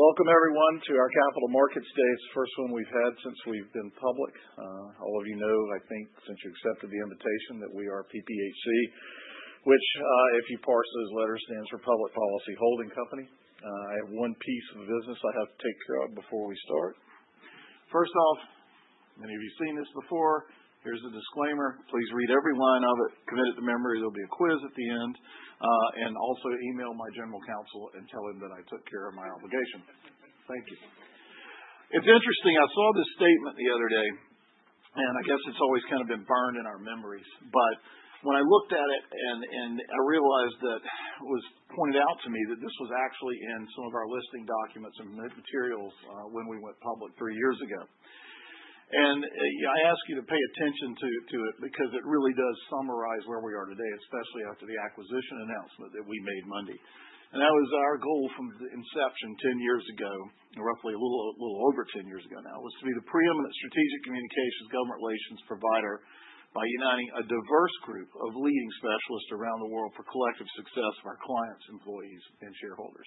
Welcome everyone to our capital markets day. It's the first one we've had since we've been public. All of you know, I think, since you accepted the invitation, that we are PPHC, which, if you parse those letters, stands for Public Policy Holding Company. I have one piece of business I have to take care of before we start. First off, many of you have seen this before. Here's a disclaimer. Please read every line of it. Commit it to memory. There'll be a quiz at the end. Also email my general counsel and tell him that I took care of my obligation. Thank you. It's interesting, I saw this statement the other day, and I guess it's always kind of been burned in our memories. When I looked at it and I realized that it was pointed out to me that this was actually in some of our listing documents and materials when we went public three years ago. I ask you to pay attention to it, because it really does summarize where we are today, especially after the acquisition announcement that we made Monday. That was our goal from inception 10 years ago, roughly a little over 10 years ago now, was to be the preeminent strategic communications government relations provider by uniting a diverse group of leading specialists around the world for collective success for our clients, employees, and shareholders.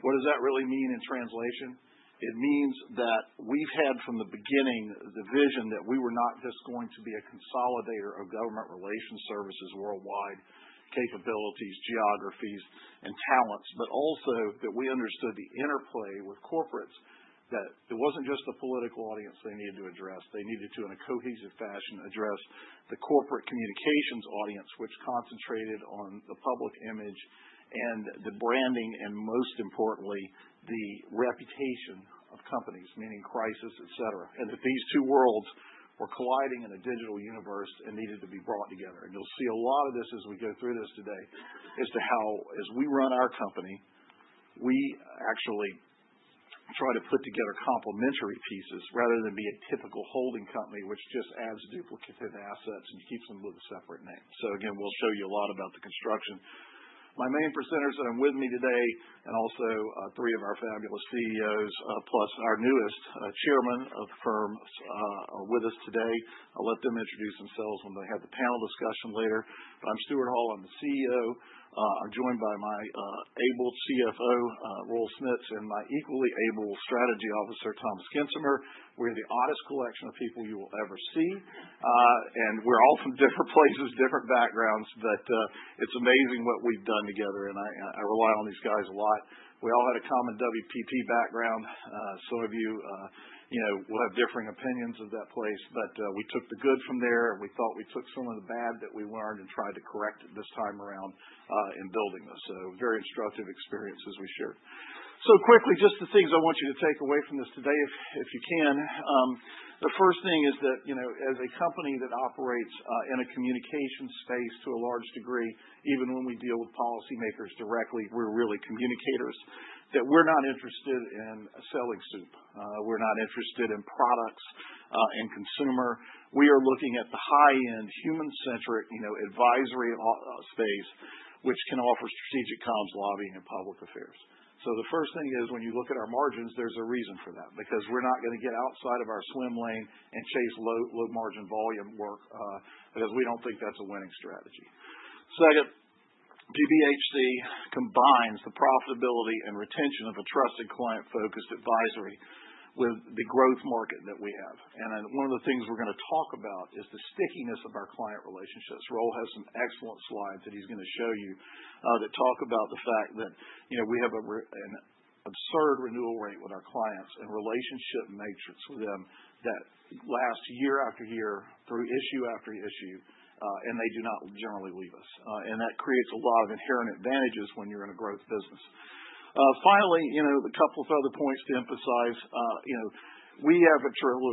What does that really mean in translation? It means that we've had from the beginning, the vision that we were not just going to be a consolidator of government relations services worldwide capabilities, geographies, and talents, but also that we understood the interplay with corporates. That it wasn't just the political audience they needed to address. They needed to, in a cohesive fashion, address the corporate communications audience, which concentrated on the public image and the branding, and most importantly, the reputation of companies, meaning crisis, et cetera. These two worlds were colliding in a digital universe and needed to be brought together. You'll see a lot of this as we go through this today as to how as we run our company, we actually try to put together complementary pieces rather than be a typical holding company, which just adds duplicative assets and keeps them with a separate name. Again, we'll show you a lot about the construction. My main presenters that are with me today, and also three of our fabulous CEOs, plus our newest chairman of the firm are with us today. I'll let them introduce themselves when they have the panel discussion later. I'm Stewart Hall. I'm the CEO. I'm joined by my able CFO, Roel Smits, and my equally able Strategy Officer, Thomas Gensemer. We're the oddest collection of people you will ever see. We're all from different places, different backgrounds, but it's amazing what we've done together, and I rely on these guys a lot. We all had a common WPP background. Some of you will have differing opinions of that place. We took the good from there and we thought we took some of the bad that we learned and tried to correct it this time around in building this. Very instructive experiences we shared. Quickly, just the things I want you to take away from this today, if you can. The first thing is that as a company that operates in a communications space to a large degree, even when we deal with policymakers directly, we're really communicators, that we're not interested in selling soup. We're not interested in products and consumer. We are looking at the high-end, human-centric advisory space, which can offer strategic comms, lobbying, and public affairs. The first thing is, when you look at our margins, there's a reason for that, because we're not going to get outside of our swim lane and chase low margin volume work, because we don't think that's a winning strategy. Second, PPHC combines the profitability and retention of a trusted client-focused advisory with the growth market that we have. One of the things we're going to talk about is the stickiness of our client relationships. Roel has some excellent slides that he's going to show you that talk about the fact that we have an absurd renewal rate with our clients and relationship matrix with them that lasts year after year through issue after issue, and they do not generally leave us. That creates a lot of inherent advantages when you're in a growth business. Finally, a couple of other points to emphasize. We have a total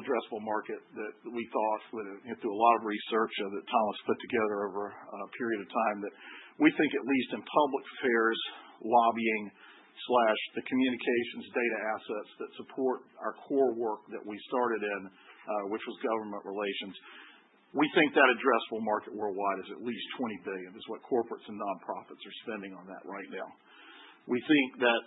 addressable market that we thought through a lot of research that Thomas put together over a period of time, that we think at least in public affairs lobbying/the communications data assets that support our core work that we started in, which was government relations. We think that addressable market worldwide is at least $20 billion, is what corporates and nonprofits are spending on that right now. We think that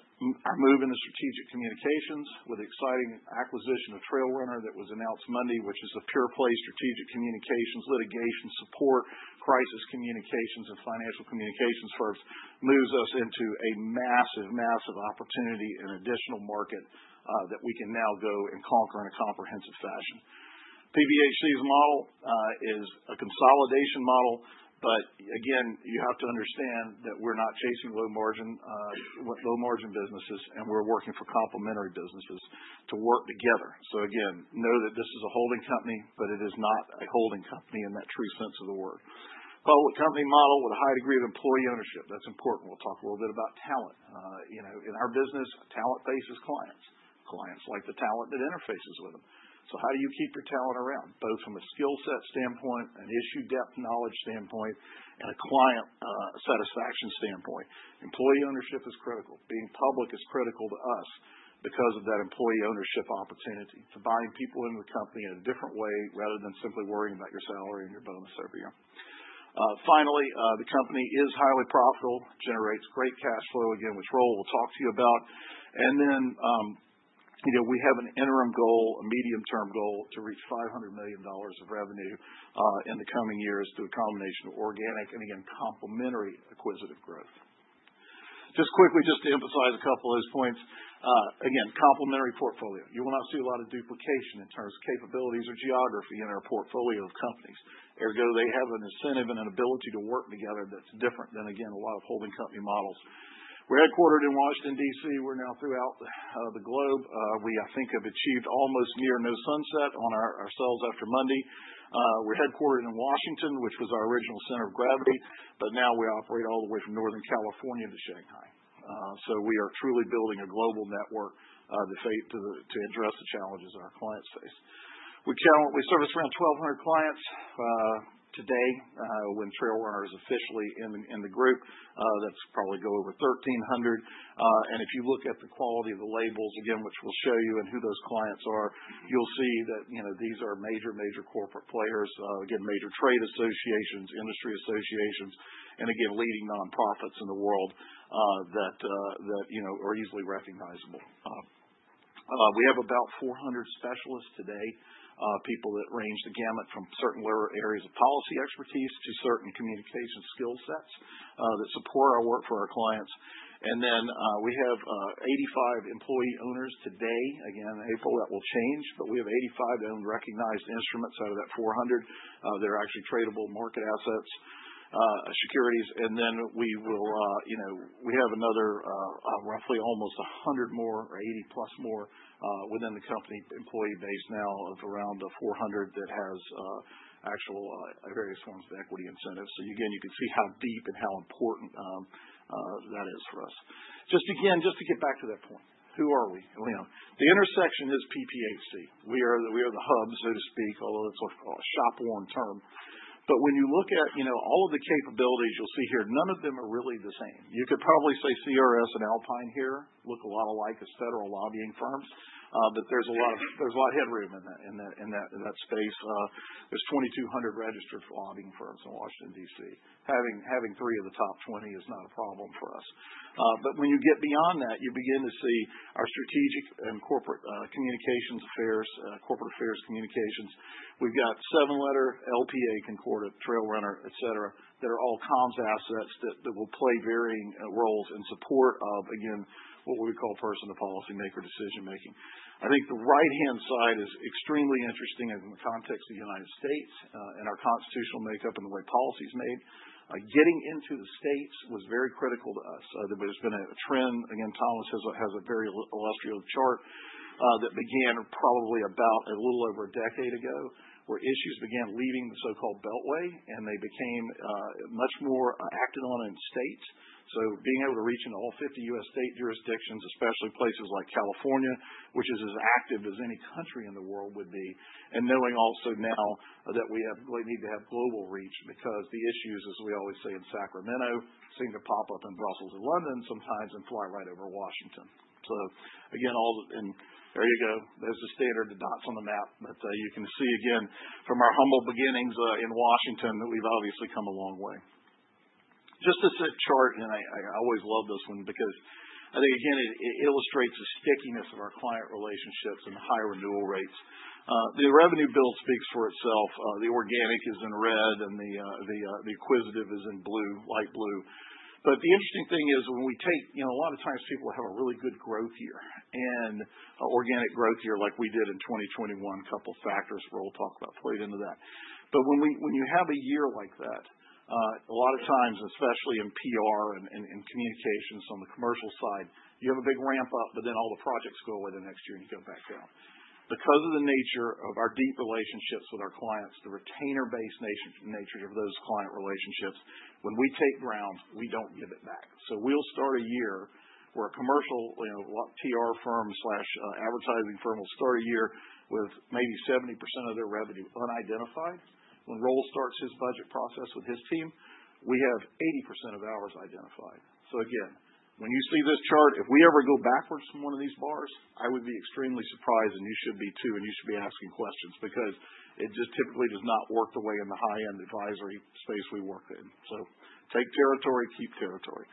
moving to strategic communications with exciting acquisition of TrailRunner that was announced Monday, which is a pure play strategic communications litigation support, crisis communications, and financial communications firm, moves us into a massive opportunity and additional market that we can now go and conquer in a comprehensive fashion. PPHC's model is a consolidation model, but again, you have to understand that we're not chasing low margin businesses, and we're working for complementary businesses to work together. Again, know that this is a holding company, but it is not a holding company in that true sense of the word. Public company model with a high degree of employee ownership. That's important. We'll talk a little bit about talent. In our business, talent faces clients. Clients like the talent that interfaces with them. How do you keep your talent around, both from a skillset standpoint, an issue depth knowledge standpoint, and a client satisfaction standpoint? Employee ownership is critical. Being public is critical to us because of that employee ownership opportunity to bind people in the company in a different way rather than simply worrying about your salary and your bonus every year. Finally, the company is highly profitable, generates great cash flow, again, which Roel will talk to you about. We have an interim goal, a medium-term goal to reach $500 million of revenue in the coming years through a combination of organic and, again, complementary acquisitive growth. Just quickly, just to emphasize a couple of those points. Again, complementary portfolio. You will not see a lot of duplication in terms of capabilities or geography in our portfolio of companies. They have an incentive and an ability to work together that's different than, again, a lot of holding company models. We're headquartered in Washington, D.C. We're now throughout the globe. We, I think, have achieved almost near no sunset on our sales after Monday. We're headquartered in Washington, which was our original center of gravity, now we operate all the way from Northern California to Shanghai. We are truly building a global network to address the challenges that our clients face. We service around 1,200 clients today. When TrailRunner is officially in the group, that's probably go over 1,300. If you look at the quality of the labels, again, which we'll show you and who those clients are, you'll see that these are major corporate players, again, major trade associations, industry associations, and again, leading nonprofits in the world that are easily recognizable. We have about 400 specialists today, people that range the gamut from certain areas of policy expertise to certain communication skill sets that support our work for our clients. We have 85 employee owners today. Again, in April, that will change. We have 85 recognized assets out of that 400 that are actually tradable market assets, securities. We have another roughly almost 100 more or 80+ more within the company employee base now of around 400 that has actual various forms of equity incentives. Again, you can see how deep and how important that is for us. Just again, just to get back to that point. Who are we? The intersection is PPHC. We are the hub, so to speak, although that's a shopworn term. When you look at all of the capabilities you'll see here, none of them are really the same. You could probably say CRS and Alpine here look a lot alike as federal lobbying firms. There's a lot of headroom in that space. There's 2,200 registered lobbying firms in Washington, D.C. Having three of the top 20 is not a problem for us. When you get beyond that, you begin to see our strategic and corporate communications affairs, corporate affairs communications. We've got Seven Letter, LPA, Concordant, TrailRunner, et cetera. They're all comms assets that will play varying roles in support of, again, what we call person to policymaker decision-making. I think the right-hand side is extremely interesting in the context of the United States and our constitutional makeup and the way policy is made. Getting into the states was very critical to us. There's been a trend. Thomas has a very illustrious chart that began probably about a little over a decade ago, where issues began leaving the so-called Beltway, and they became much more active on states. Being able to reach in all 50 U.S. state jurisdictions, especially places like California, which is as active as any country in the world would be, and knowing also now that we need to have global reach because the issues, as we always say in Sacramento, seem to pop up in Brussels and London sometimes and fly right over Washington. Again, there you go. There's the standard dots on the map that you can see, again, from our humble beginnings in Washington, that we've obviously come a long way. Just this chart, and I always love this one because I think, again, it illustrates the stickiness of our client relationships and high renewal rates. The revenue build speaks for itself. The organic is in red and the acquisitive is in light blue. The interesting thing is a lot of times people have a really good growth year and organic growth year like we did in 2021. A couple of factors we'll talk about played into that. When you have a year like that, a lot of times, especially in PR and in communications on the commercial side, you have a big ramp up, all the projects go away the next year and you go back down. Because of the nature of our deep relationships with our clients, the retainer-based nature of those client relationships, when we take ground, we don't give it back. We'll start a year where a commercial PR firm/advertising firm will start a year with maybe 70% of their revenue unidentified. When Roel Smits starts his budget process with his team, we have 80% of ours identified. Again, when you see this chart, if we ever go backwards from one of these bars, I would be extremely surprised, and you should be too, and you should be asking questions because it just typically does not work the way in the high-end advisory space we work in. Take territory, keep territory.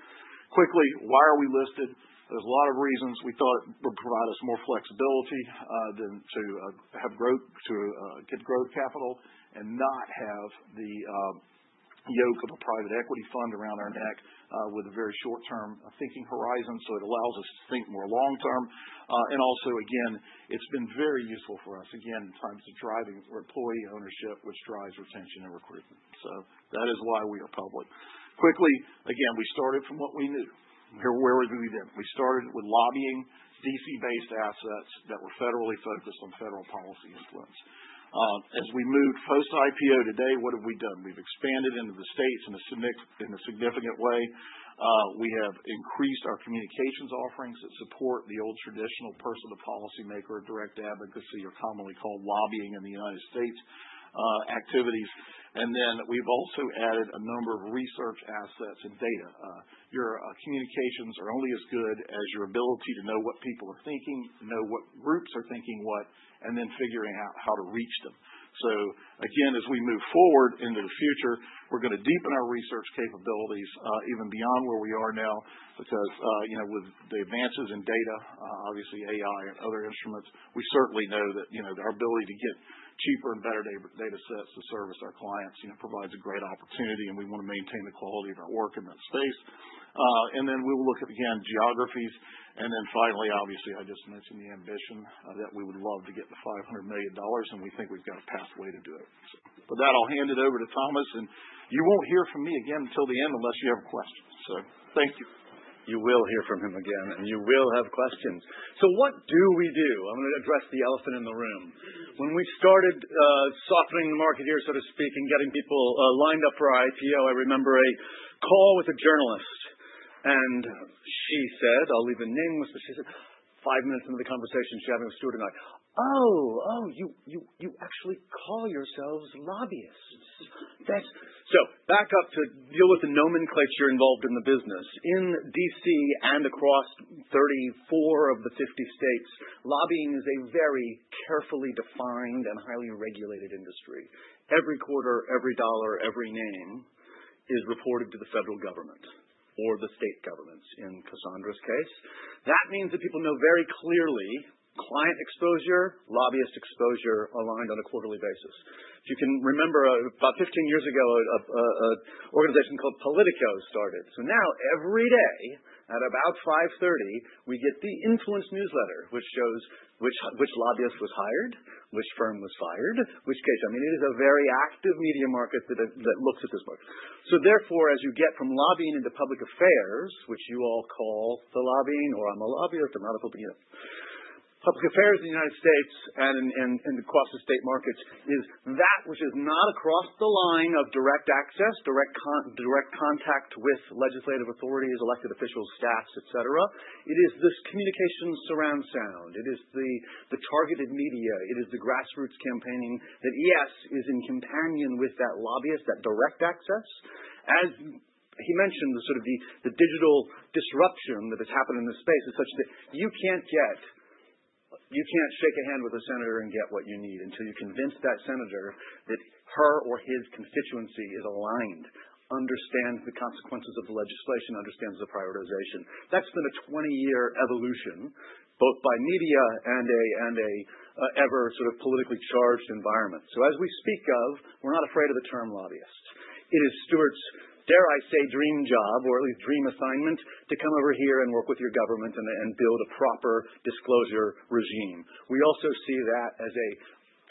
Quickly, why are we listed? There's a lot of reasons we thought would provide us more flexibility to get growth capital and not have the yoke of a private equity fund around our neck with a very short-term thinking horizon. It allows us to think more long-term. Again, it's been very useful for us, again, in terms of driving employee ownership, which drives retention and recruitment. That is why we are public. Quickly, again, we started from what we knew. Where were we then? We started with lobbying, D.C.-based assets that were federally focused on federal policy influence. As we move post-IPO today, what have we done? We've expanded into the states in a significant way. We have increased our communications offerings that support the old traditional person to policymaker direct advocacy, or commonly called lobbying in the United States activities. We've also added a number of research assets and data. Your communications are only as good as your ability to know what people are thinking, know what groups are thinking what, and then figuring out how to reach them. Again, as we move forward into the future, we're going to deepen our research capabilities even beyond where we are now. With the advances in data, obviously AI and other instruments, we certainly know that our ability to get cheaper and better data sets to service our clients, provides a great opportunity, and we want to maintain the quality of our work in that space. We look, again, geographies. Finally, obviously, I just mentioned the ambition that we would love to get to $500 million, and we think we've got a pathway to do it. With that, I'll hand it over to Thomas, and you won't hear from me again until the end unless you have a question. Thank you. You will hear from him again, and you will have questions. What do we do? I'm going to address the elephant in the room. When we started softening the market here, so to speak, and getting people lined up for our IPO, I remember a call with a journalist, and she said, I'll leave her nameless, but she said 5 minutes into the conversation, she had to ask Stewart Hall about, oh, you actually call yourselves lobbyists. Back up to deal with the nomenclature involved in the business. In D.C. and across 34 of the 50 states, lobbying is a very carefully defined and highly regulated industry. Every quarter, every dollar, every name is reported to the federal government or the state governments, in Cassandra's case. That means that people know very clearly client exposure, lobbyist exposure online on a quarterly basis. You can remember about 15 years ago, an organization called Politico started. Now every day at about 5:30, we get the influence newsletter, which shows which lobbyist was hired, which firm was hired, which case. I mean, it is a very active media market that looks at this work. Therefore, as you get from lobbying into public affairs, which you all call the lobbying, or I'm a lobbyist. I'm not a lobbyist. Public affairs in the United States and across the state markets is that which is not across the line of direct access, direct contact with legislative authorities, elected officials, staffs, et cetera. It is this communication surround sound. It is the targeted media. It is the grassroots campaign that, yes, is in companion with that lobbyist, that direct access. As he mentioned, the sort of digital disruption that has happened in the space is such that you can't shake a hand with a senator and get what you need until you convince that senator that her or his constituency is aligned, understands the consequences of the legislation, understands the prioritization. That's been a 20-year evolution, both by media and an ever sort of politically charged environment. As we speak of, we're not afraid of the term lobbyist. It is Stewart's, dare I say, dream job, or at least dream assignment, to come over here and work with your government and build a proper disclosure regime. We also see that as a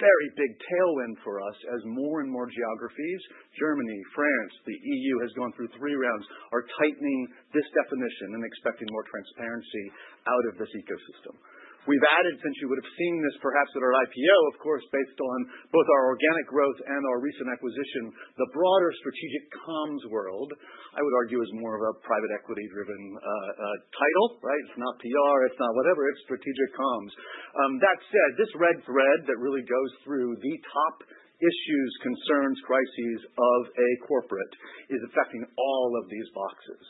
very big tailwind for us as more and more geographies, Germany, France, the EU has gone through three rounds, are tightening this definition and expecting more transparency out of this ecosystem. We've added, since you would've seen this perhaps at our IPO, of course, based on both our organic growth and our recent acquisition, the broader strategic comms world, I would argue is more of a private equity driven title, right? It's not PR, it's not whatever, it's strategic comms. That said, this red thread that really goes through the top issues, concerns, crises of a corporate is affecting all of these boxes,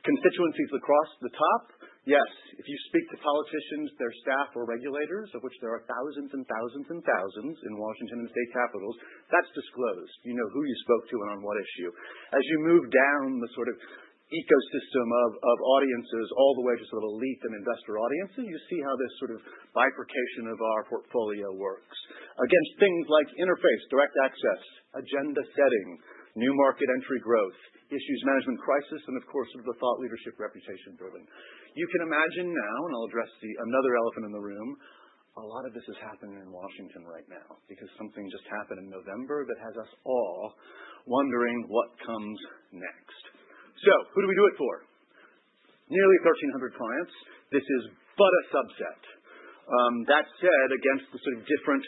constituencies across the top. Yes, if you speak to politicians, their staff, or regulators, of which there are thousands and thousands in Washington, D.C. and state capitals, that's disclosed. You know who you spoke to and on what issue. As you move down the sort of ecosystem of audiences all the way to sort of elite and investor audiences, you see how this sort of bifurcation of our portfolio works. Again, it's things like interface, direct access, agenda setting, new market entry growth, issues management crisis, and of course, the thought leadership reputation building. You can imagine now, and I'll address another elephant in the room, a lot of this is happening in Washington right now because something just happened in November that has us all wondering what comes next. Who do we do it for? Nearly 1,300 clients. This is but a subset. That said, against the sort of different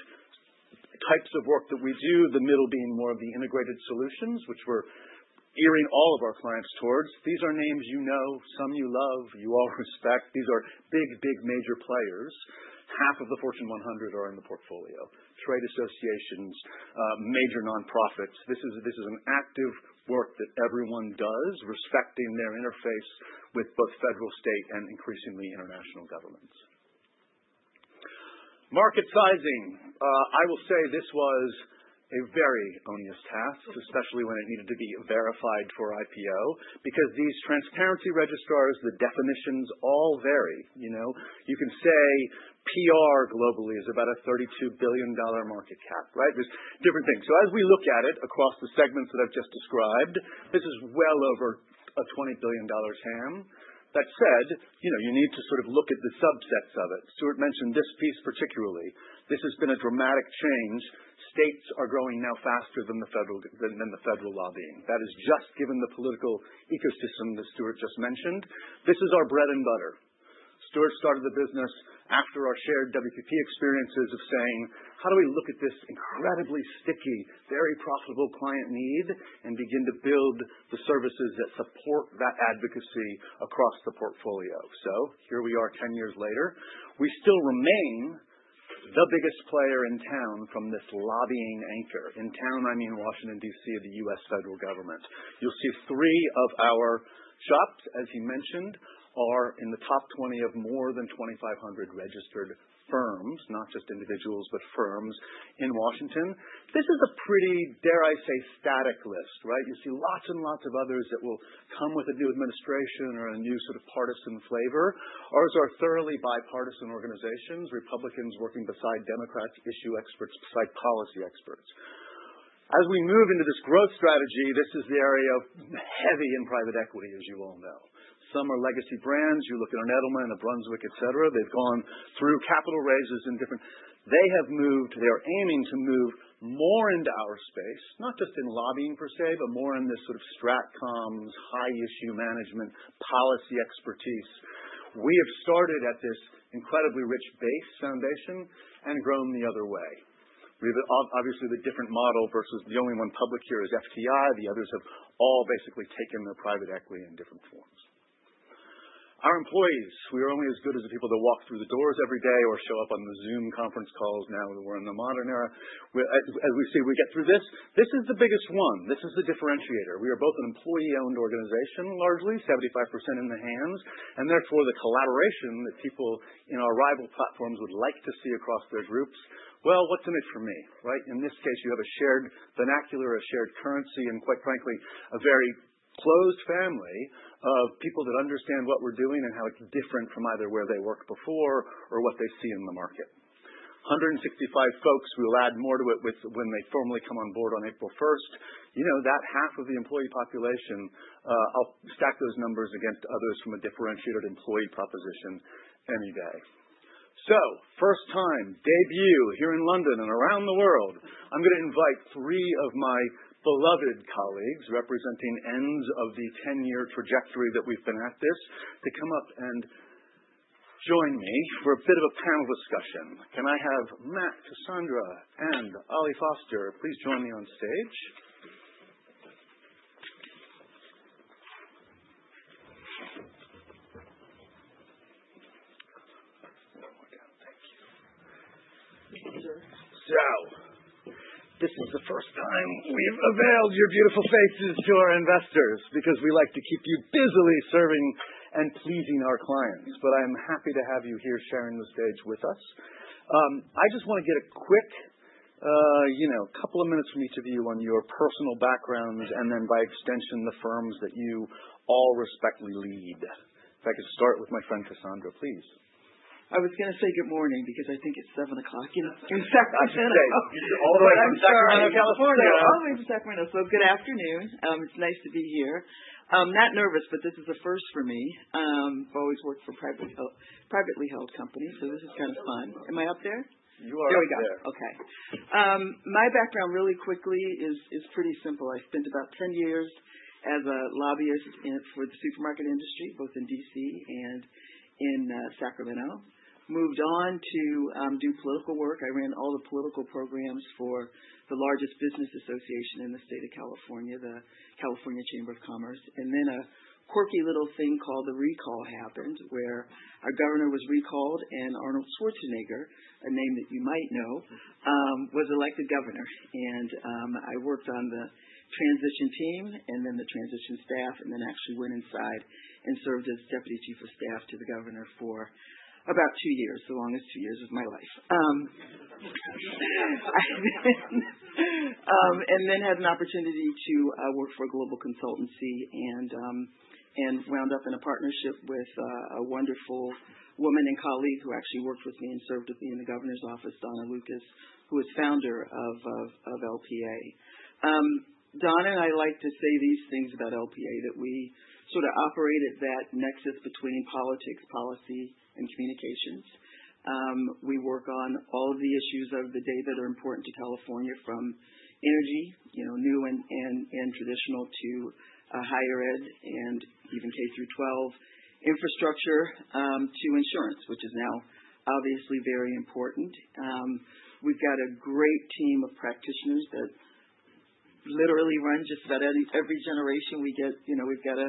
types of work that we do, the middle being more of the integrated solutions, which we're gearing all of our clients towards. These are names you know, some you love, you all respect. These are big major players. Half of the Fortune 100 are in the portfolio, trade associations, major nonprofits. This is an active work that everyone does, respecting their interface with both federal, state, and increasingly international governments. Market sizing. I will say this was a very onerous task, especially when it needed to be verified for our IPO, because these transparency registrars, the definitions all vary. You can say PR globally is about a $32 billion market cap, right? There's different things. As we look at it across the segments that I've just described, this is well over a $20 billion TAM. That said, you need to sort of look at the subsets of it. Stewart mentioned this piece particularly. This has been a dramatic change. States are growing now faster than the federal lobbying. That is just given the political ecosystem that Stewart just mentioned. This is our bread and butter. Stewart started the business after our shared WPP experiences of saying, how do we look at this incredibly sticky, very profitable client need and begin to build the services that support that advocacy across the portfolio? Here we are 10 years later. We still remain the biggest player in town from this lobbying anchor. In town, I mean Washington, D.C., the U.S. federal government. You'll see three of our shops, as he mentioned, are in the top 20 of more than 2,500 registered firms, not just individuals, but firms in Washington. This is a pretty, dare I say, static list, right? You see lots and lots of others that will come with a new administration or a new sort of partisan flavor. Ours are thoroughly bipartisan organizations, Republicans working beside Democrats, issue experts beside policy experts. As we move into this growth strategy, this is the area heavy in private equity, as you all know. Some are legacy brands. You look at an Edelman, a Brunswick, et cetera. They've gone through capital raises. They have moved, they're aiming to move more into our space, not just in lobbying per se, but more in this sort of strat comms, high issue management, policy expertise. We have started at this incredibly rich base foundation and grown the other way. We have obviously the different model versus the only one public here is FTI. The others have all basically taken the private equity in different forms. Our employees, we are only as good as the people that walk through the doors every day or show up on the Zoom conference calls now that we're in the modern era. As we get through this is the biggest one. This is the differentiator. We are both an employee-owned organization, largely 75% in the hands, and therefore the collaboration that people in our rival platforms would like to see across their groups. Well, what's in it for me, right? In this case, you have a shared vernacular, a shared currency, and quite frankly, a very close family of people that understand what we're doing and how it's different from either where they worked before or what they see in the market. 165 folks, we'll add more to it when they formally come on board on April 1st. That half of the employee population, I'll stack those numbers against others from a differentiated employee proposition any day. First time, debut here in London and around the world. I'm going to invite three of my beloved colleagues, representing ends of the 10-year trajectory that we've been at this, to come up and join me for a bit of a panel discussion. Can I have Mat, Cassandra, and Ollie Foster please join me on stage? This is the first time we've availed your beautiful faces to our investors because we like to keep you busily serving and pleasing our clients. I'm happy to have you here sharing the stage with us. I just want to get a quick couple of minutes from each of you on your personal backgrounds and then by extension, the firms that you all respectively lead. If I could start with my friend Cassandra, please. I was going to say good morning because I think it is 7:00 A.M. in Sacramento. In Sacramento. I'm from California. I am in Sacramento. Good afternoon. It's nice to be here. I'm that nervous, but this is a first for me. I've always worked for privately held companies, so this is kind of fun. Am I up there? You are up there. There we go. Okay. My background really quickly is pretty simple. I spent about 10 years as a lobbyist for the supermarket industry, both in D.C. and in Sacramento. Moved on to do political work. I ran all the political programs for the largest business association in the state of California, the California Chamber of Commerce. Then a quirky little thing called a recall happened, where our governor was recalled, and Arnold Schwarzenegger, a name that you might know, was elected governor. I worked on the transition team and then the transition staff, and then actually went inside and served as Deputy Chief of Staff to the governor for about two years, the longest two years of my life. Had an opportunity to work for a global consultancy and wound up in a partnership with a wonderful woman and colleague who actually worked with me and served with me in the governor's office, Donna Lucas, who is founder of LPA. Donna and I like to say these things about LPA, that we sort of operate at that nexus between politics, policy, and communications. We work on all the issues of the day that are important to California, from energy, renewable and traditional, to higher ed, and even K through 12, infrastructure to insurance, which is now obviously very important. We've got a great team of practitioners that literally runs just about every generation. We've got a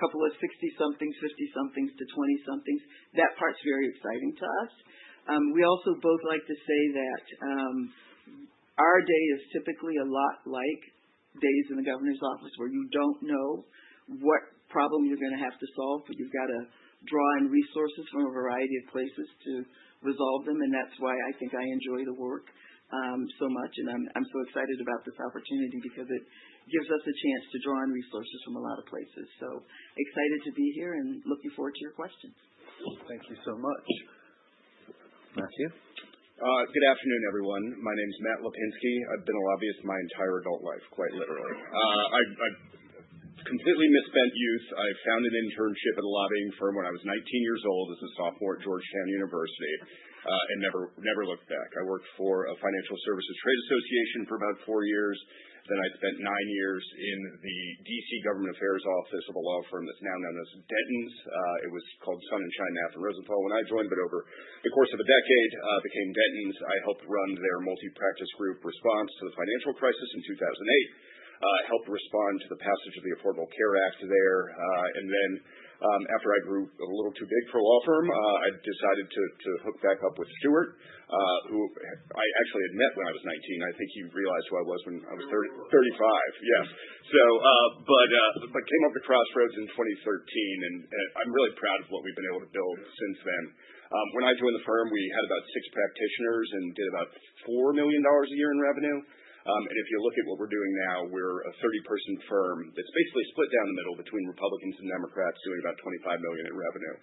couple of 60-somethings, 50-somethings to 20-somethings. That part's very exciting to us. We also both like to say that our day is typically a lot like days in the governor's office where you don't know what problem you're going to have to solve, but you've got to draw on resources from a variety of places to resolve them, and that's why I think I enjoy the work so much, and I'm so excited about this opportunity because it gives us a chance to draw on resources from a lot of places. Excited to be here and looking forward to your questions. Thank you so much. Mathew? Good afternoon, everyone. My name's Mat Lapinski. I've been a lobbyist my entire adult life, quite literally. I've completely misspent youth. I found an internship at a lobbying firm when I was 19 years old as a sophomore at Georgetown University, and never looked back. I worked for a financial services trade association for about four years. I spent nine years in the D.C. government affairs office of a law firm that's now known as Dentons. It was called Sullivan & Cromwell when I joined, but over the course of a decade, became Dentons. I helped run their multi-practice group response to the financial crisis in 2008. I helped respond to the passage of the Affordable Care Act there. After I grew a little too big for a law firm, I decided to hook back up with Stewart who I actually had met when I was 19. I think he realized who I was when I was 35. Yeah. I came up with Crossroads in 2013, and I'm really proud of what we've been able to build since then. When I joined the firm, we had about six practitioners and did about $4 million a year in revenue. If you look at what we're doing now, we're a 30-person firm that's basically split down the middle between Republicans and Democrats, doing about $25 million in revenue.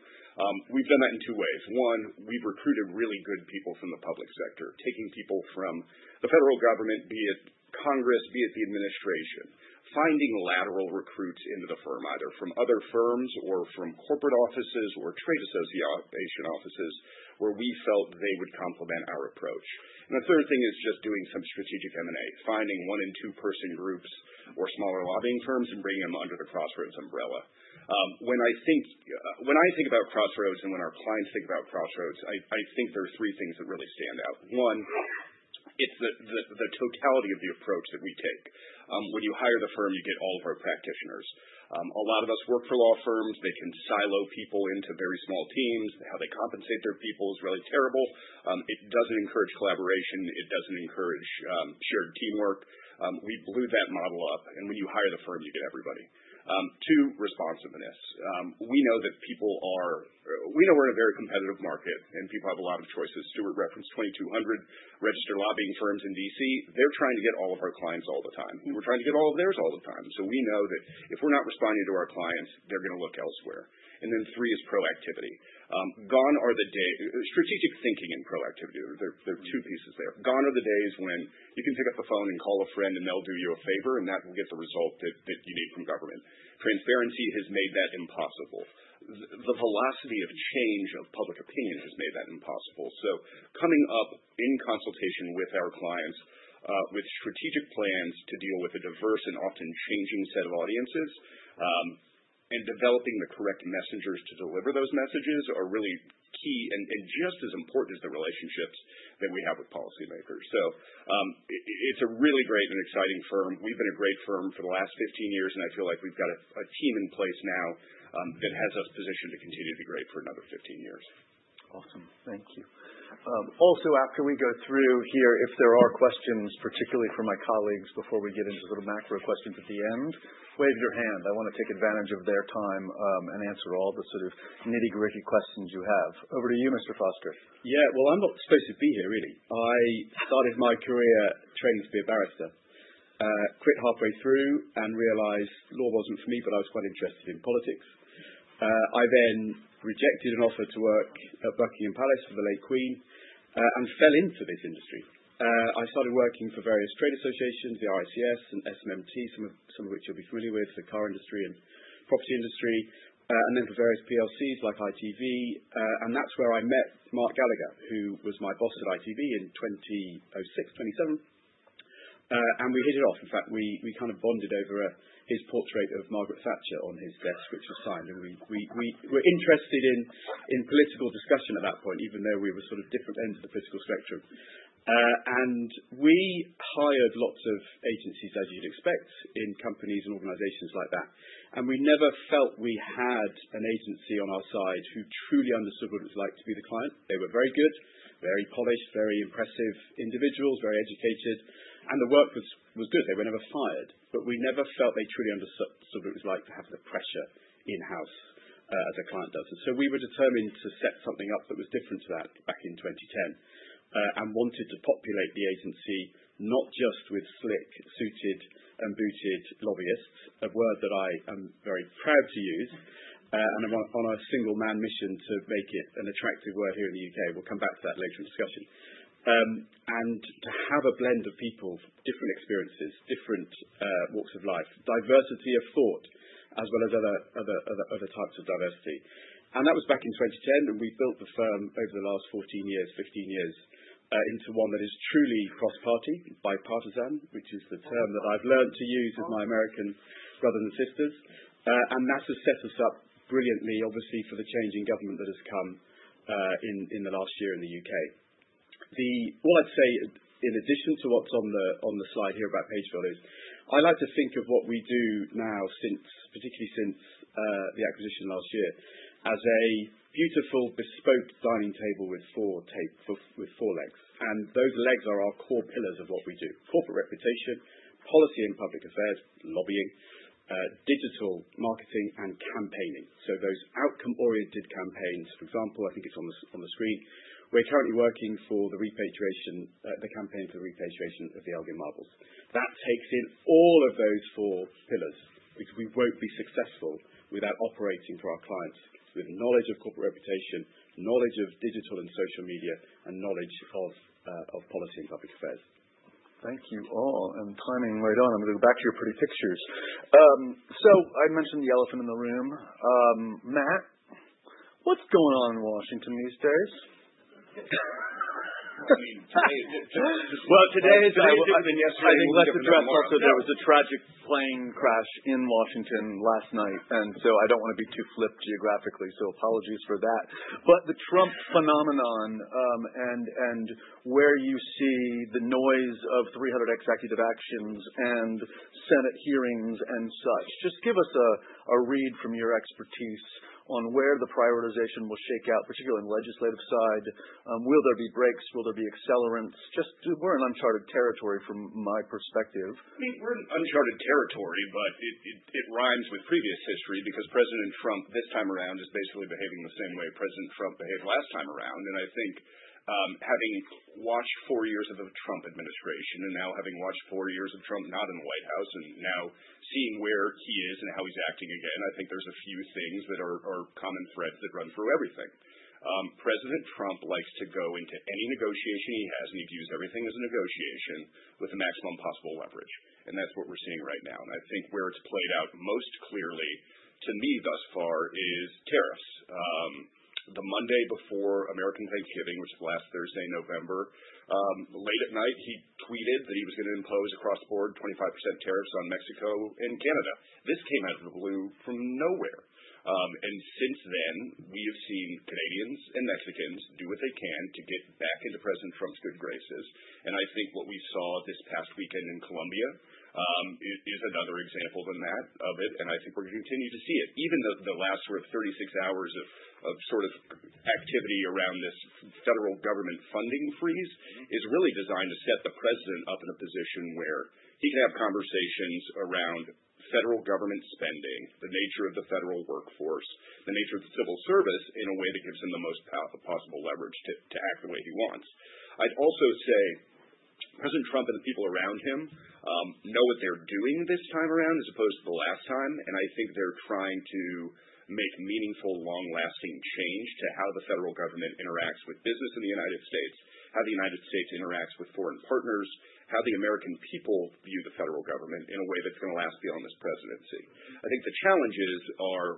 We've done that in two ways. One, we've recruited really good people from the public sector, taking people from the federal government, be it Congress, be it the administration, finding lateral recruits into the firm, either from other firms or from corporate offices or trade association offices where we felt they would complement our approach. The third thing is just doing some strategic M&A, finding one and two-person groups or smaller lobbying firms and bringing them under the Crossroads umbrella. When I think about Crossroads and when our clients think about Crossroads, I think there are three things that really stand out. One, it's the totality of the approach that we take. When you hire the firm, you get all of our practitioners. A lot of us work for law firms. They can silo people into very small teams, and how they compensate their people is really terrible. It doesn't encourage collaboration. It doesn't encourage shared teamwork. We blew that model up, and when you hire the firm, you get everybody. Two, responsiveness. We know we're in a very competitive market, and people have a lot of choices. Stewart referenced 2,200 registered lobbying firms in D.C. They're trying to get all of our clients all the time, and we're trying to get all of theirs all the time. We know that if we're not responding to our clients, they're going to look elsewhere. Three is proactivity. Strategic thinking and proactivity. There are two pieces there. Gone are the days when you can pick up the phone and call a friend, and they'll do you a favor, and that will get the result that you need from government. Transparency has made that impossible. The velocity of change of public opinion has made that impossible. Coming up in consultation with our clients, with strategic plans to deal with a diverse and often changing set of audiences, and developing the correct messengers to deliver those messages are really key and just as important as the relationships that we have with policymakers. It's a really great and exciting firm. We've been a great firm for the last 15 years. I feel like we've got a team in place now that has us positioned to continue to be great for another 15 years. Awesome. Thank you. After we go through here, if there are questions, particularly from my colleagues before we get into sort of macro questions at the end, wave your hand. I want to take advantage of their time, and answer all the sort of nitty-gritty questions you have. Over to you, Mr. Foster. Yeah. Well, I'm not supposed to be here really. I started my career training to be a barrister. I quit halfway through and realized law wasn't for me, but I was quite interested in politics. I rejected an offer to work at Buckingham Palace for the late Queen, and fell into this industry. I started working for various trade associations, the ITS and SMMT, some of which you'll be familiar with, the car industry and property industry, and then for various PLCs like ITV. That's where I met Mark Gallagher, who was my boss at ITV in 2006, 2007. We hit it off. In fact, we kind of bonded over his portrait of Margaret Thatcher on his desk, which was fine. We were interested in political discussion at that point, even though we were sort of different ends of the political spectrum. We hired lots of agencies, as you'd expect in companies and organizations like that. We never felt we had an agency on our side who truly understood what it was like to be the client. They were very good, very polished, very impressive individuals, very educated, and the work was good. They were never fired, but we never felt they truly understood what it was like to have the pressure in-house, the client does. We were determined to set something up that was different to that back in 2010, and wanted to populate the agency, not just with slick suited and booted lobbyists, a word that I am very proud to use, and I'm on a single-man mission to make it an attractive word here in the U.K. We'll come back to that later in the discussion. To have a blend of people, different experiences, different walks of life, diversity of thought, as well as other types of diversity. That was back in 2010, and we've built the firm over the last 15 years, into one that is truly cross-party, bipartisan, which is the term that I've learned to use with my American brothers and sisters. That has set us up brilliantly, obviously, for the change in government that has come in the last year in the U.K. What I'd say in addition to what's on the slide here about Pagefield, I like to think of what we do now, particularly since the acquisition last year, as a beautiful bespoke dining table with four legs. Those legs are our core pillars of what we do, corporate reputation, policy and public affairs, lobbying, digital marketing, and campaigning. Those outcome-oriented campaigns, for example, I think it's on the screen. We're currently working for the campaign for repatriation of the Elgin Marbles. That takes in all of those four pillars, because we won't be successful without operating for our clients with knowledge of corporate reputation, knowledge of digital and social media, and knowledge of policy and public affairs. Thank you all, and timing right on. I'm going to back your pretty pictures. I mentioned the elephant in the room. Mat, what's going on in Washington these days? I mean, let's address also there was a tragic plane crash in Washington last night, I don't want to be too flip geographically, apologies for that. The Trump phenomenon, and where you see the noise of 300 executive actions and Senate hearings and such, just give us a read from your expertise on where the prioritization will shake out, particularly on the legislative side. Will there be breaks? Will there be accelerants? We're in uncharted territory from my perspective. We're in uncharted territory, but it rhymes with previous history because President Trump this time around is basically behaving the same way President Trump behaved last time around. I think having watched four years of the Trump administration and now having watched four years of Trump not in the White House and now seeing where he is and how he's acting again, I think there's a few things that are common threads that run through everything. President Trump likes to go into any negotiation he has, and he views everything as a negotiation, with the maximum possible leverage. That's what we're seeing right now. I think where it's played out most clearly to me thus far is tariffs. The Monday before American Thanksgiving, which was last Thursday, November, late at night he tweeted that he was going to impose across the board 25% tariffs on Mexico and Canada. This came out of the blue from nowhere. Since then, we have seen Canadians and Mexicans do what they can to get back into President Trump's good graces. I think what we saw this past weekend in Colombia is another example of it, I think we're going to continue to see it. Even the last sort of 36 hours of sort of activity around this federal government funding freeze is really designed to set the President up in a position where he can have conversations around federal government spending, the nature of the federal workforce, the nature of the civil service in a way that gives him the most possible leverage to act the way he wants. I'd also say President Trump and the people around him know what they're doing this time around as opposed to the last time, and I think they're trying to make meaningful, long-lasting change to how the federal government interacts with business in the United States, how the United States interacts with foreign partners, how the American people view the federal government in a way that's going to last beyond this presidency. I think the challenges are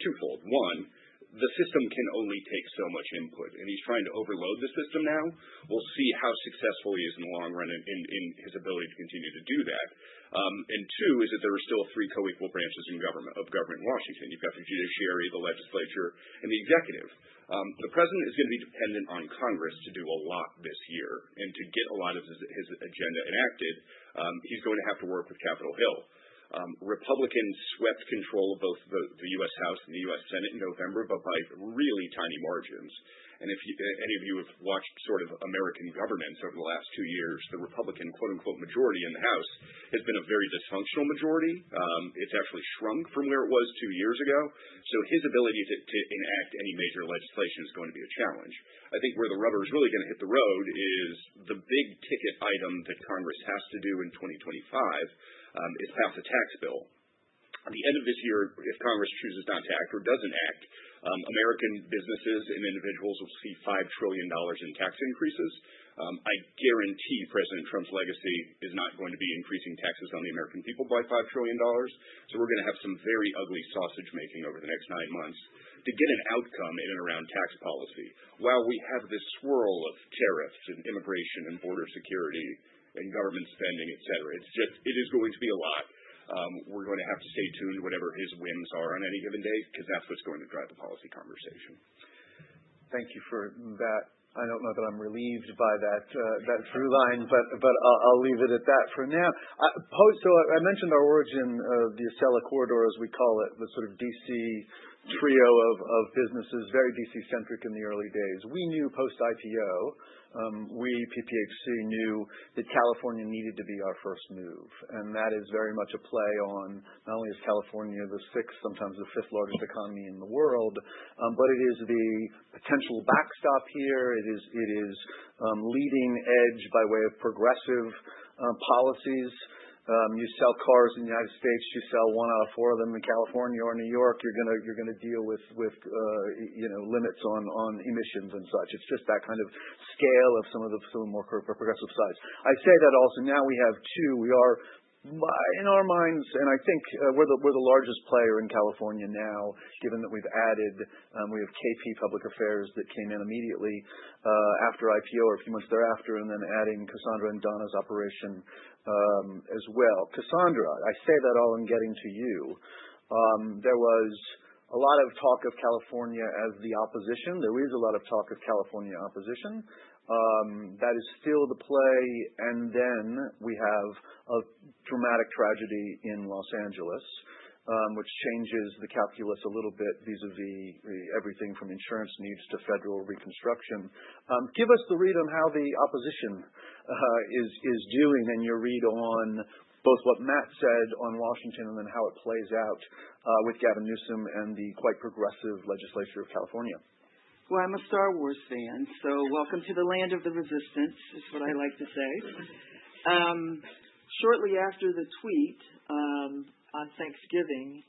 twofold. One, the system can only take so much input, and he's trying to overload the system now. We'll see how successful he is in the long run in his ability to continue to do that. Two is that there are still three coequal branches of governing Washington. You've got the judiciary, the legislature, and the executive. The President is going to be dependent on Congress to do a lot this year and to get a lot of his agenda enacted. He's going to have to work with Capitol Hill. Republicans swept control of both the U.S. House and the U.S. Senate in November, but by really tiny margins. If any of you have watched sort of American government over the last two years, the Republican, quote-unquote, majority in the House has been a very dysfunctional majority. It's actually shrunk from where it was two years ago. His ability to enact any major legislation is going to be a challenge. I think where the rubber's really going to hit the road is the big ticket item that Congress has to do in 2025 is pass a tax bill. At the end of this year, if Congress chooses not to act or doesn't act, American businesses and individuals will see $5 trillion in tax increases. I guarantee President Trump's legacy is not going to be increasing taxes on the American people by $5 trillion. We're going to have some very ugly sausage-making over the next nine months to get an outcome in and around tax policy while we have this swirl of tariffs and immigration and border security and government spending, et cetera. It is going to be a lot. We're going to have to stay tuned whatever his whims are on any given day because that's what's going to drive the policy conversation. Thank you for that. I don't know that I'm relieved by that through line, but I'll leave it at that for now. I mentioned our origin of the Acela Corridor, as we call it, the sort of D.C. trio of businesses, very D.C. centric in the early days. We knew post-IPO, we, PPHC, knew that California needed to be our first move. That is very much a play on not only is California the 6th, sometimes the 5th largest economy in the world, but it is the potential backstop here. It is leading edge by way of progressive policies. You sell cars in the United States, you sell 1 out of 4 of them in California or New York, you're going to deal with limits on emissions and such. It's just that kind of scale of some of the more progressive sides. I say that also now we have two. We are in our minds, and I think we're the largest player in California now, given that we have KP Public Affairs that came in immediately after IPO or pretty much thereafter, and then adding Cassandra and Donna's operation as well. Cassandra, I say that all in getting to you. There was a lot of talk of California as the opposition. There is a lot of talk of California opposition. That is still the play. We have a dramatic tragedy in Los Angeles, which changes the calculus a little bit vis-à-vis everything from insurance needs to federal reconstruction. Give us the read on how the opposition is doing and your read on both what Mat says on Washington and then how it plays out with Gavin Newsom and the quite progressive legislature of California. Well, I'm a Star Wars fan. Welcome to the land of the resistance is what I like to say. Shortly after the tweet on Thanksgiving,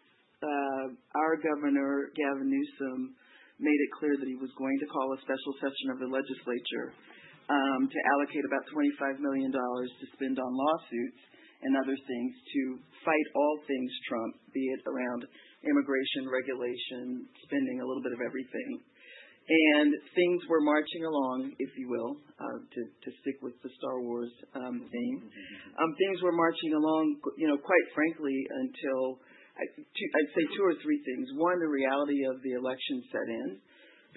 our governor, Gavin Newsom, made it clear that he was going to call a special session of the legislature to allocate about $25 million to spend on lawsuits and other things to fight all things Trump, be it around immigration, regulation, spending, a little bit of everything. Things were marching along, if you will, to stick with the Star Wars theme. Things were marching along, quite frankly, until I'd say two or three things. One, the reality of the election set in,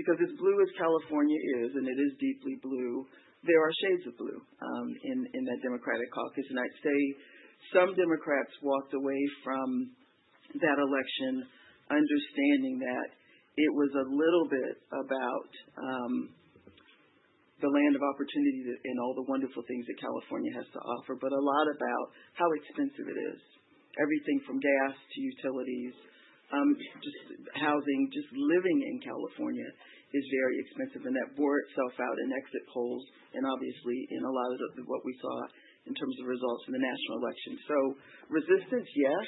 because as blue as California is, and it is deeply blue, there are shades of blue in that Democratic caucus. I'd say some Democrats walked away from that election understanding that it was a little bit about the land of opportunity and all the wonderful things that California has to offer, but a lot about how expensive it is. Everything from gas to utilities, just housing, just living in California is very expensive. That bore itself out in exit polls and obviously in a lot of what we saw in terms of results in the national election. Resistance, yes,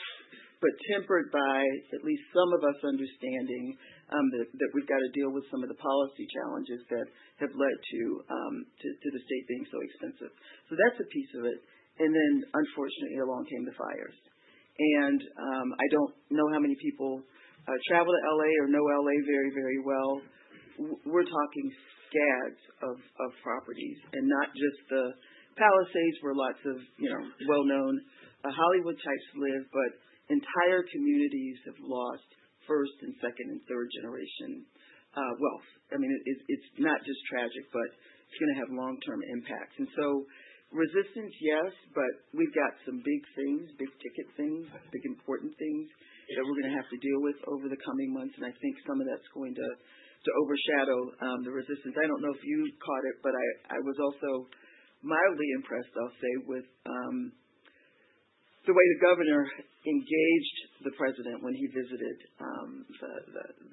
but tempered by at least some of us understanding that we've got to deal with some of the policy challenges that have led to the state being so expensive. That's a piece of it. Unfortunately, along came the fires. I don't know how many people travel to L.A. or know L.A. very well. We're talking scads of properties and not just the Palisades where lots of well-known Hollywood types live, but entire communities have lost first and second and third-generation wealth. It's not just tragic, but it's going to have long-term impacts. Resistance, yes, but we've got some big things, big-ticket things, big important things that we're going to have to deal with over the coming months. I think some of that's going to overshadow the resistance. I don't know if you caught it, but I was also mildly impressed, I'll say, with the way the governor engaged the president when he visited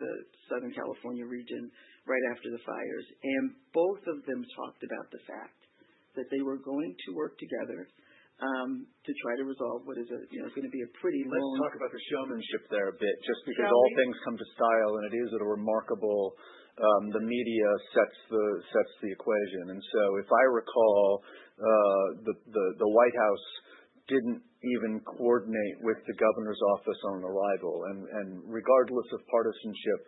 the Southern California region right after the fires. Both of them talked about the fact that they were going to work together to try to resolve what is going to be a pretty long. Let's talk about the showmanship there a bit, just because all things come to style. The media sets the equation. If I recall, the White House didn't even coordinate with the governor's office on arrival. Regardless of partisanship,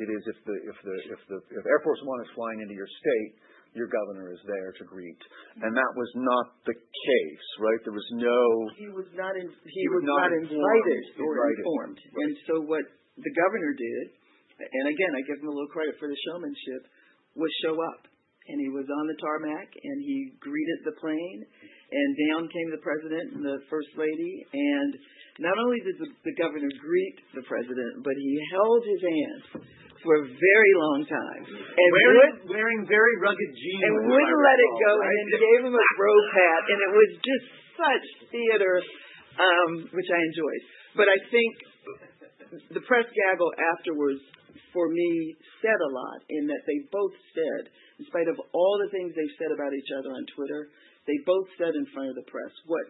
it is if Air Force One is flying into your state, your governor is there to greet. That was not the case, right? He was not invited or informed. What the Governor did, and again, I give him a little credit for the showmanship, was show up, and he was on the tarmac, and he greeted the plane, and down came the President and the First Lady. Not only did the Governor greet the President, but he held his hand for a very long time. Wearing very rugged jeans, I might add. Wouldn't let it go, and gave him a bro pat, and it was just such theater, which I enjoyed. I think the press gaggle afterwards, for me, said a lot in that they both said, in spite of all the things they said about each other on Twitter, they both said in front of the press what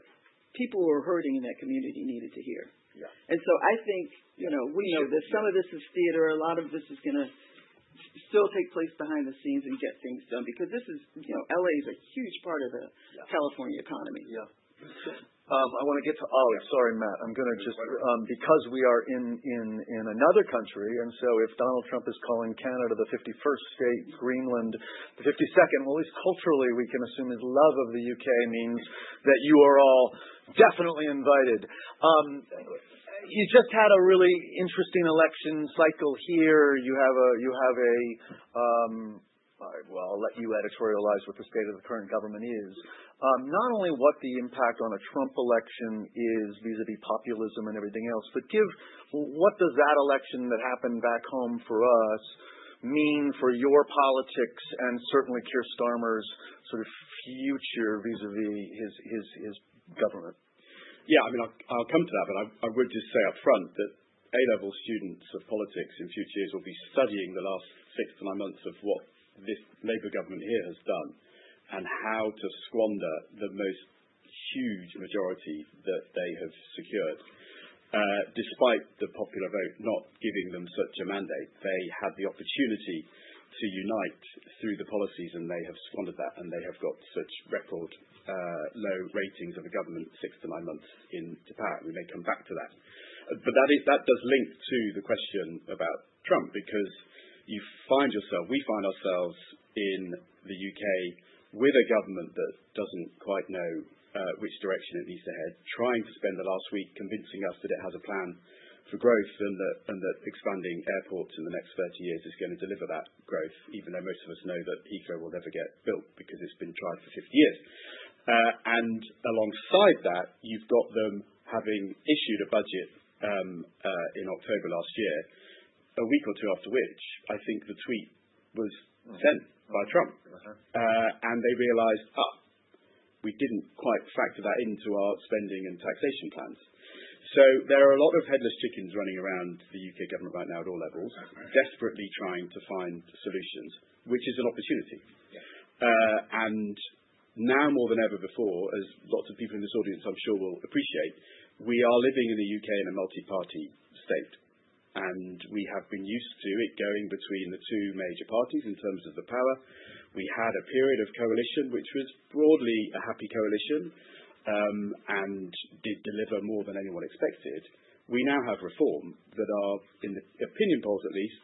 people who were hurting in that community needed to hear. Yeah. I think some of this is theater. A lot of this is going to still take place behind the scenes and get things done, because L.A. is a huge part of the California economy. Yeah. I want to get to Ollie. Sorry, Mat. I'm going to just, because we are in another country, if Donald Trump is calling Canada the 51st state, Greenland the 52nd, at least culturally, we can assume his love of the U.K. means that you are all definitely invited. You just had a really interesting election cycle here. You have a, well, I'll let you editorialize what the state of the current government is. Not only what the impact on a Trump election is vis-à-vis populism and everything else, but what does that election that happened back home for us mean for your politics and certainly Keir Starmer's sort of future vis-à-vis his government? Yeah, I'll come to that. I would just say up front that A-level students of politics in two years will be studying the last six to nine months of what this Labour government here has done and how to squander the most huge majority that they have secured. Despite the popular vote not giving them such a mandate, they had the opportunity to unite through the policies, and they have squandered that, and they have got such record low ratings of a government six to nine months into power. We may come back to that. That does link to the question about Trump, because you find yourself, we find ourselves in the U.K. with a government that doesn't quite know which direction is east ahead, trying to spend the last week convincing us that it has a plan for growth and that expanding airports in the next 30 years is going to deliver that growth, even though most of us know that Heathrow will never get built because it's been tried for 50 years. Alongside that, you've got them having issued a budget in October last year, a week or two after which I think the tweet was sent by Trump. They realized, we didn't quite factor that into our spending and taxation plans. There are a lot of headless chickens running around the U.K. government right now at all levels desperately trying to find solutions, which is an opportunity. Yeah. Now more than ever before, as lots of people in this audience I'm sure will appreciate, we are living in the U.K. in a multi-party state, and we have been used to it going between the two major parties in terms of the power. We had a period of coalition, which was broadly a happy coalition, and did deliver more than anyone expected. We now have Reform that are, in opinion polls at least,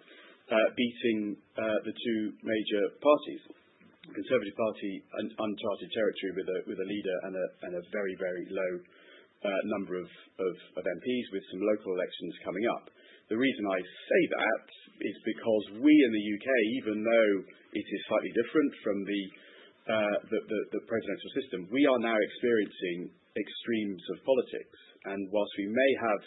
beating the two major parties. The Conservative Party, uncharted territory with a leader and a very low number of MPs with some local elections coming up. The reason I say that is because we in the U.K., even though it is slightly different from the presidential system, we are now experiencing extremes of politics. Whilst we may have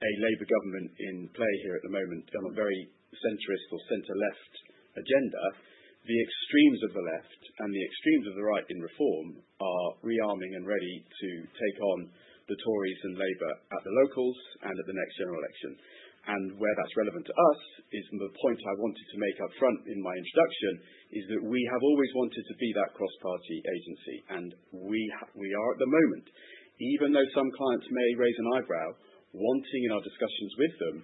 a Labour government in play here at the moment, still a very centrist or center-left agenda, the extremes of the left and the extremes of the right in Reform are rearming and ready to take on the Tories and Labour at the locals and at the next general election. Where that's relevant to us is from the point I wanted to make upfront in my introduction, is that we have always wanted to be that cross-party agency. We are at the moment, even though some clients may raise an eyebrow wanting in our discussions with them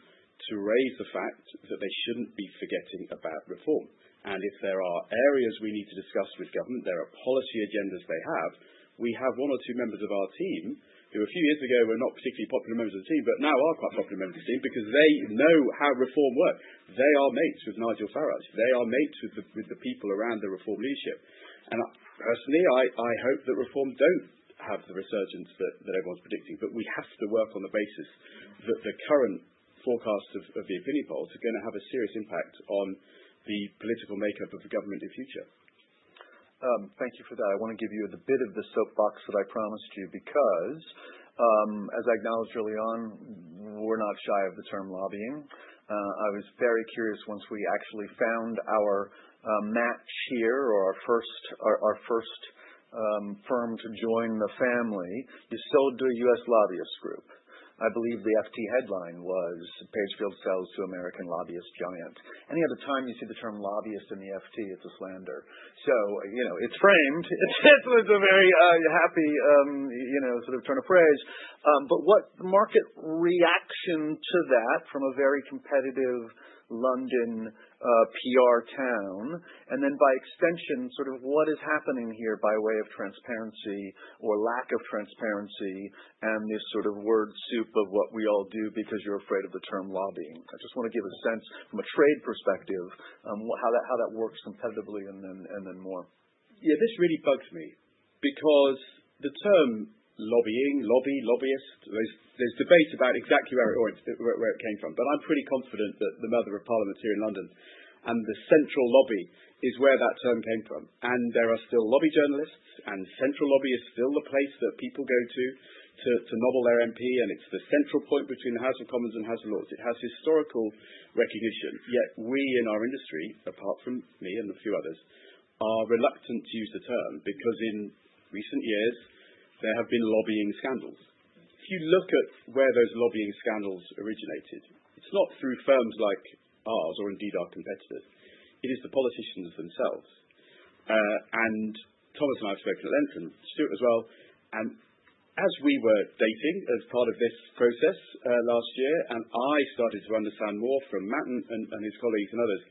to raise the fact that they shouldn't be forgetting about Reform. If there are areas we need to discuss with government, there are policy agendas they have. We have one or two members of our team who a few years ago were not particularly popular members of the team, but now are quite popular members of the team because they know how Reform works. They are mates with Nigel Farage. They are mates with the people around the Reform leadership. Personally, I hope that Reform don't have the resurgence that everyone's predicting, but we have to work on the basis that the current forecast of the opinion polls are going to have a serious impact on the political makeup of the government of the future. Thank you for that. I want to give you a bit of the soapbox that I promised you because, as I acknowledged early on, we're not shy of the term lobbying. I was very curious once we actually found our match here or our first firm to join the family. You sold to a U.S. lobbyist group. I believe the FT headline was Pagefield Sells to American Lobbyist Giants. Any other time you see the term lobbyist in the FT, it's a slander. It framed with a very happy sort of turn of phrase. What market reaction to that from a very competitive London PR town, and then by extension, sort of what is happening here by way of transparency or lack of transparency and this sort of word soup of what we all do because you're afraid of the term lobbying. I just want to give a sense from a trade perspective how that works competitively. Yeah, this really bugs me because the term lobbying, lobby, lobbyist, there's debate about exactly where it came from. I'm pretty confident that the mother of Parliament is here in London, and the central lobby is where that term came from. There are still lobby journalists, and central lobby is still the place that people go to lobby their MP, and it's the central point between the House of Commons and House of Lords. It has historical recognition, yet we in our industry, apart from me and a few others, are reluctant to use the term because in recent years, there have been lobbying scandals. If you look at where those lobbying scandals originated, it's not through firms like ours or indeed our competitors. It is the politicians themselves. Thomas and I spoke to the entrance, Stewart as well, and as we were dating as part of this process last year, and I started to understand more from Mat and his colleagues and others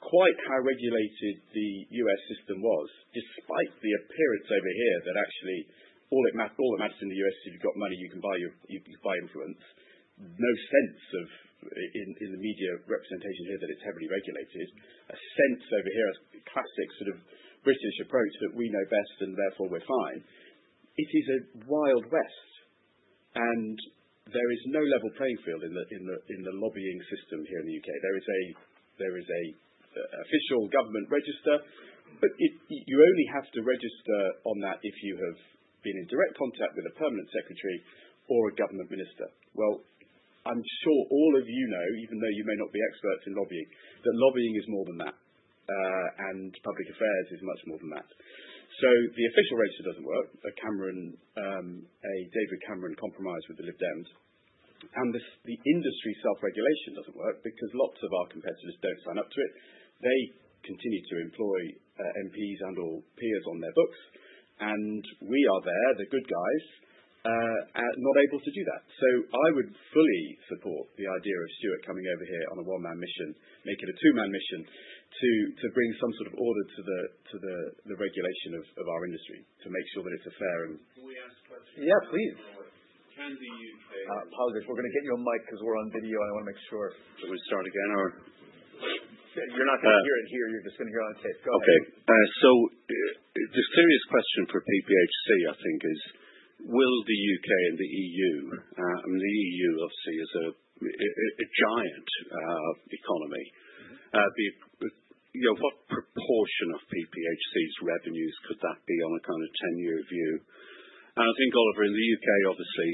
quite how regulated the U.S. system was, despite the appearance over here that actually all it matters in the U.S. if you've got money, you can buy influence. No sense of in the media representation here that it's heavily regulated. A sense over here, a classic sort of British approach that we know best and therefore we're fine. It is a Wild West, and there is no level playing field in the lobbying system here in the U.K. There is a official government register, but you only have to register on that if you have been in direct contact with a permanent secretary or a government minister. Well, I'm sure all of you know, even though you may not be expert in lobbying, that lobbying is more than that, and public affairs is much more than that. The official register doesn't work. A David Cameron compromise with the Dems. The industry self-regulation doesn't work because lots of our competitors don't sign up to it. They continue to employ MPs and/or peers on their books, and we are there, the good guys, and not able to do that. I would fully support the idea of Stewart coming over here on a one-man mission, make it a two-man mission, to bring some sort of order to the regulation of our industry to make sure that it's a fair and- Can we ask a question? Yeah, please. Oliver, we're going to hit your mic because we're on video. I want to make sure. That we start again or? Wait. You're not going to hear it here. You're just going to hear it on tape. Go. Okay. The serious question for PPHC, I think, is, will the U.K. and the EU, and the EU, obviously, is a giant economy. What proportion of PPHC's revenues could that be on a kind of 10-year view? I think, Oliver, in the U.K., obviously,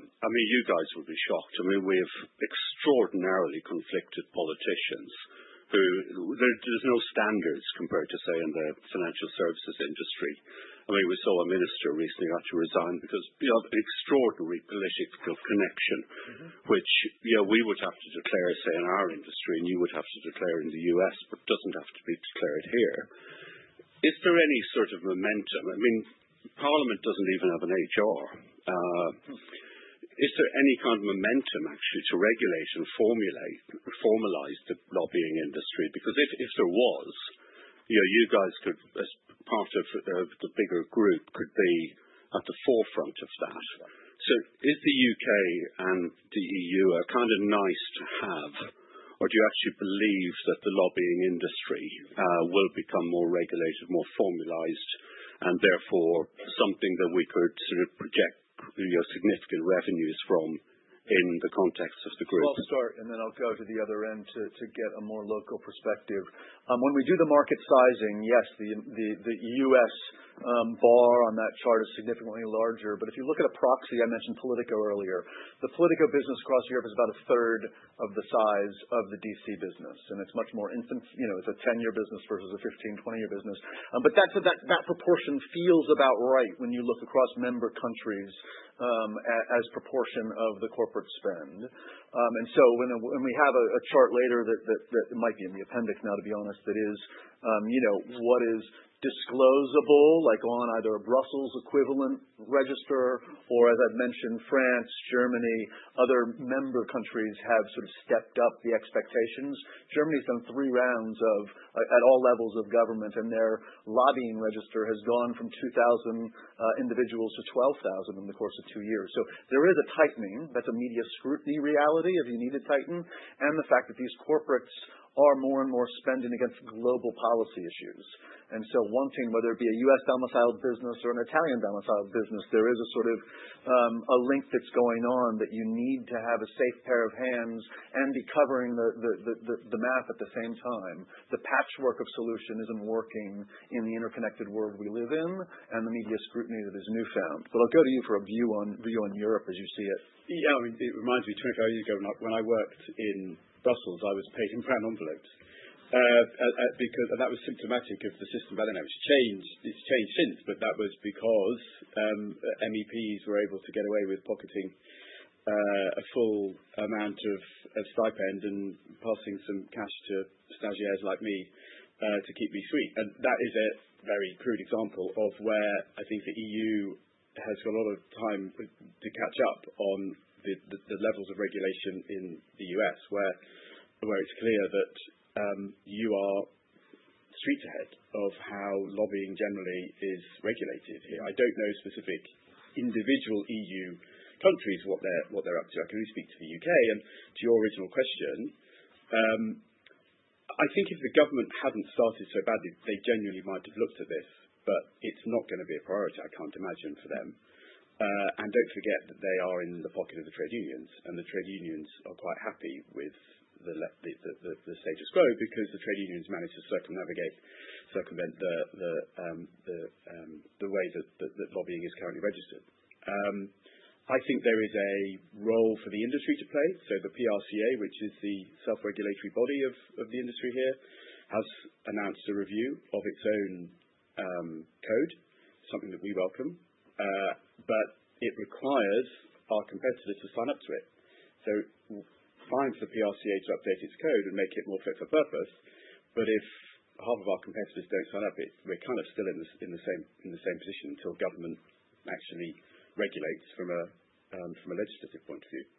you guys will be shocked. We have extraordinarily conflicted politicians who there's no standards compared to, say, in the financial services industry. We saw a minister recently had to resign because of extraordinary political connection, which we would have to declare, say, in our industry, and you would have to declare in the U.S., but doesn't have to be declared here. Is there any sort of momentum? Parliament doesn't even have an HR. Is there any kind of momentum actually to regulate or formalize the lobbying industry? If there was, you guys could, as part of the bigger group, could be at the forefront of that. Is the U.K. and the EU a kind of nice-to-have, or do you actually believe that the lobbying industry will become more regulated, more formalized, and therefore something that we could project significant revenues from in the context of the group? I'll start, and then I'll go to the other end to get a more local perspective. When we do the market sizing, yes, the U.S. bar on that chart is significantly larger. If you look at a proxy, I mentioned Politico earlier. The Politico business across Europe is about a third of the size of the D.C. business, and it's a 10-year business versus a 15, 20-year business. That proportion feels about right when you look across member countries as proportion of the corporate spend. We have a chart later that might be in the appendix now, to be honest, that is what is disclosable on either Brussels equivalent register or, as I've mentioned, France, Germany, other member countries have sort of stepped up the expectations. Germany's done three rounds at all levels of government, and their lobbying register has gone from 2,000 individuals to 12,000 in the course of two years. There is a tightening. That's a media scrutiny reality, if you need to tighten, and the fact that these corporates are more and more spending against global policy issues. One team, whether it be a U.S.-domiciled business or an Italian-domiciled business, there is a sort of a link that's going on that you need to have a safe pair of hands and be covering the map at the same time. The patchwork of solution isn't working in the interconnected world we live in, and the media scrutiny of it is newfound. I'll go to you for a view on Europe as you see it. Yeah. It reminds me of 20 odd years ago now when I worked in Brussels, I was paid in brown envelopes because that was symptomatic of the system. I don't know if it's changed. That was because MEPs were able to get away with pocketing a full amount of stipend and passing some cash to stagiaires like me to keep me sweet. That is a very crude example of where I think the EU has got a lot of time to catch up on the levels of regulation in the U.S., where it's clear that you are streets ahead of how lobbying generally is regulated here. I don't know specific individual EU countries, what they're up to. I can only speak to the U.K. To your original question, I think if the government hadn't started so badly, they genuinely might have looked at this, but it's not going to be a priority, I can't imagine, for them. Don't forget that they are in the pocket of the trade unions, and the trade unions are quite happy with the status quo because the trade unions manage to circumvent the way that lobbying is currently registered. I think there is a role for the industry to play. The PRCA, which is the self-regulatory body of the industry here, has announced a review of its own code, something that we welcome. It requires our competitors to sign up to it. Fine for PRCA to update its code and make it more fit for purpose. If half of our competitors don't sign up, we're kind of still in the same position until government actually regulates from a legislative point of view.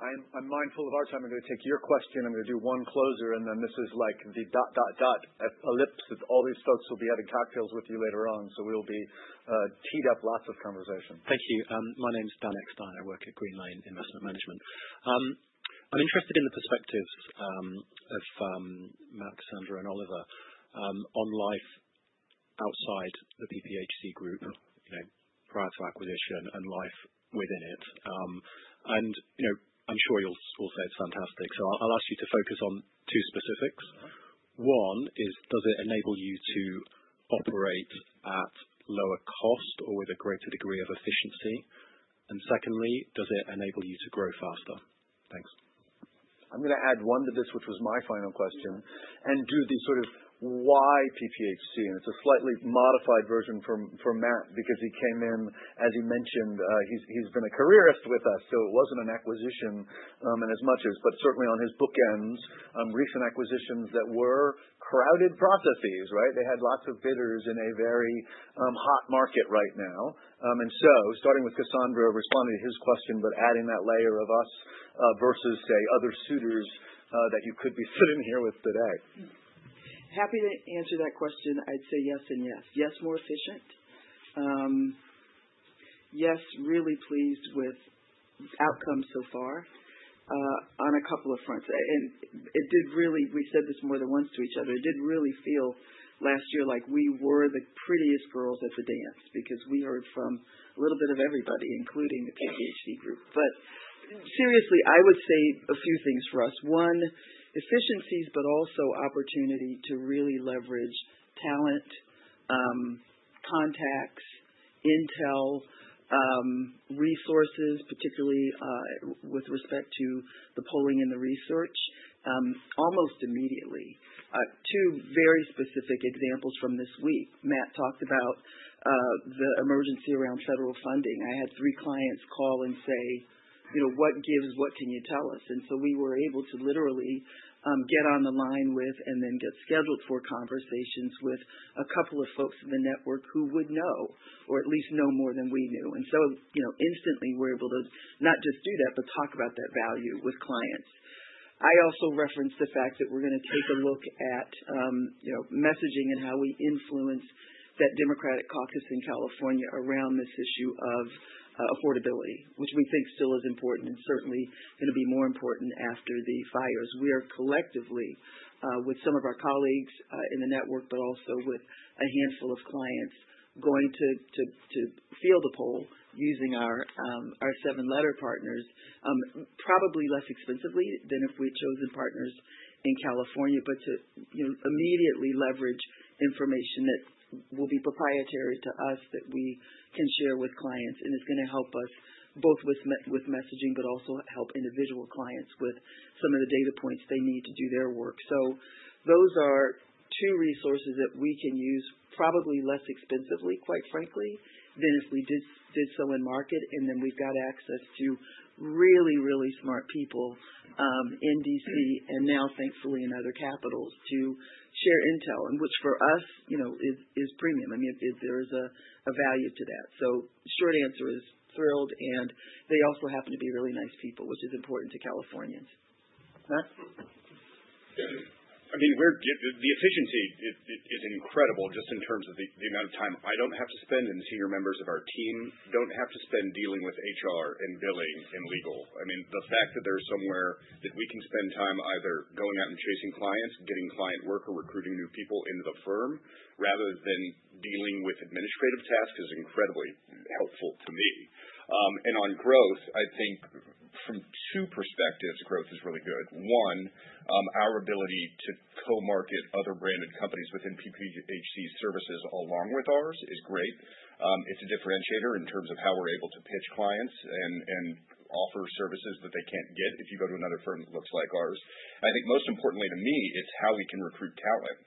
Yeah. I'm mindful of our time. I'm going to take your question. I'm going to do one closer, then this is like the dot, dot, an ellipsis. All these folks will be having cocktails with you later on. We'll be teed up lots of conversation. Thank you. My name is Dan Ekstein. I work at GreenLane Investment Management. I'm interested in the perspectives of Mat, Cassandra, and Oliver on life outside the PPHC Group and prior to acquisition and life within it. I'm sure you're also fantastic. I'll ask you to focus on two specifics. One is, does it enable you to operate at lower cost or with a greater degree of efficiency? Secondly, does it enable you to grow faster? Thanks. I'm going to add one to this, which was my final question, do the sort of why PPHC? It's a slightly modified version from Mat because he came in, as he mentioned, he's been a careerist with us, so it wasn't an acquisition in as much as, but certainly on his bookends, recent acquisitions that were crowded processes, right? They had lots of bidders in a very hot market right now. Starting with Cassandra responding to his question, but adding that layer of us versus, say, other suitors that you could be sitting here with today. Happy to answer that question. I'd say yes and yes. Yes, more efficient. Yes, really pleased with outcome so far on a couple of fronts. We said this more than once to each other. It did really feel last year like we were the prettiest girls at the dance because we heard from a little bit of everybody, including the PPHC Group. Seriously, I would say a few things for us. One, efficiencies, but also opportunity to really leverage talent, contacts, intel, resources, particularly with respect to the polling and the research, almost immediately. Two very specific examples from this week. Mat talked about the emergency around federal funding. I had three clients call and say, what gives? What can you tell us? We were able to literally get on the line with and then get scheduled for conversations with a couple of folks in the network who would know, or at least know more than we knew. Instantly, we were able to not just do that, but talk about that value with clients. I also referenced the fact that we're going to take a look at messaging and how we influence that Democratic caucus in California around this issue of affordability, which we think still is important and certainly going to be more important after the fires. We are collectively with some of our colleagues in the network, also with a handful of clients going to field a poll using our Seven Letter partners probably less expensively than if we'd chosen partners in California. To immediately leverage information that will be proprietary to us that we can share with clients, and it's going to help us both with messaging, also help individual clients with some of the data points they need to do their work. Those are two resources that we can use probably less expensively, quite frankly, than if we did so in market. Then we've got access to really, really smart people in D.C., and now thankfully in other capitals to share intel, and which for us is premium. There is a value to that. Short answer is thrilled, and they also happen to be really nice people, which is important to Californians. Mat? The efficiency is incredible just in terms of the amount of time I don't have to spend, and senior members of our team don't have to spend dealing with HR and billing and legal. The fact that there's somewhere that we can spend time either going out and chasing clients, getting client work, or recruiting new people into the firm rather than dealing with administrative tasks is incredibly helpful to me. On growth, I think from two perspectives, growth is really good. One, our ability to co-market other branded companies within PPHC services along with ours is great. It's a differentiator in terms of how we're able to pitch clients and offer services that they can't get if you go to another firm that looks like ours. I think most importantly to me is how we can recruit talent.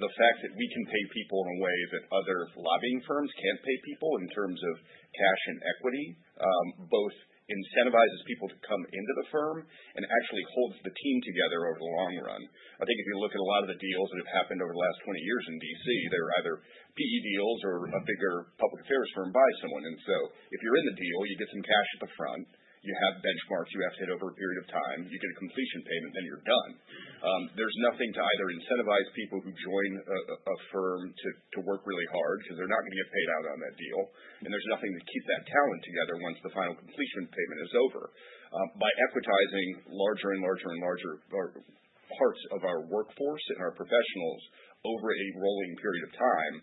The fact that we can pay people in a way that other lobbying firms can't pay people in terms of cash and equity both incentivizes people to come into the firm and actually holds the team together over the long run. I think if you look at a lot of the deals that have happened over the last 20 years in D.C., they're either PE deals or a bigger public affairs firm buys someone. If you're in the deal, you get some cash up front, you have benchmarks you have to hit over a period of time, you get a completion payment, then you're done. There's nothing to either incentivize people who join a firm to work really hard because they're not going to get paid out on that deal, and there's nothing to keep that talent together once the final completion payment is over. By equitizing larger and larger parts of our workforce and our professionals over a rolling period of time,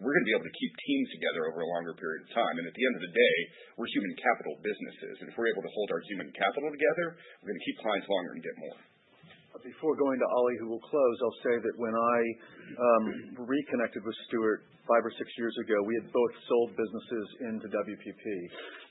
we're going to be able to keep teams together over a longer period of time. At the end of the day, we're human capital businesses. If we're able to hold our human capital together, we're going to keep clients longer and get more. Before going to Ollie, who will close, I will say that when I reconnected with Stewart five or six years ago, we had both sold businesses into WPP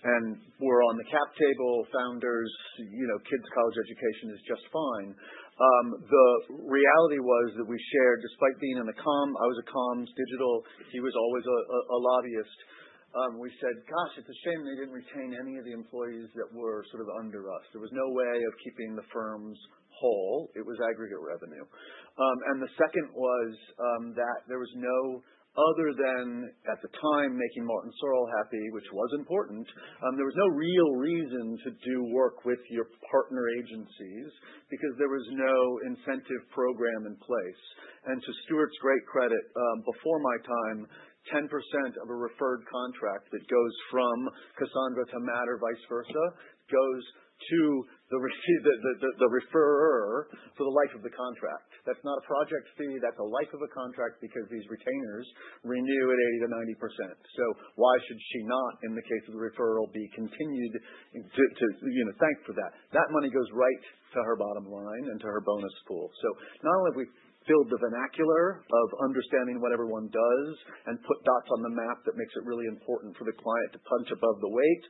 and were on the cap table founders. Kids' college education is just fine. The reality was that we shared despite being in the comm, I was a comms digital. He was always a lobbyist. We said, gosh, it's a shame we did not retain any of the employees that were sort of under us. There was no way of keeping the firms whole. It was aggregate revenue. The second was that there was no other than at the time making Martin Sorrell happy, which was important. There was no real reason to do work with your partner agencies because there was no incentive program in place. To Stewart's great credit before my time, 10% of a referred contract that goes from Cassandra to Mat, vice versa, goes to the referrer for the life of the contract. That's not project fee, that's the life of the contract because these retainers renew at 80%-90%. Why should she not, in the case of a referral, be continued to be thanked for that? That money goes right to her bottom line and to her bonus pool. Not only have we built the vernacular of understanding what everyone does and put dots on the map that makes it really important for the client to punch above the weight.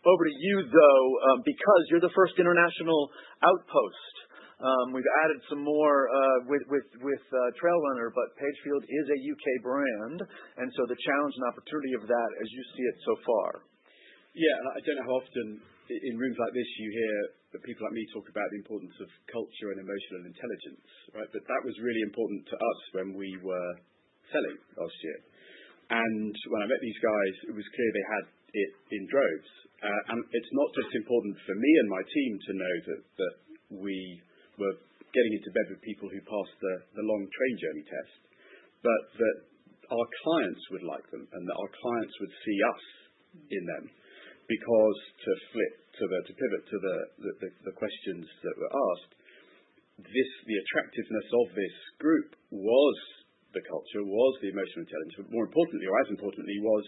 Over to you, though, because you're the first international outpost. We've added some more with TrailRunner, but Pagefield is a U.K. brand, and so the challenge and opportunity of that as you see it so far. Yeah. I don't know how often in rooms like this you hear people like me talk about the importance of culture and emotional intelligence, but that was really important to us when we were selling last year. When I met these guys, it was clear they had it in droves. It's not just important for me and my team to know that we were getting into bed with people who passed the long train journey test, but that our clients would like them and that our clients would see us in them. To flip, to pivot to the questions that were asked, the attractiveness of this group was the culture, was the emotional intelligence, but more importantly, or as importantly, was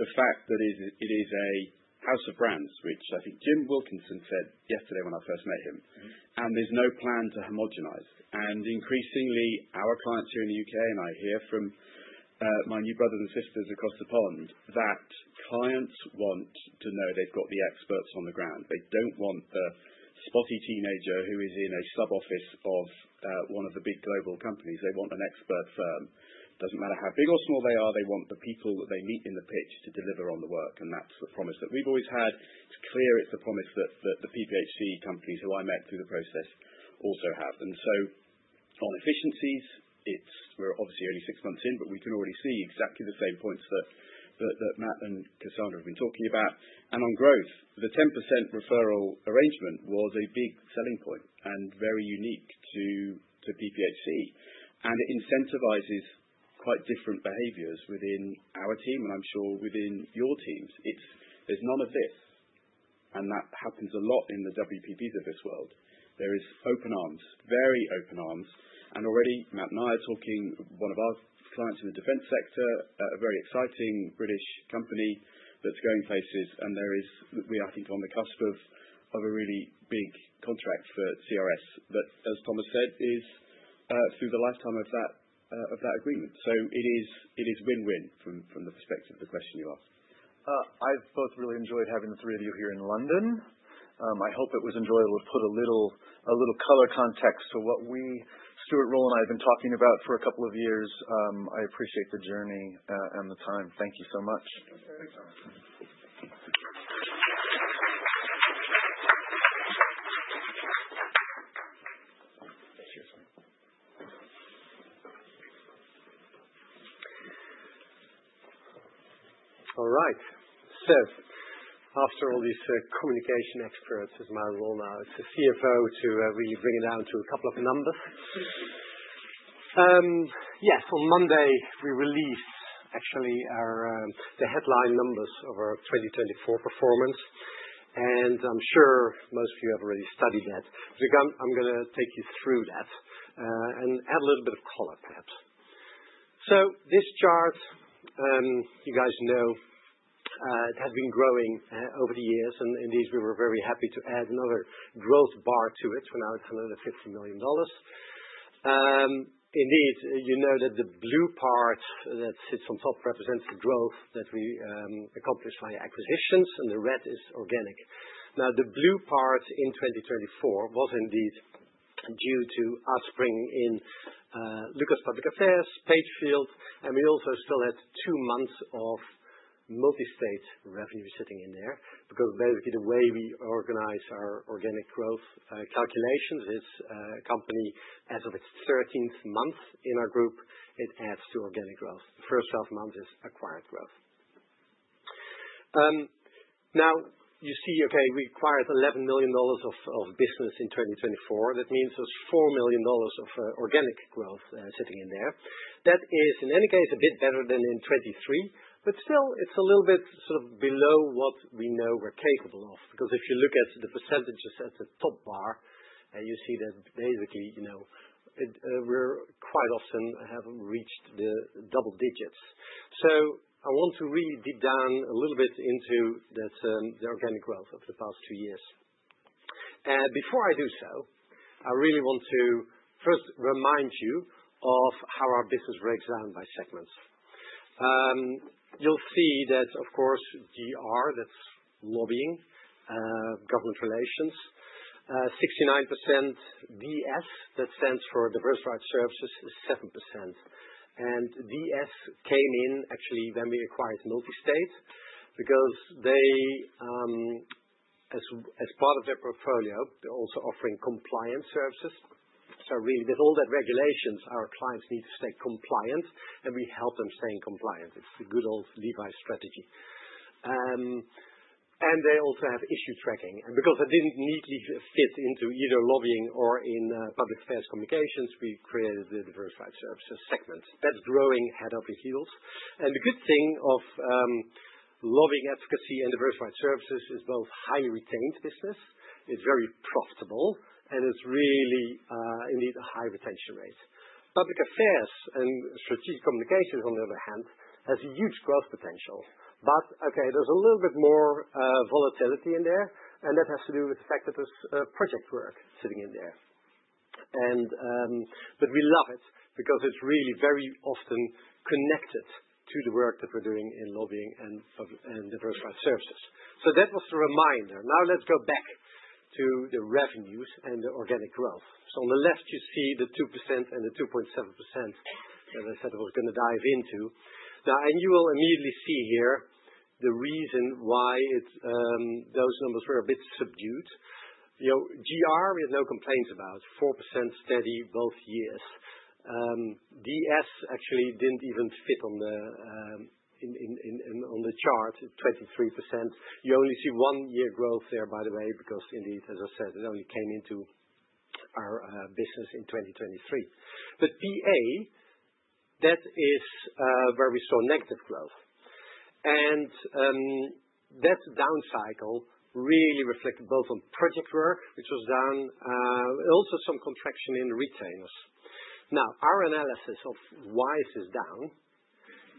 the fact that it is a house of brands, which I think Jim Wilkinson said yesterday when I first met him. There's no plan to homogenize. Increasingly our clients here in the U.K. I hear from my new brothers and sisters across the pond that clients want to know they've got the experts on the ground. They don't want the spotty teenager who is in a sub-office of one of the big global companies. They want an expert firm. Doesn't matter how big or small they are, they want the people that they meet in the pitch to deliver on the work. That's the promise that we've always had. It is clear it is a promise that the PPHC companies who I met through the process also have. On efficiencies, we are obviously only six months in, but we can already see exactly the same points that Mat and Cassandra have been talking about. On growth, the 10% referral arrangement was a big selling point and very unique to PPHC, and it incentivizes quite different behaviors within our team, and I am sure within your teams. There is none of this, that happens a lot in the WPPs of this world. There is open arms, very open arms, and already Mat and I are talking one of our clients in the defense sector, a very exciting British company that is going places, and we are actually on the cusp of a really big contract for CRS that, as Thomas said, is through the lifetime of that agreement. It is win-win from the perspective of the question you asked. I've both really enjoyed having the three of you here in London. I hope it was enjoyable to put a little color context to what we, Stewart, Roel, and I have been talking about for a couple of years. I appreciate the journey and the time. Thank you so much. All right. After all these communication experts, it's my role now as the CFO to really bring it down to a couple of numbers. Yeah. On Monday, we release actually the headline numbers of our 2024 performance, and I'm sure most of you have already studied that. I'm going to take you through that and add a little bit of color perhaps. This chart, you guys know, has been growing over the years, and indeed, we were very happy to add another growth bar to it for now it's another $150 million. Indeed, you know that the blue part that sits on top represents the growth that we accomplished by acquisitions, and the red is organic. The blue part in 2024 was indeed due to us bringing in Lucas Public Affairs, Pagefield, and we also still had two months of MultiState revenue sitting in there because basically the way we organize our organic growth calculations is a company as of its 13th month in our group, it adds to organic growth. The first 12 months is acquired growth. You see we acquired $11 million of business in 2024. That means there's $4 million of organic growth sitting in there. That is, in any case, a bit better than in 2023, but still, it's a little bit below what we know we're capable of because if you look at the percentages at the top bar, you see that basically, we quite often have reached the double digits. I want to really dig down a little bit into the organic growth of the past few years. Before I do so, I really want to first remind you of how our business breaks down by segments. You'll see that, of course, GR, that's lobbying, government relations, 69%. DS, that stands for diversified services, is 7%. DS came in actually when we acquired MultiState because as part of their portfolio, they're also offering compliance services. Really with all the regulations, our clients need to stay compliant, and we help them stay in compliance. It's the good old Levi strategy. They also have issue tracking. Because that didn't neatly fit into either lobbying or in public affairs communications, we created the diversified services segment. That's growing head over heels. The good thing of lobbying efficacy and diversified services is both high retained business, it's very profitable, and it's really indeed a high retention rate. Public affairs and strategic communications, on the other hand, has huge growth potential. Okay, there's a little bit more volatility in there, and that has to do with the fact that there's project work sitting in there. We love it because it's really very often connected to the work that we're doing in lobbying and diversified services. That was a reminder. Let's go back to the revenues and the organic growth. On the left, you see the 2% and the 2.7% that I said I was going to dive into. You will immediately see here the reason why those numbers were a bit subdued. GR is no complaints about, 4% steady both years. DS actually didn't even fit on the chart at 23%. You only see one year growth there, by the way, because indeed, as I said, they only came into our business in 2023. PA, that is where we saw negative growth. That down cycle really reflected both on project work, which was down, and also some contraction in retainers. Now, our analysis of why this is down.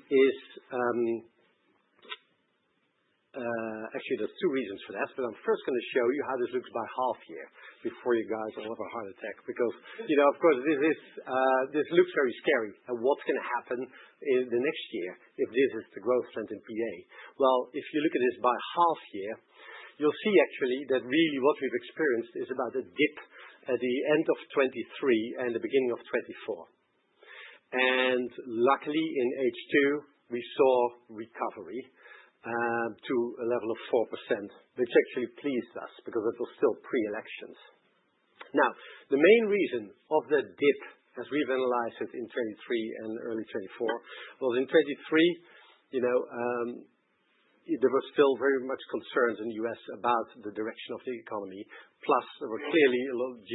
Actually, there's two reasons for that. I'm first going to show you how this looks by half year before you go into a lot of heart attack because, of course, this looks very scary. What's going to happen in the next year if this is the growth rate of PA? Well, if you look at this by half year, you'll see actually that really what we've experienced is about a dip at the end of 2023 and the beginning of 2024. Luckily in H2, we saw recovery to a level of 4%, which actually pleased us because it was still pre-elections. The main reason for the dip, as we've analyzed it in 2023 and early 2024, was in 2023, there were still very much concerns in the U.S. about the direction of the economy, plus there were clearly a lot of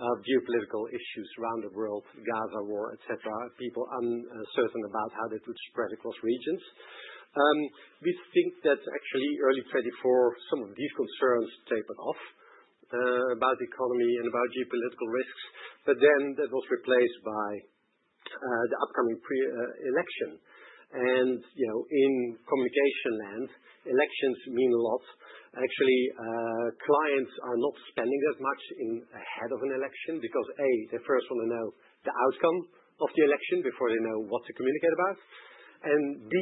geopolitical issues around the world, the Gaza war, et cetera, and people uncertain about how this would spread across regions. We think that actually early 2024, some of these concerns tapered off about the economy and about geopolitical risks, but then that was replaced by the upcoming election. In communication land, elections mean a lot. Actually, clients are not spending as much ahead of an election because, A, they first want to know the outcome of the election before they know what to communicate about, and B,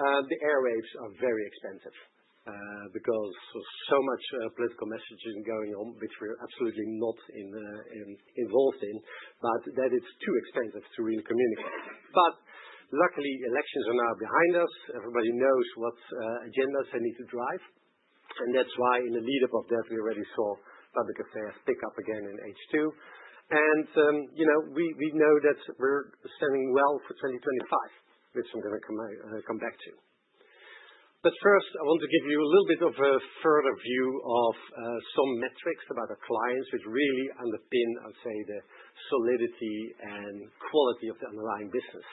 the airwaves are very expensive because there's so much political messaging going on, which we're absolutely not involved in, but that it's too expensive to really communicate. Luckily, elections are now behind us. Everybody knows what agendas they need to drive. That's why in the lead up of that, we already saw public affairs pick up again in H2. We know that we're setting well for 2025, which I'm going to come back to. First, I want to give you a little bit of a further view of some metrics about our clients, which really underpin, I'd say, the solidity and quality of the underlying business.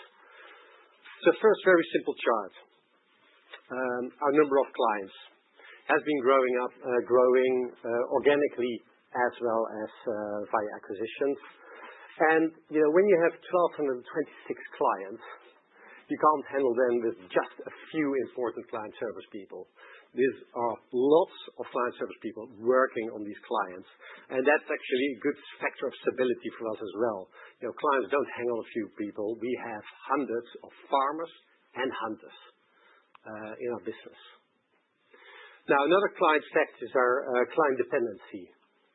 The first very simple chart. Our number of clients has been growing organically as well as via acquisitions. When you have 1,226 clients, you can't handle them with just a few important client service people. These are lots of client service people working on these clients, and that's actually a good factor of stability for us as well. Clients don't hang on a few people. We have hundreds of farmers and hunters in our business. Now, another client fact is our client dependency.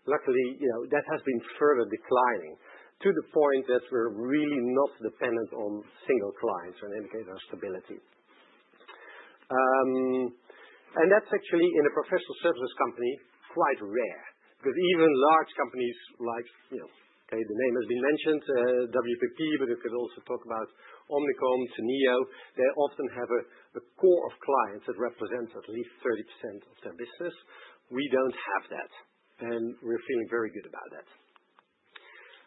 Luckily, that has been further declining to the point that we're really not dependent on single clients in terms of stability. That's actually, in a professional services company, quite rare. Even large companies like, the name has been mentioned, WPP, but you could also talk about Omnicom, Publicis, they often have a core of clients that represent at least 30% of their business. We don't have that, we're feeling very good about that.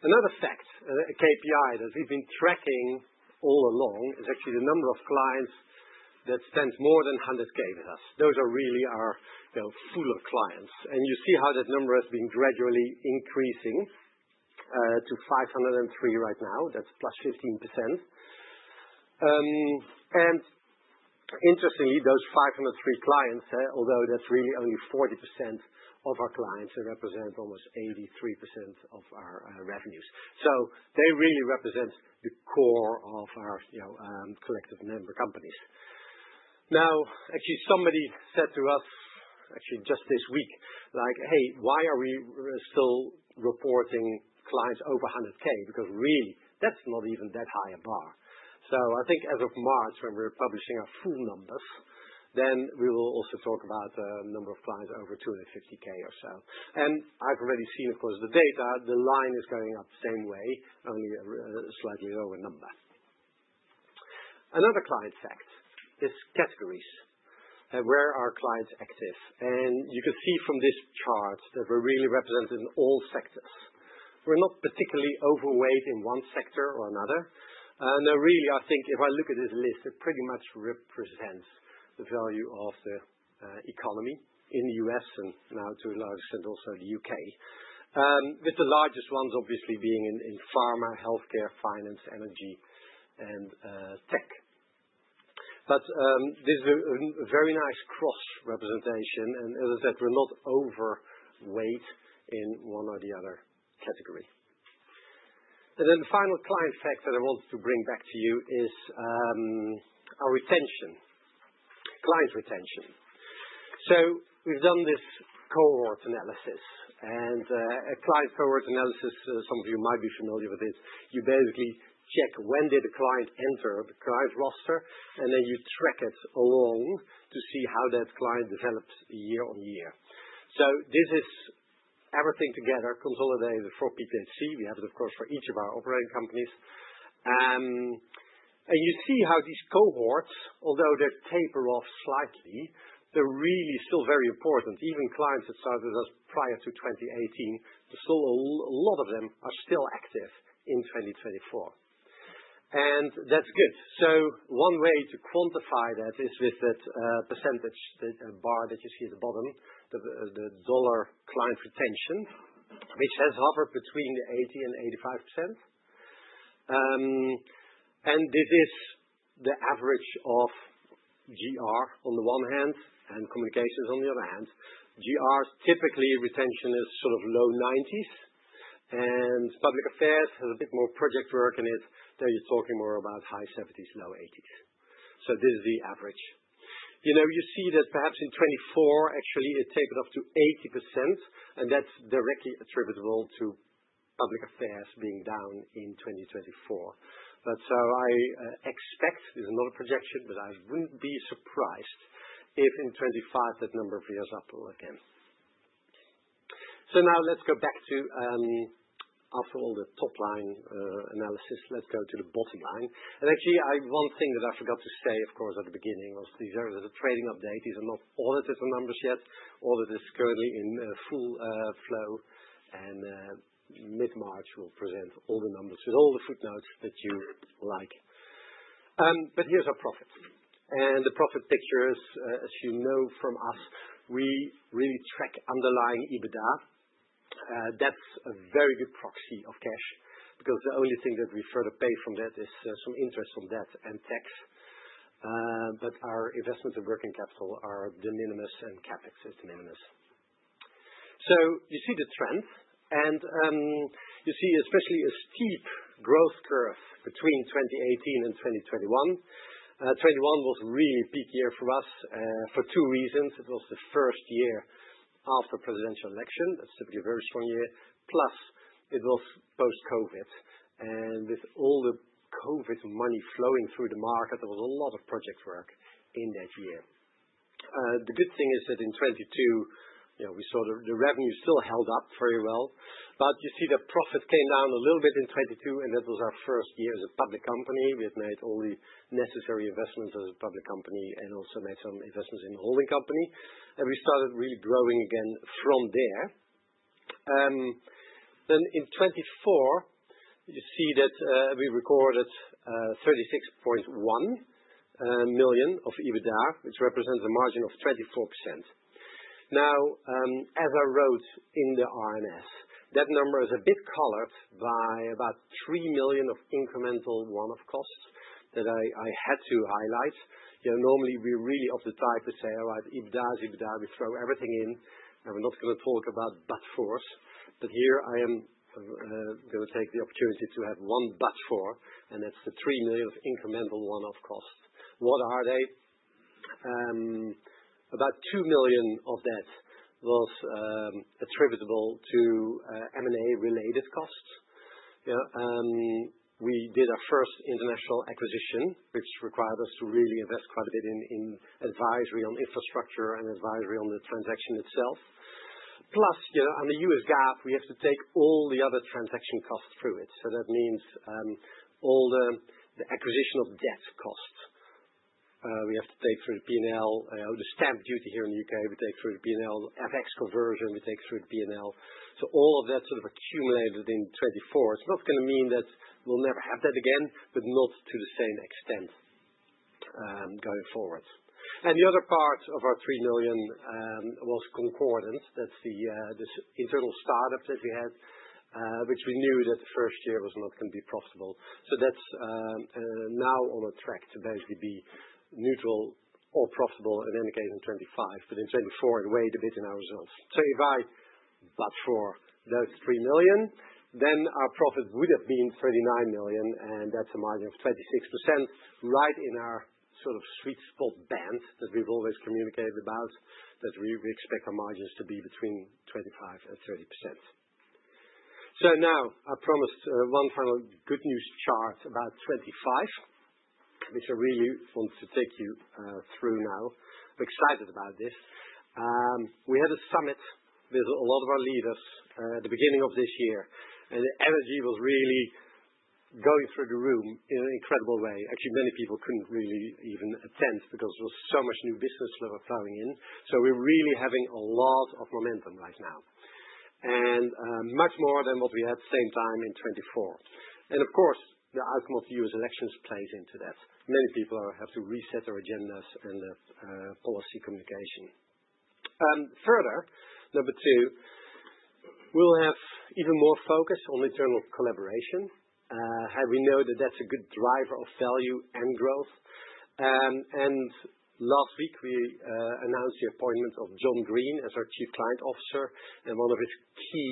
Another fact, a KPI that we've been tracking all along, is actually the number of clients that spend more than $100,000 with us. Those are really our fuller clients. You see how that number has been gradually increasing to 503 right now. That's +15%. Interestingly, those 503 clients, although that's really only 40% of our clients, they represent almost 83% of our revenues. They really represent the core of our collective member companies. Now, actually, somebody said to us just this week, like, hey, why are we still reporting clients over $100,000? Because really, that's not even that high a bar. I think as of March, when we're publishing our full numbers, then we will also talk about the number of clients over $250,000 or so. I've already seen, of course, the data, the line is going up the same way, only a slightly lower number. Another client fact is categories and where our clients exist. You can see from this chart that we're really represented in all sectors. We're not particularly overweight in one sector or another. Really, I think if I look at this list, it pretty much represents the value of the economy in the U.S. and to a large extent also the U.K., with the largest ones obviously being in pharma, healthcare, finance, energy, and tech. There's a very nice cross-representation and as I said, we're not overweight in one or the other category. The final client fact that I wanted to bring back to you is our retention, client retention. We've done this cohort analysis, a client cohort analysis, some of you might be familiar with this, you basically check when did the client enter the client roster, and then you track it along to see how that client develops year on year. This is everything together consolidated for PPHC. We have it, of course, for each of our operating companies. You see how these cohorts, although they taper off slightly, they're really still very important. Even clients that started with us prior to 2018, still a lot of them are still active in 2024. That's good. One way to quantify that is with that %, that bar that you see at the bottom, the dollar client retention, which has hovered between 80%-85%. This is the average of GR on the one hand, and communications on the other hand. GR, typically, retention is sort of low 90s, and public affairs has a bit more project work in it. You're talking more about high 70s, low 80s. This is the average. You see that perhaps in 2024, actually, it's taken up to 80%, and that's directly attributable to public affairs being down in 2024. That's how I expect, this is not a projection, but I wouldn't be surprised if in 2025 that number goes up again. Now let's go back to, after all the top-line analysis, let's go to the bottom line. Actually, one thing that I forgot to say, of course, at the beginning was these are the trading update. These are not audited numbers yet, audited is currently in full flow, and mid-March we'll present all the numbers with all the footnotes that you like. Here's our profit. The profit picture is, as you know from us, we really track underlying EBITDA. That's a very good proxy of cash because the only thing that we further pay from that is some interest on debt and tax. Our investments of working capital are de minimis and CapEx is de minimis. You see the trend, and you see especially a steep growth curve between 2018 and 2021. 2021 was really a peak year for us, for two reasons. It was the first year after presidential election. That's typically a very strong year. Plus, it was post-COVID. With all the COVID money flowing through the market, there was a lot of project work in that year. The good thing is that in 2022, the revenue still held up very well. You see that profit came down a little bit in 2022, and that was our first year as a public company. We've made all the necessary investments as a public company and also made some investments in holding company. We started really growing again from there. In 2024, you see that we recorded $36.1 million of EBITDA, which represents a margin of 34%. As I wrote in the RNS, that number is a bit colored by about $3 million of incremental one-off costs that I had to highlight. Normally we're really of the type to say, all right, EBITDA is EBITDA. We throw everything in, and we're not going to talk about but fors. Here I am going to take the opportunity to add one but for, and that's the $3 million of incremental one-off cost. What are they? About $2 million of that was attributable to M&A related costs. We did our first international acquisition, which required us to really invest quite a bit in advisory on infrastructure and advisory on the transaction itself. Plus, under US GAAP, we have to take all the other transaction costs through it. That means, all the acquisition of debt costs, we have to take through P&L. The stamp duty here in the U.K., we take through P&L. FX conversion, we take through P&L. All of that sort of accumulated in 2024. It's not going to mean that we'll never have that again, but not to the same extent going forward. The other part of our $3 million was Concordant. That's the internal startup that we had, which we knew that the first year was not going to be possible. That's now on track to basically be neutral or profitable in any case in 2025. In 2024, it weighed a bit in our results. 2025, but for those $3 million, then our profit would have been $39 million, and that's a margin of 36%, right in our sort of sweet spot band that we've always communicated about, that we expect our margins to be between 25%-30%. Now, I promised one good news chart about 2025, which I really want to take you through now. I'm excited about this. We had a summit with a lot of our leaders at the beginning of this year, and the energy was really going through the room in an incredible way. Actually, many people couldn't really even attend because there was so much new business that was coming in. We're really having a lot of momentum right now. Much more than what we had same time in 2024. Of course, the outcome of U.S. elections plays into that. Many people have to reset their agendas and their policy communication. Further, number two, we'll have even more focus on internal collaboration. We know that that's a good driver of value and growth. Last week we announced the appointment of John Green as our Chief Client Officer, and one of his key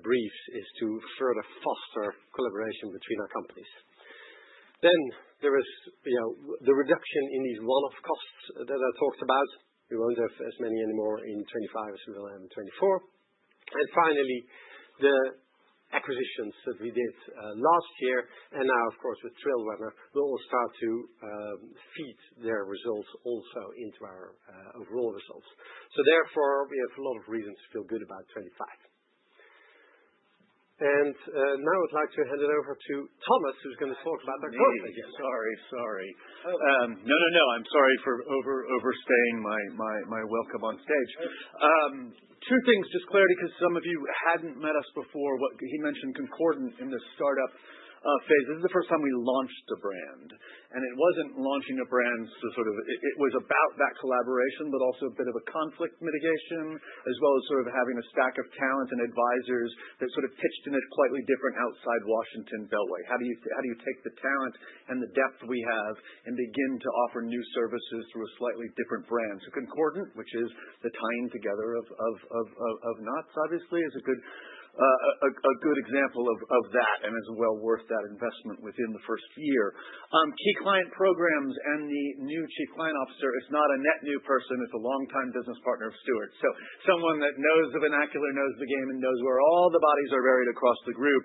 briefs is to further foster collaboration between our companies. There is the reduction in these one-off costs that I talked about. We won't have as many anymore in 2025 as we will have in 2024. Finally, the acquisitions that we did last year, and now of course with TrailRunner, they will start to feed their results also into our overall results. Therefore, we have a lot of reasons to feel good about 2025. Now I'd like to hand it over to Thomas, who's going to talk about the media again. Sorry. I'm sorry for overstaying my welcome on stage. Two things, just clarity, because some of you hadn't met us before. He mentioned Concordant in the startup phase. This is the first time we launched a brand. It was about that collaboration, but also a bit of a conflict mitigation, as well as sort of having a stack of talent and advisors that sort of pitched in a slightly different outside Washington Beltway. How do you take the talent and the depth we have and begin to offer new services through a slightly different brand? Concordant, which is the tying together of knots, obviously, is a good example of that and is well worth that investment within the first year. Key client programs and the new Chief Client Officer is not a net new person. It's a longtime business partner of Stewart. Someone that knows the vernacular, knows the game, and knows where all the bodies are buried across the Group.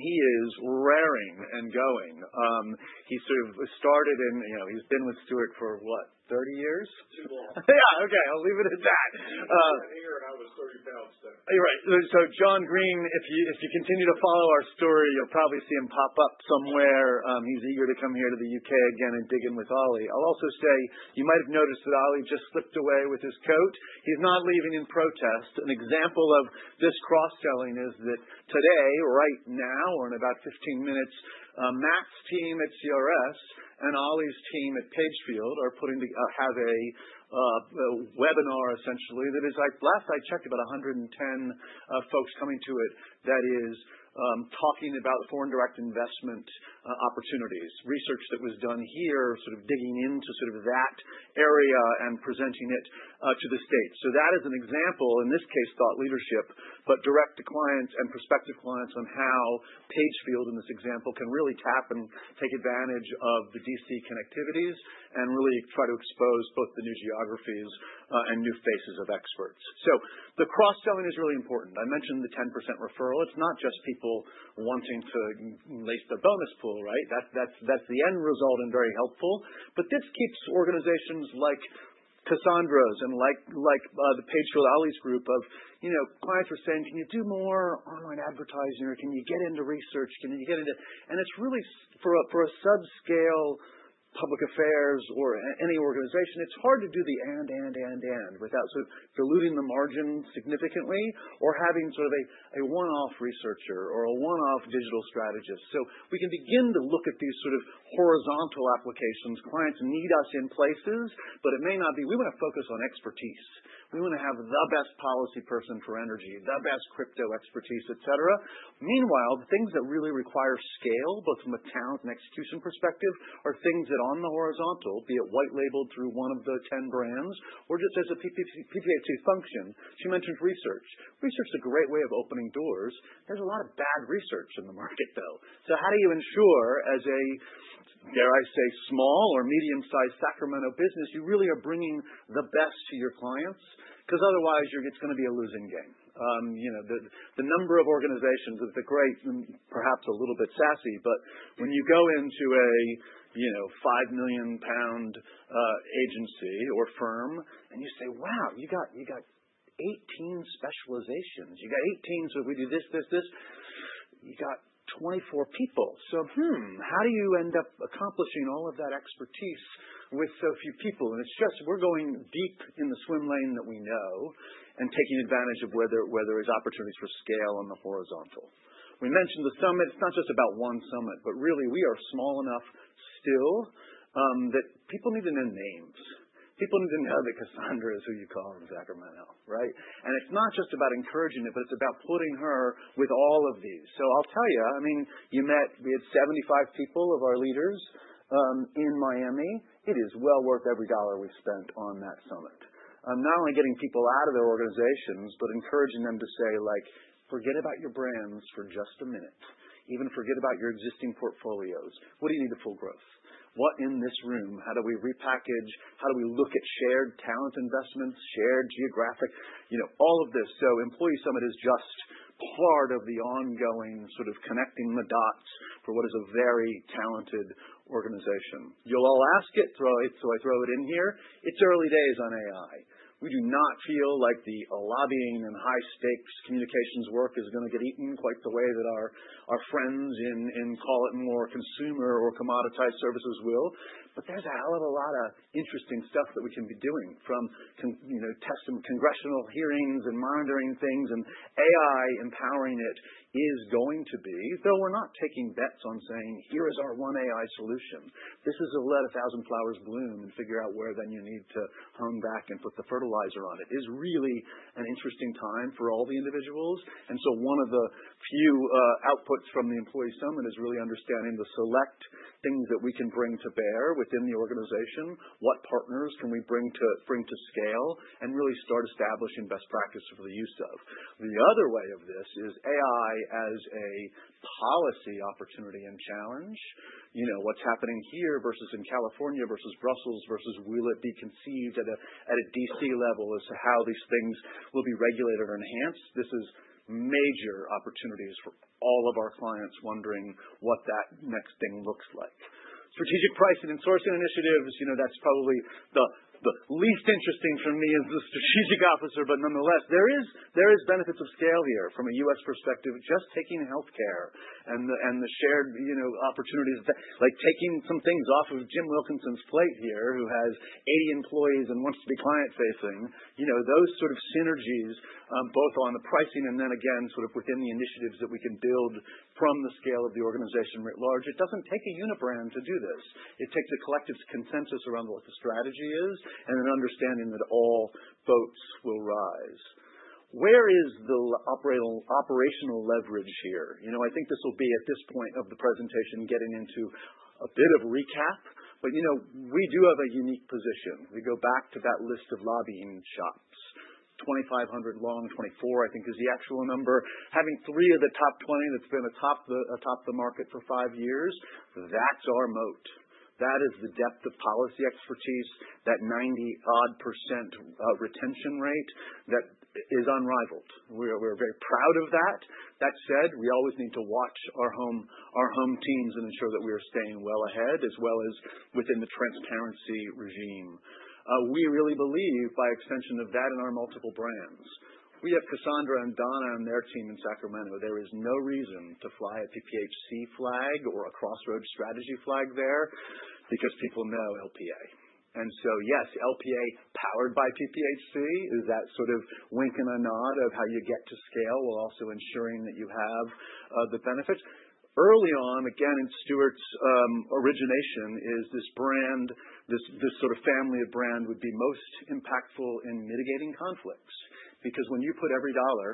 He is raring and going. He's been with Stewart Hall for what? 30 years? Too long. Yeah, okay. I'll leave it at that. In here, it was 30 years. You're right. John Green, if you continue to follow our story, you'll probably see him pop up somewhere. He's eager to come here to the U.K. again and dig in with Ollie. I'll also say, you might have noticed that Ollie just slipped away with his coat. He's not leaving in protest. An example of this cross-selling is that today, right now, or in about 15 minutes, Mat's team at CRS and Ollie's team at Pagefield have a webinar, essentially, that is, last I checked, about 110 folks coming to it, that is talking about foreign direct investment opportunities. Research that was done here, sort of digging into that area and presenting it to the States. That is an example, in this case, thought leadership, but direct to clients and prospective clients on how Pagefield, in this example, can really tap and take advantage of the D.C. connectivities and really try to expose both the new geographies and new faces of experts. I mentioned the 10% referral. It's not just people wanting to lace the bonus pool, right? That's the end result and very helpful. This keeps organizations like Cassandra's and like Pagefield, Ollie's group of, clients are saying, can you do more online advertising? Or, can you get into research? Can you get into? It's really for a sub-scale public affairs or any organization, it's hard to do the and, without sort of diluting the margin significantly or having sort of a one-off researcher or a one-off digital strategist. We can begin to look at these sort of horizontal applications. Clients need us in places, but it may not be, we want to focus on expertise. We want to have the best policy person for energy, the best crypto expertise, et cetera. Meanwhile, the things that really require scale, both from a talent and execution perspective, are things that on the horizontal, be it white labeled through one of the 10 brands or just as a PPHC function. She mentioned research. Research is a great way of opening doors. There's a lot of bad research in the market, though. How do you ensure as a, dare I say, small or medium-sized Sacramento business, you really are bringing the best to your clients? Because otherwise it's going to be a losing game. The number of organizations of the great and perhaps a little bit sassy. When you go into a 5 million pound agency or firm and you say, wow, you got 18 specializations. You got 18. So we do this. You got 24 people. How do you end up accomplishing all of that expertise with so few people? It's just we're going deep in the swim lane that we know and taking advantage of where there is opportunities for scale on the horizontal. We mentioned the summit. It's not just about one summit, but really we are small enough still, that people need to know names. People need to know that Cassandra is who you call in Sacramento, right? It's not just about encouraging it, but it's about putting her with all of these. I'll tell you, we had 75 people of our leaders, in Miami. It is well worth every dollar we spent on that summit. Not only getting people out of their organizations, but encouraging them to say, like, forget about your brands for just a minute. Even forget about your existing portfolios. What do you need to full growth? What in this room? How do we repackage? How do we look at shared talent investments, shared geographic? All of this. Employee summit is just part of the ongoing sort of connecting the dots for what is a very talented organization. You'll all ask it, so I throw it in here. It's early days on AI. We do not feel like the lobbying and high stakes communications work is going to get eaten quite the way that our friends in, call it more consumer or commoditized services will. There's a hell of a lot of interesting stuff that we can be doing from testing congressional hearings and monitoring things, and AI empowering it is going to be. We're not taking bets on saying, here is our one AI solution. This is a let a thousand flowers bloom and figure out where then you need to hone back and put the fertilizer on it. This is really an interesting time for all the individuals. One of the few outputs from the employee summit is really understanding the select things that we can bring to bear within the organization. What partners can we bring to scale and really start establishing best practice for the use of? The other way of this is AI as a policy opportunity and challenge. What's happening here versus in California versus Brussels versus will it be conceived at a D.C. level as to how these things will be regulated or enhanced? This is major opportunities for all of our clients wondering what that next thing looks like. Strategic pricing and sourcing initiatives, that's probably the least interesting for me as the strategic officer. Nonetheless, there is benefits of scale here from a U.S. perspective, just taking healthcare and the shared opportunities. Like taking some things off of Jim Wilkinson's plate here, who has 80 employees and wants to be client-facing. Those sort of synergies, both on the pricing and then again, sort of within the initiatives that we can build from the scale of the organization writ large. It doesn't take a unibrand to do this. It takes a collective consensus around what the strategy is and an understanding that all boats will rise. Where is the operational leverage here? I think this will be, at this point of the presentation, getting into a bit of recap. We do have a unique position. We go back to that list of lobbying shops, 2,500 long, 2,400, I think is the actual number. Having three of the top 20 that's been atop the market for five years, that's our moat. That is the depth of policy expertise, that 90-odd percent retention rate that is unrivaled. We're very proud of that. That said, we always need to watch our home teams and ensure that we are staying well ahead, as well as within the transparency regime. We really believe by extension of that in our multiple brands. We have Cassandra and Donna and their team in Sacramento. There is no reason to fly a PPHC flag or a Crossroads Strategies flag there because people know LPA. Yes, LPA powered by PPHC is that sort of wink and a nod of how you get to scale while also ensuring that you have the benefits. Early on, again, in Stewart's origination, is this brand, this sort of family of brand would be most impactful in mitigating conflicts. When you put every dollar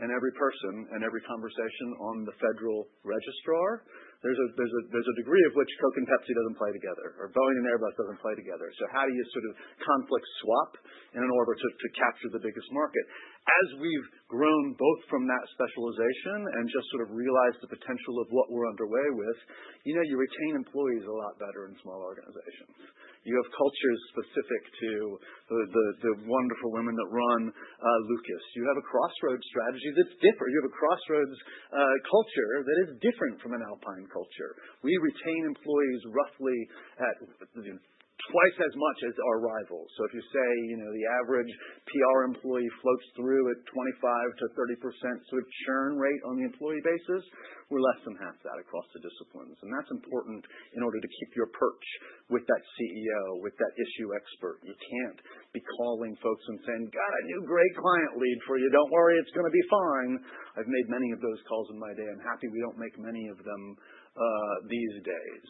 and every person and every conversation on the federal register, there's a degree of which Coke and Pepsi doesn't play together, or Boeing and Airbus doesn't play together. How do you sort of conflict swap in order to capture the biggest market? As we've grown both from that specialization and just sort of realized the potential of what we're underway with, you retain employees a lot better in smaller organizations. You have cultures specific to the wonderful women that run Lucas. You have a Crossroads Strategies that's different. You have a Crossroads culture that is different from an Alpine culture. We retain employees roughly at twice as much as our rivals. If you say, the average PR employee floats through at 25%-30% sort of churn rate on the employee basis, we're less than half that across the disciplines. That's important in order to keep your perch with that CEO, with that issue expert. You can't be calling folks and saying, got a great client lead for you. Don't worry, it's going to be fine. I've made many of those calls in my day. I'm happy we don't make many of them these days.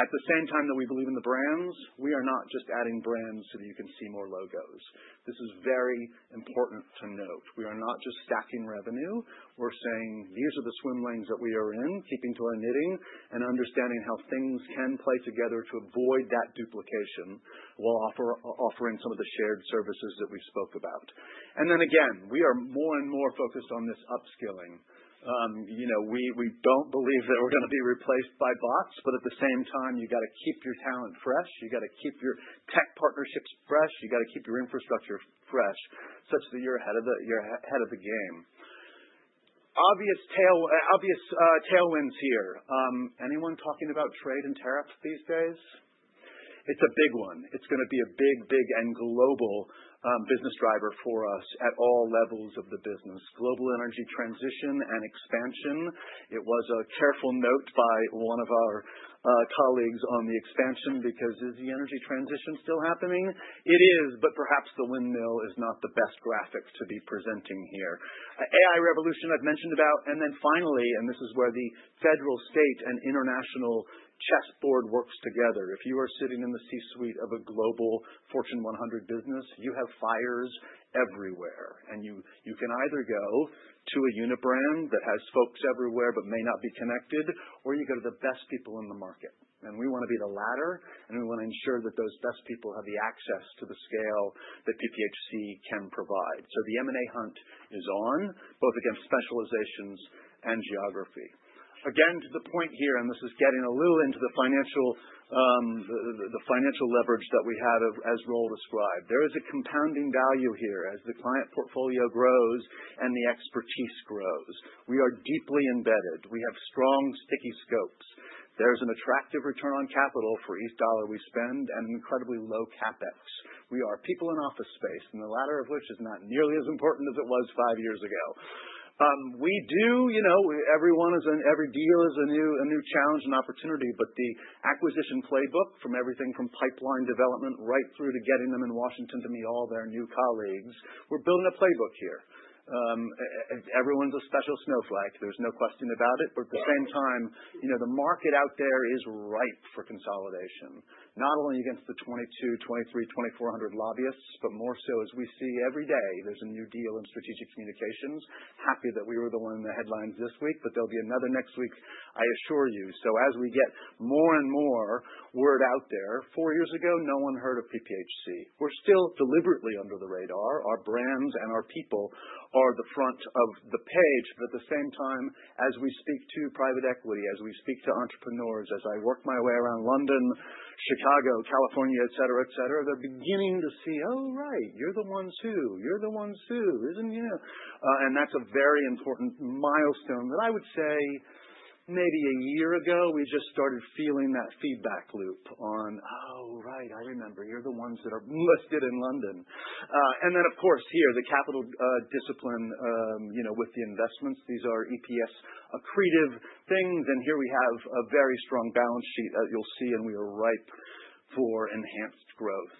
At the same time that we believe in the brands, we are not just adding brands so you can see more logos. This is very important to note. We are not just stacking revenue. We're saying, these are the swim lanes that we are in, keeping to our knitting, and understanding how things can play together to avoid that duplication while offering some of the shared services that we spoke about. We are more and more focused on this upskilling. We don't believe that we're going to be replaced by bots, but at the same time, you've got to keep your talent fresh. You've got to keep your tech partnerships fresh. You've got to keep your infrastructure fresh, such that you're ahead of the game. Obvious tailwinds here. Anyone talking about trade and tariffs these days? It's a big one. It's going to be a big, big, and global business driver for us at all levels of the business. Global energy transition and expansion. It was a careful note by one of our colleagues on the expansion because is the energy transition still happening? It is, but perhaps the windmill is not the best graphic to be presenting here. AI revolution, I've mentioned about. Then finally, this is where the federal, state, and international chessboard works together. If you are sitting in the C-suite of a global Fortune 100 business, you have fires everywhere. You can either go to a unibrand that has folks everywhere but may not be connected, or you go to the best people in the market. We want to be the latter, and we want to ensure that those best people have the access to the scale that PPHC can provide. The M&A hunt is on, both against specializations and geography. To the point here, and this is getting a little into the financial leverage that we have as Roel described. There is a compounding value here as the client portfolio grows and the expertise grows. We are deeply embedded. We have strong, sticky scopes. There's an attractive return on capital for each $1 we spend and incredibly low CapEx. We are people in office space, and the latter of which is not nearly as important as it was five years ago. Every deal is a new challenge and opportunity, but the acquisition playbook, from everything from pipeline development right through to getting them in Washington to meet all their new colleagues, we're building a playbook here. Everyone's a special snowflake. There's no question about it. At the same time, the market out there is ripe for consolidation, not only against the 2,200, 2,300, 2,400 lobbyists, more so as we see every day, there's a new deal in strategic communications. Happy that we were the one in the headlines this week, there'll be another next week, I assure you. As we get more and more word out there, four years ago, no one heard of PPHC. We're still deliberately under the radar. Our brands and our people are the front of the page. At the same time, as we speak to private equity, as we speak to entrepreneurs, as I work my way around London, Chicago, California, et cetera. They're beginning to see, oh, right. You're the ones who, isn't it? That's a very important milestone that I would say maybe a year ago, we just started feeling that feedback loop on, oh, right. I remember. You're the ones that are listed in London. Of course, here, the capital discipline, with the investments. These are EPS-accretive things, here we have a very strong balance sheet, as you'll see, we are ripe for enhanced growth.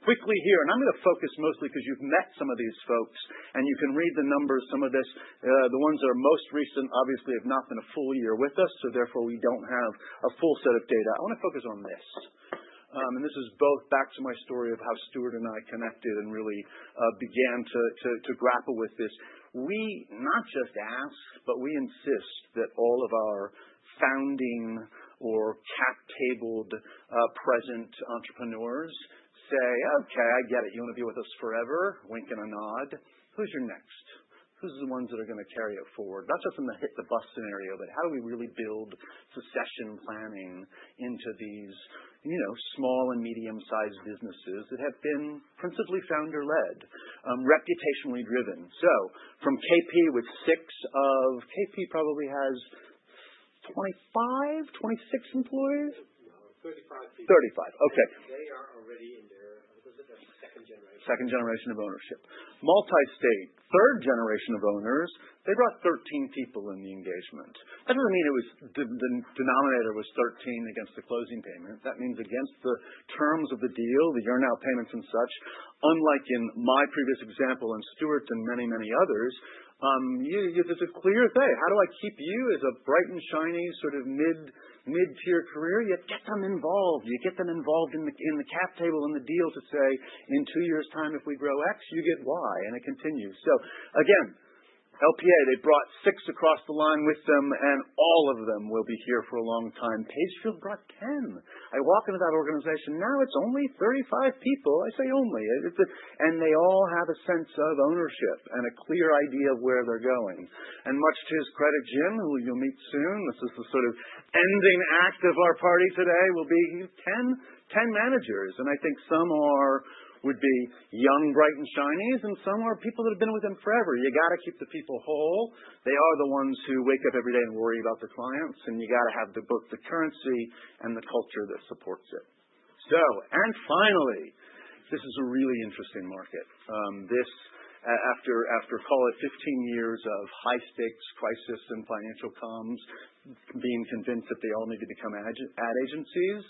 Quickly here, I'm going to focus mostly because you've met some of these folks, you can read the numbers. Some of this, the ones that are most recent, obviously, have not been a full year with us, so therefore, we don't have a full set of data. I want to focus on this. This is both back to my story of how Stewart and I connected and really began to grapple with this. We not just ask, but we insist that all of our founding or cap table present entrepreneurs say, okay, I get it. You want to be with us forever, wink and a nod. Who's your next? Who's the ones that are going to carry it forward? Not just from the hit the bus scenario, but how do we really build succession planning into these small and medium-sized businesses that have been principally founder-led, reputationally driven. From KP probably has 25, 26 employees? 35. Okay. Second generation of ownership. MultiState, third generation of owners. They brought 13 people in the engagement. Doesn't mean the denominator was 13 against the closing payments. That means against the terms of the deal, the earn-out payments and such, unlike in my previous example and Stewart's and many others, it's a clear thing. How do I keep you as a bright and shiny sort of mid-tier career? You get them involved. You get them involved in the cap table, in the deal to say, in two years time, if we grow X, you get Y, and it continues. Again, LPA, they brought six across the line with them, and all of them will be here for a long time. Pagefield brought 10. I walk into that organization now, it's only 35 people. I say only. They all have a sense of ownership and a clear idea of where they're going. Much to his credit, Jim, who you'll meet soon, this is the sort of ending act of our party today, will be 10 managers, and I think some would be young, bright, and shiny, and some are people who've been with him forever. You've got to keep the people whole. They are the ones who wake up every day and worry about the clients, and you've got to have the book, the currency, and the culture that supports it. Finally, this is a really interesting market. After call it 15 years of high-stakes crisis and financial comms being convinced that they all need to become ad agencies,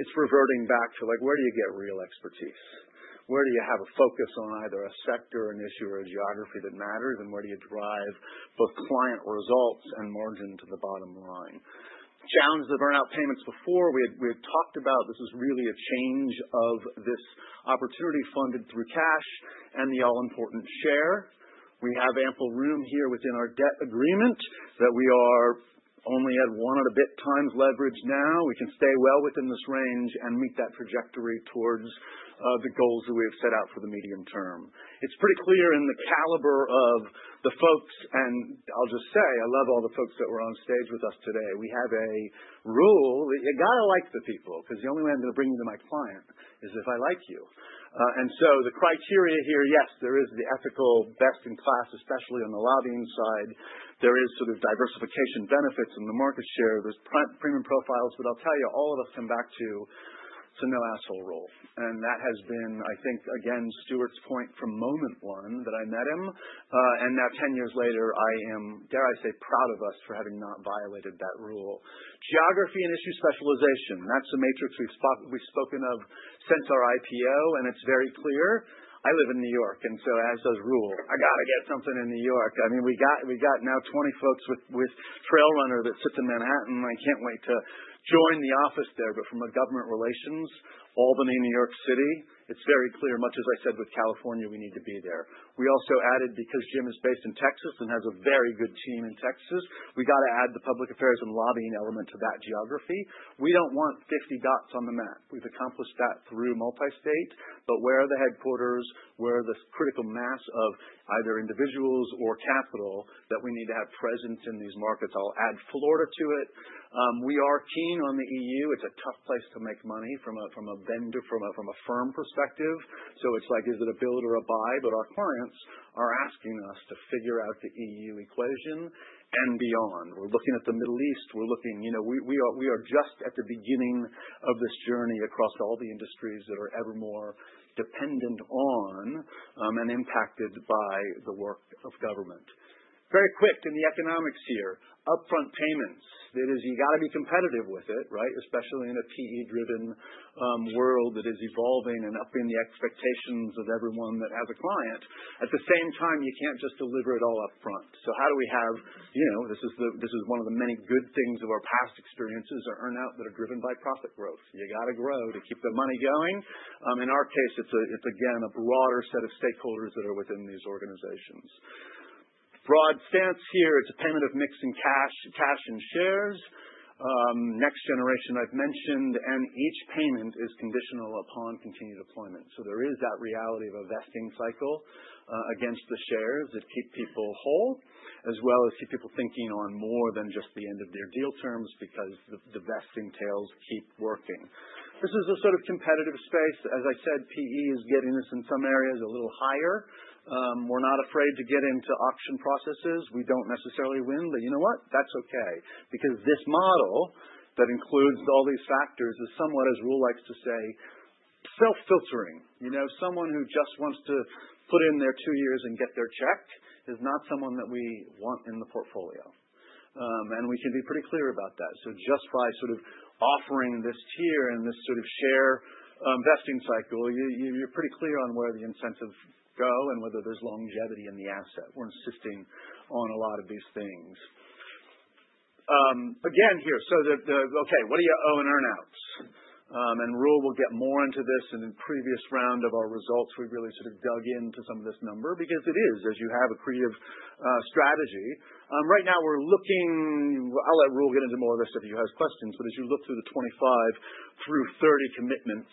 it's reverting back to where do you get real expertise? Where do you have a focus on either a sector, an issue, or a geography that matters, and where do you drive both client results and margin to the bottom line? Terms of earn-out payments before, we've talked about this is really a change of this opportunity funded through cash and the all-important share. We have ample room here within our debt agreement that we are only at one and a bit times leverage now. We can stay well within this range and meet that trajectory towards the goals that we have set out for the medium term. It's pretty clear in the caliber of the folks, I'll just say, I love all the folks that were on stage with us today. We have a rule that you got to like the people, because the only way I'm going to bring you my client is if I like you. The criteria here, yes, there is the ethical best in class, especially on the lobbying side. There is sort of diversification benefits in the market share. There's premium profiles. I'll tell you, all of them come back to no asshole rule. That has been, I think, again, Stewart's point from moment one that I met him, and now 10 years later, I am, dare I say, proud of us for having not violated that rule. Geography and issue specialization. That's the matrix we've spoken of since our IPO, and it's very clear. I live in New York, as does Roel, I got to get something in New York. We've got now 20 folks with TrailRunner that sit in Manhattan, and I can't wait to join the office there. From a government relations, Albany, New York City, it's very clear, much as I said with California, we need to be there. We also added, because Jim is based in Texas and has a very good team in Texas, we got to add the public affairs and lobbying element to that geography. We don't want 50 dots on the map. We've accomplished that through MultiState, where are the headquarters, where are the critical mass of either individuals or capital that we need to have presence in these markets. I'll add Florida to it. We are keen on the EU. It's a tough place to make money from a firm perspective. It's like, is it a build or a buy? Our clients are asking us to figure out the EU equation and beyond. We're looking at the Middle East. We are just at the beginning of this journey across all the industries that are ever more dependent on, and impacted by the work of government. Very quick in the economics here. Upfront payments. That is, you got to be competitive with it, right? Especially in a PE-driven world that is evolving and upping the expectations of everyone that have a client. At the same time, you can't just deliver it all upfront. This is one of the many good things of our past experiences are earn-out, but are driven by profit growth. You got to grow to keep the money going. In our case, it's again, a broader set of stakeholders that are within these organizations. Broad stance here, it's a blend of mixing cash and shares. Next generation I've mentioned, each payment is conditional upon continued employment. There is that reality of a vesting cycle, against the shares that keep people whole, as well as keep people thinking on more than just the end of their deal terms because the vesting tails keep working. This is a sort of competitive space. As I said, PE is getting this in some areas a little higher. We are not afraid to get into auction processes. We do not necessarily win, but you know what? That is okay, because this model that includes all these factors is somewhat, as Roel likes to say, self-filtering. Someone who just wants to put in their two years and get their check is not someone that we want in the portfolio. We can be pretty clear about that. Just by sort of offering this tier and this sort of share vesting cycle, you're pretty clear on where the incentives go and whether there's longevity in the asset. We're insisting on a lot of these things. Again here, what do you owe in earn-outs? Roel will get more into this in a previous round of our results, we really sort of dug into some of this number because it is, as you have accretive strategy. Right now we're looking, I'll let Roel get into more of this if he has questions, as you look through the 25-30 commitments,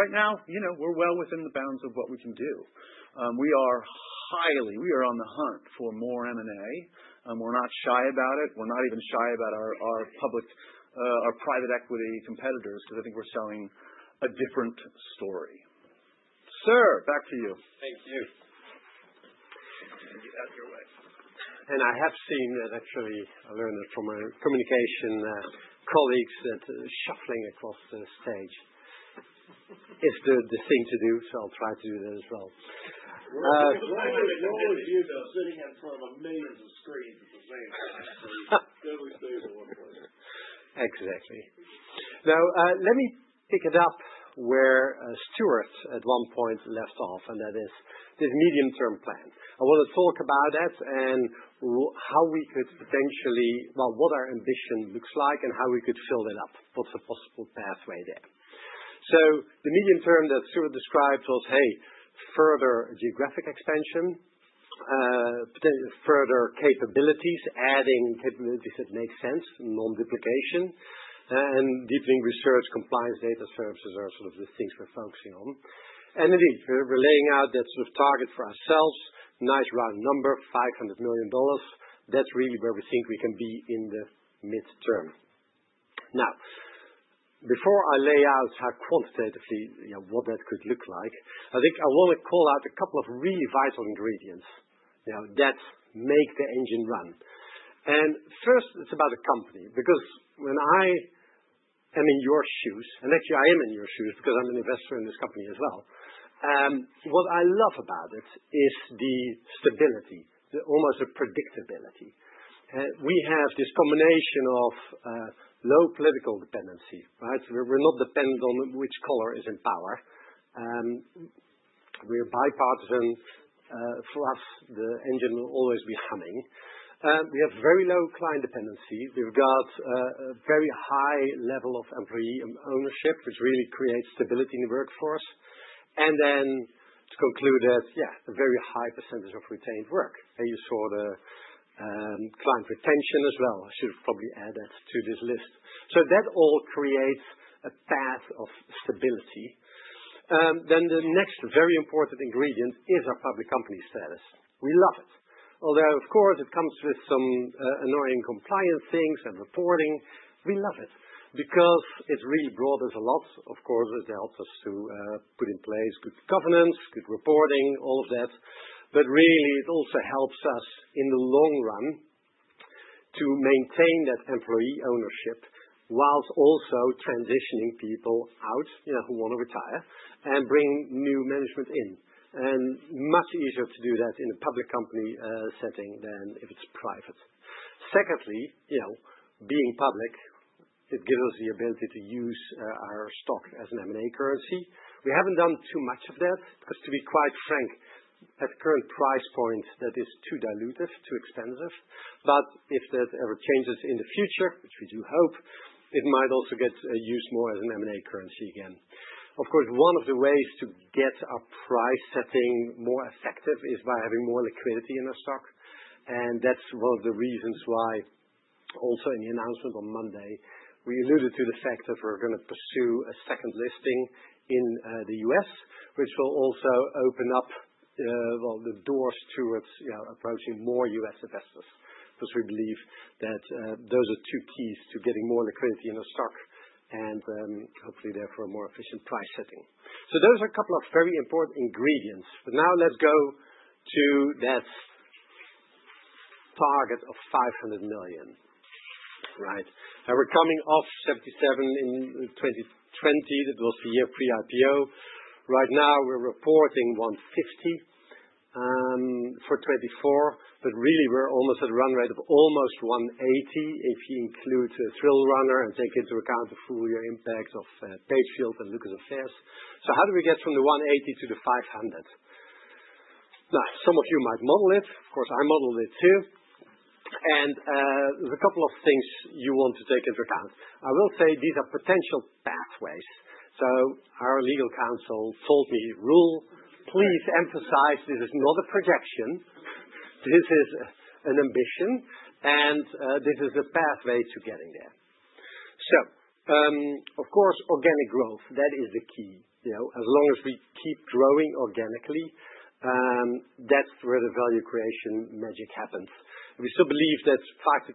right now, we're well within the bounds of what we can do. We are highly on the hunt for more M&A, we're not shy about it. We're not even shy about our private equity competitors, because I think we're telling a different story. Sir, back to you. Thank you. I have seen that actually earlier in the communication colleagues that shuffling across the stage is the thing to do, so I'll try to do that as well. No one's ever sitting in front of millions of screens at the same time, so you're still the favorite one. Exactly. Let me pick it up where Stewart at one point left off, and that is this medium-term plan. I want to talk about it and what our ambition looks like and how we could fill it up. What's the possible pathway there? The medium term that Stewart described was, hey, further geographic expansion, further capabilities, adding technologies that make sense, non-duplication, and deepening research compliance data services are sort of the things we're focusing on. Indeed, we're laying out this target for ourselves. Nice round number, $500 million. That's really where we think we can be in the midterm. Before I lay out qualitatively what that could look like, I think I want to call out a couple of really vital ingredients that make the engine run. First, it's about a company because when I am in your shoes, and actually I am in your shoes because I'm an investor in this company as well. What I love about it is the stability, almost the predictability. We have this combination of low political dependency, right? We're not dependent on which color is in power. We are bipartisan. For us, the engine will always be humming. We have very low client dependency. We've got a very high level of employee ownership, which really creates stability in the workforce. To conclude that, yeah, a very high percentage of retained work. You saw the client retention as well. I should have probably add that to this list. That all creates a path of stability. The next very important ingredient is our public company status. We love it. Although, of course, it comes with some annoying compliance things and reporting. We love it because it really brought us a lot. Of course, it helped us to put in place good governance, good reporting, all that. Really, it also helps us in the long run to maintain that employee ownership whilst also transitioning people out who want to retire and bring new management in, and much easier to do that in a public company setting than if it's private. Secondly, being public, it gives us the ability to use our stock as an M&A currency. We haven't done too much of that, because to be quite frank, at current price point, that is too dilutive, too expensive. If that ever changes in the future, which we do hope, it might also get used more as an M&A currency again. Of course, one of the ways to get our price setting more effective is by having more liquidity in our stock. That's one of the reasons why, also in the announcement on Monday, we alluded to the fact that we're going to pursue a second listing in the U.S., which will also open up the doors towards approaching more U.S. investors, because we believe that those are two keys to getting more liquidity in our stock and hopefully therefore a more efficient price setting. Those are a couple of very important ingredients. Now let's go to that target of $500 million, right? Now we're coming off $77 million in 2020. That was the year pre-IPO. Right now we're reporting $150 million for 2024. Really we're almost at a run rate of almost $180 million if you include TrailRunner and take into account the full year impact of Pagefield and Lucas Public Affairs. How do we get from the $180 million to the $500 million? Some of you might model it. Of course, I model it too. There's a couple of things you want to take into account. I will say these are potential pathways. Our legal counsel told me, Roel, please emphasize this is not a projection, this is an ambition, and this is a pathway to getting there. Of course, organic growth, that is the key. As long as we keep growing organically, that's where the value creation magic happens. We still believe that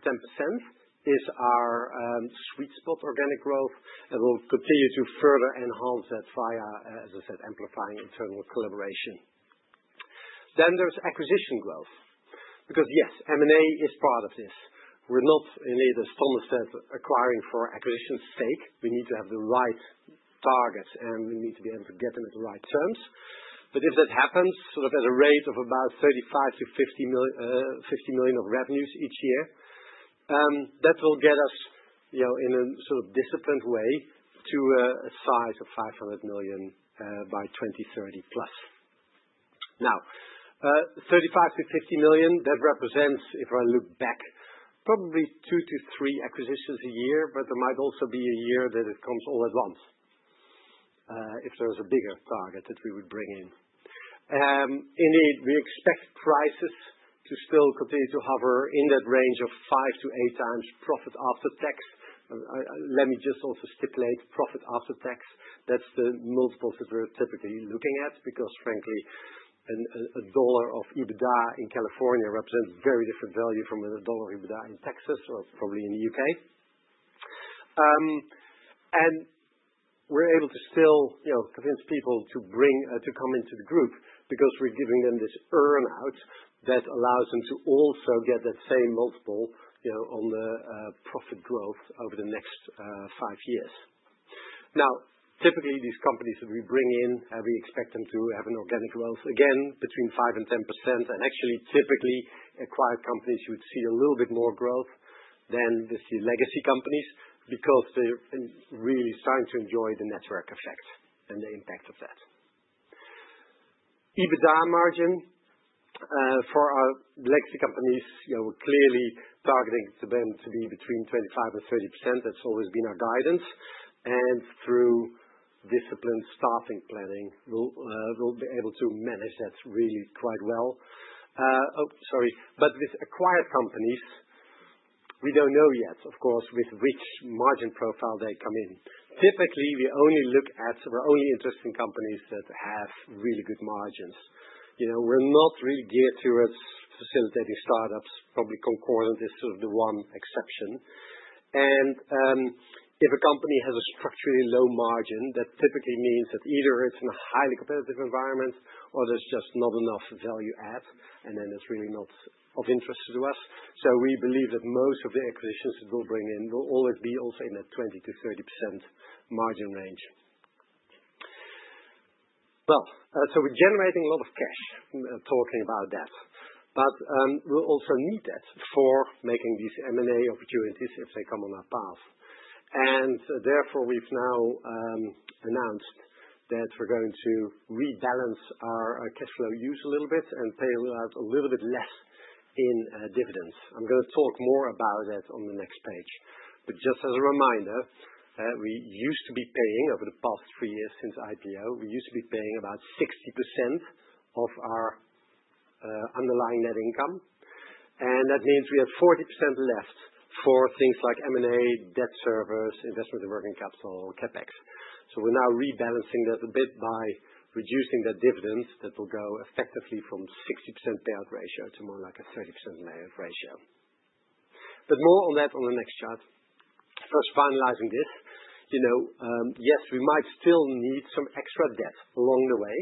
5%-10% is our sweet spot for organic growth, and we'll continue to further enhance that via, as I said, amplifying internal collaboration. There's acquisition growth, because yes, M&A is part of this. We're not in any of the fuller sense acquiring for acquisition's sake. We need to have the right targets, and we need to be able to get them at the right terms. If that happens at a rate of about $35 million-$50 million of revenues each year, that will get us in a sort of disciplined way to a size of $500 million by 2030 plus. $35 million-$50 million, that represents, if I look back, probably two to three acquisitions a year, but there might also be a year that it comes all at once if there was a bigger target that we would bring in. We expect prices to still continue to hover in that range of 5x-8x profit after tax. Let me just also stipulate profit after tax. That's the multiples that we're typically looking at because frankly, a dollar of EBITDA in California represents very different value from a dollar of EBITDA in Texas or probably in the U.K. We're able to still convince people to come into the group because we're giving them this earn-out that allows them to also get that same multiple on the profit growth over the next five years. Now, typically, these companies that we bring in, we expect them to have an organic growth, again, between 5% and 10%. Actually, typically, acquired companies you would see a little bit more growth than the legacy companies, because they're really starting to enjoy the network effect and the impact of that. EBITDA margin for our legacy companies, we're clearly targeting them to be between 25% and 30%. That's always been our guidance. Through disciplined staffing planning, we'll be able to manage that really quite well. Oh, sorry. These acquired companies, we don't know yet, of course, with which margin profile they come in. Typically, we only look at, we're only interested in companies that have really good margins. We're not really geared towards facilitating startups. Probably Concordant is the one exception. If a company has a structurally low margin, that typically means that either it's in a highly competitive environment or there's just not enough value add, and then it's really not of interest to us. We believe that most of the acquisitions that we'll bring in will always be also in that 20%-30% margin range. Well, we're generating a lot of cash, talking about debt. We'll also need that for making these M&A opportunities if they come on our path. Therefore, we've now announced that we're going to rebalance our cash flow use a little bit and pay out a little bit less in dividends. I'm going to talk more about that on the next page. Just as a reminder, we used to be paying over the past three years since IPO, we used to be paying about 60% of our underlying net income, and that means we have 40% left for things like M&A, debt service, investment in working capital, CapEx. We're now rebalancing that a bit by reducing the dividends that will go effectively from 60% payout ratio to more like a 30% payout ratio. More on that on the next chart. First, finalizing this. Yes, we might still need some extra debt along the way,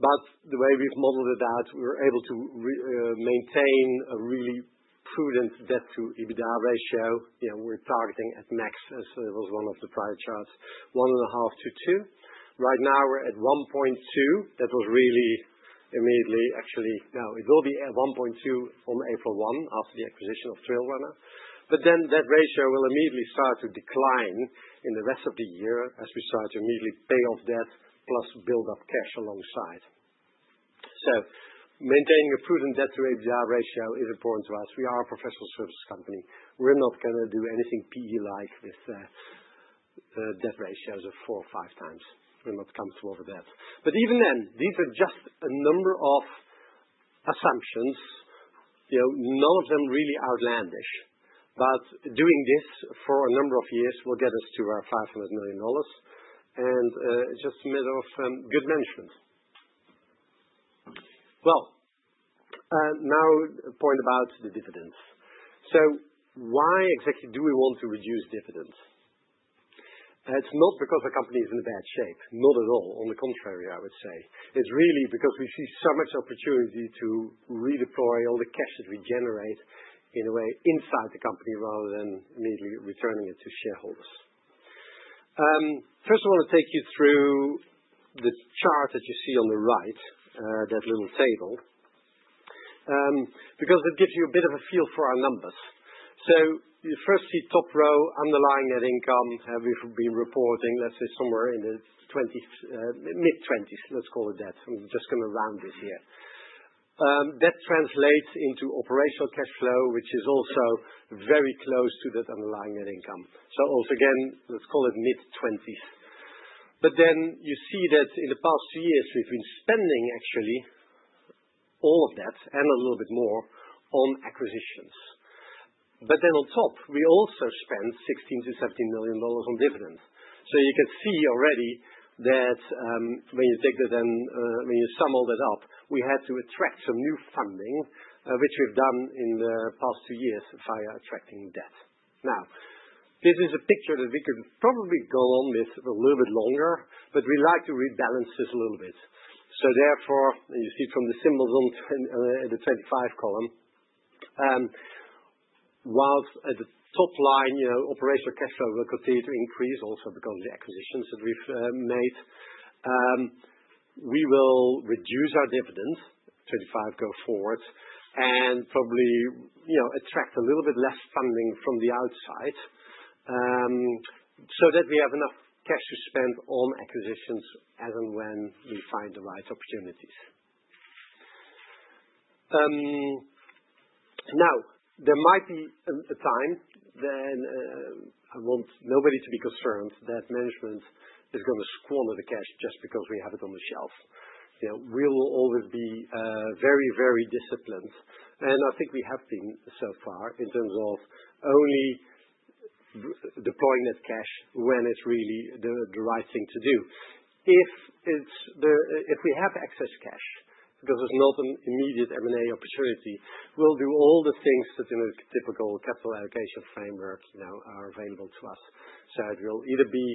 but the way we've modeled it out, we're able to maintain a really prudent debt to EBITDA ratio. We're targeting at max, as it was one of the prior charts, 1.5:2. Right now we're at 1.2. Actually, no, it will be at 1.2 on April 1 after the acquisition of TrailRunner. That ratio will immediately start to decline in the rest of the year as we start to immediately pay off debt plus build up cash alongside. Maintaining a prudent debt to EBITDA ratio is important to us. We are a professional service company. We're not going to do anything PE-like with debt ratios of 4x or 5x. We're not comfortable with that. Even then, these are just a number of assumptions, none of them really outlandish. Doing this for a number of years will get us to our $500 million, and just a matter of good management. Now a point about the dividends. Why exactly do we want to reduce dividends? It's not because the company is in a bad shape. Not at all. On the contrary, I would say. It's really because we see so much opportunity to redeploy all the cash that we generate in a way inside the company rather than immediately returning it to shareholders. First of all, I'll take you through the chart that you see on the right, that little table, because it gives you a bit of a feel for our numbers. You first see top row, underlying net income. We should be reporting, let's say, somewhere in the mid-20s, let's call it that. I'm just going to round it here. That translates into operational cash flow, which is also very close to that underlying net income. Once again, let's call it mid-20s. You see that in the past two years, we've been spending actually all of that and a little bit more on acquisitions. On top, we also spent $16 million-$17 million on dividends. You can see already that when you sum all that up, we had to attract some new funding, which we've done in the past two years via attracting debt. This is a picture that we could probably go on with a little bit longer, but we like to rebalance this a little bit. Therefore, you see from the symbols on the 2025 column. While at the top line, operational cash flow will continue to increase also because of the acquisitions that we've made, we will reduce our dividend, 2025 going forward, and probably attract a little bit less funding from the outside, so that we have enough cash to spend on acquisitions as and when we find the right opportunities. There might be a time then, I want nobody to be concerned that management is going to squander the cash just because we have it on the shelf. We will always be very disciplined, and I think we have been so far in terms of only deploy cash when it's really the right thing to do. If we have excess cash, there is not an immediate M&A opportunity, we'll do all the things that the typical capital allocation frameworks now are available to us. It will either be,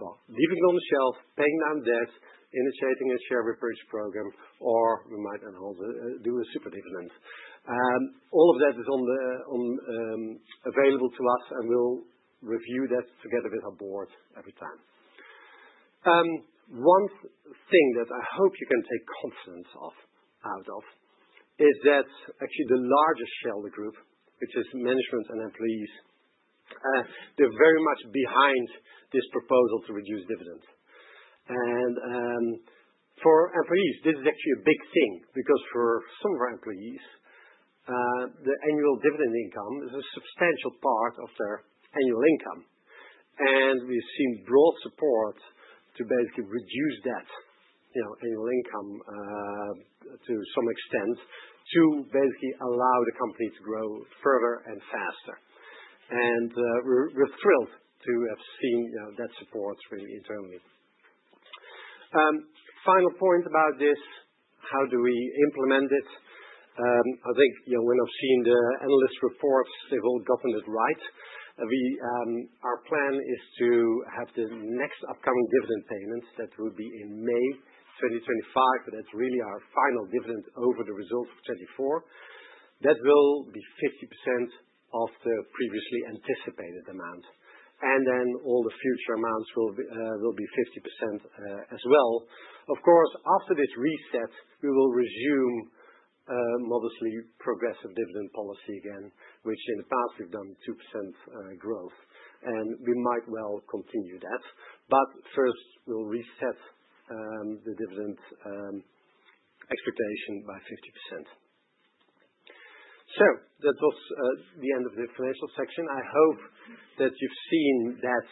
well, leaving it on the shelf, paying down debt, initiating a share repurchase program, or we might do a special dividend. All of that is available to us, and we'll review that together with our board every time. One thing that I hope you can take confidence out of is that actually the largest share of the group, which is management and employees, they're very much behind this proposal to reduce dividends. For employees, this is actually a big thing because for some of our employees, the annual dividend income is a substantial part of their annual income. We've seen broad support to basically reduce that annual income, to some extent, to basically allow the company to grow further and faster. We're thrilled to have seen that support internally. Final point about this, how do we implement it? I think you will have seen the analyst reports. They all got this right. Our plan is to have the next upcoming dividend payments. That will be in May 2025, and it's really our final dividend over the results of 2024. That will be 50% of the previously anticipated amount. All the future amounts will be 50% as well. After this reset, we will resume obviously progressive dividend policy again, which in the past we've done 2% growth, and we might well continue that. First, we'll reset the dividend expectation by 50%. That was the end of the financial section. I hope that you've seen that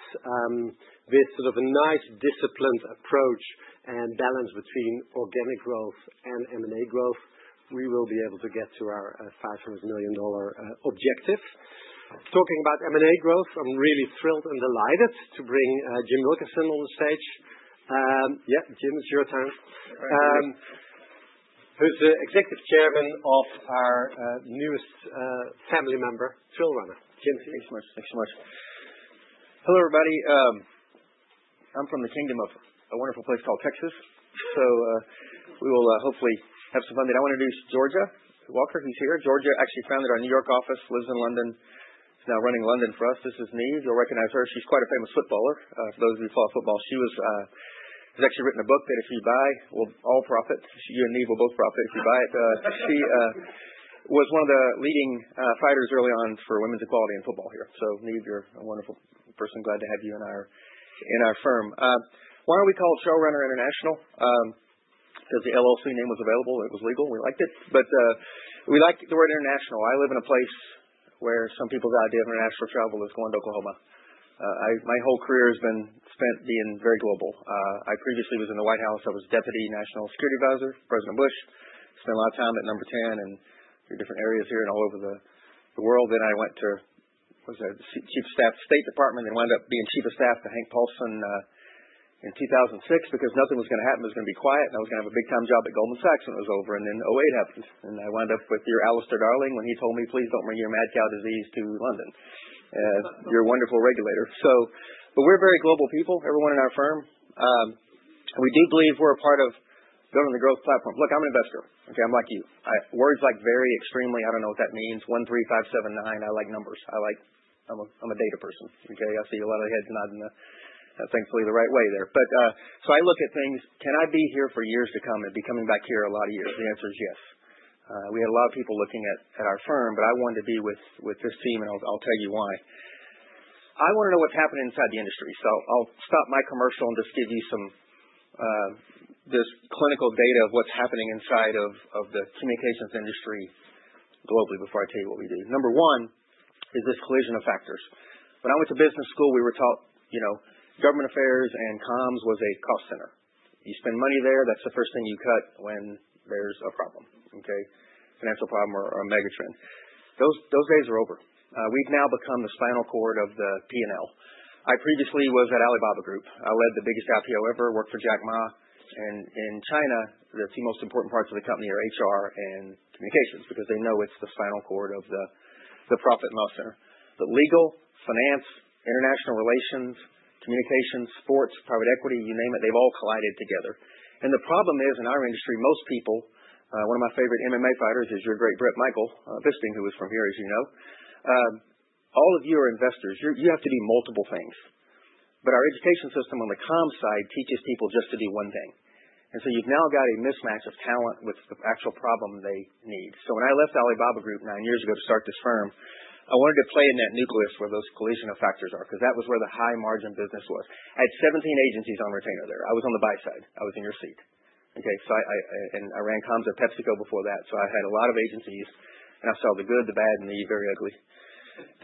this sort of a nice, disciplined approach and balance between organic growth and M&A growth, we will be able to get to our $500 million objective. Talking about M&A growth, I'm really thrilled and delighted to bring Jim Wilkinson on the stage. Yeah, Jim, it's your turn. Thank you. Who's the Executive Chairman of our newest family member, TrailRunner International, Jim, please. Thanks so much. Hello, everybody. I'm from the kingdom of a wonderful place called Texas. We'll hopefully have some fun. I want to introduce Georgia Walker, who's here. Georgia actually founded our New York office, lives in London, now running London for us. This is me. You'll recognize her. She's quite a famous footballer. Those who follow football. She has actually written a book there. If you buy, well, all profits, she and me will both profit if you buy it. She was one of the leading fighters early on for women's equality in football here. Maybe you're a wonderful person. Glad to have you in our firm. Why are we called TrailRunner International? Because the LLC name was available. It was legal. We liked it. We like to go international. I live in a place where some people drive to international travel. It's called Oklahoma. My whole career has been spent being very global. I previously was in the White House. I was Deputy National Security Advisor for President Bush. Spent a lot of time at Number 10 in different areas here and all over the world. I went to Chief of Staff State Department and wound up being Chief of Staff to Hank Paulson in 2006 because nothing was going to happen. It was going to be quiet, and I was going to have a big time job at Goldman Sachs when it was over. 2008 happens, and I wound up with your Alistair Darling when he told me, Please don't bring your mad cow disease to London. You're a wonderful regulator. We're very global people, everyone in our firm. We do believe we're a part of building a growth platform. Look, I'm an investor. Okay? I'm like you. Words like very, extremely. I don't know what that means. One, three, five, seven, nine. I like numbers. I'm a data person. Okay? I see a lot of heads nodding thankfully the right way there. I look at things, can I be here for years to come and be coming back here a lot of years? The answer is yes. We had a lot of people looking at our firm, I wanted to be with this team, and I'll tell you why. I want to know what's happening inside the industry. I'll stop my commercial and just give you some clinical data of what's happening inside of the communications industry globally before I tell you what we do. Number one is this collision of factors. When I went to business school, we were taught government affairs and comms was a cost center. You spend money there, that's the first thing you cut when there's a problem. Okay. Financial problem or a mega-trend. Those days are over. We've now become the spinal cord of the P&L. I previously was at Alibaba Group. I led the biggest IPO ever, worked for Jack Ma. In China, the two most important parts of the company are HR and communications because they know it's the spinal cord of the profit center. The legal, finance, international relations, communications, sports, private equity, you name it, they've all collided together. The problem is, in our industry, most people, one of my favorite MMA fighters is your great Brit, Michael Bisping, who is from here, as you know. All of you are investors. You have to do multiple things. Our education system on the comms side teaches people just to do one thing. You've now got a mismatch of talent with the actual problem they need. When I left the Alibaba Group nine years ago to start this firm, I wanted to play in that nucleus where those collision of factors are, because that was where the high margin business was. I had 17 agencies on retainer there. I was on the buy side. I was in your seat. Okay? I ran comms at PepsiCo before that, so I had a lot of agencies. I saw the good, the bad, and the very ugly.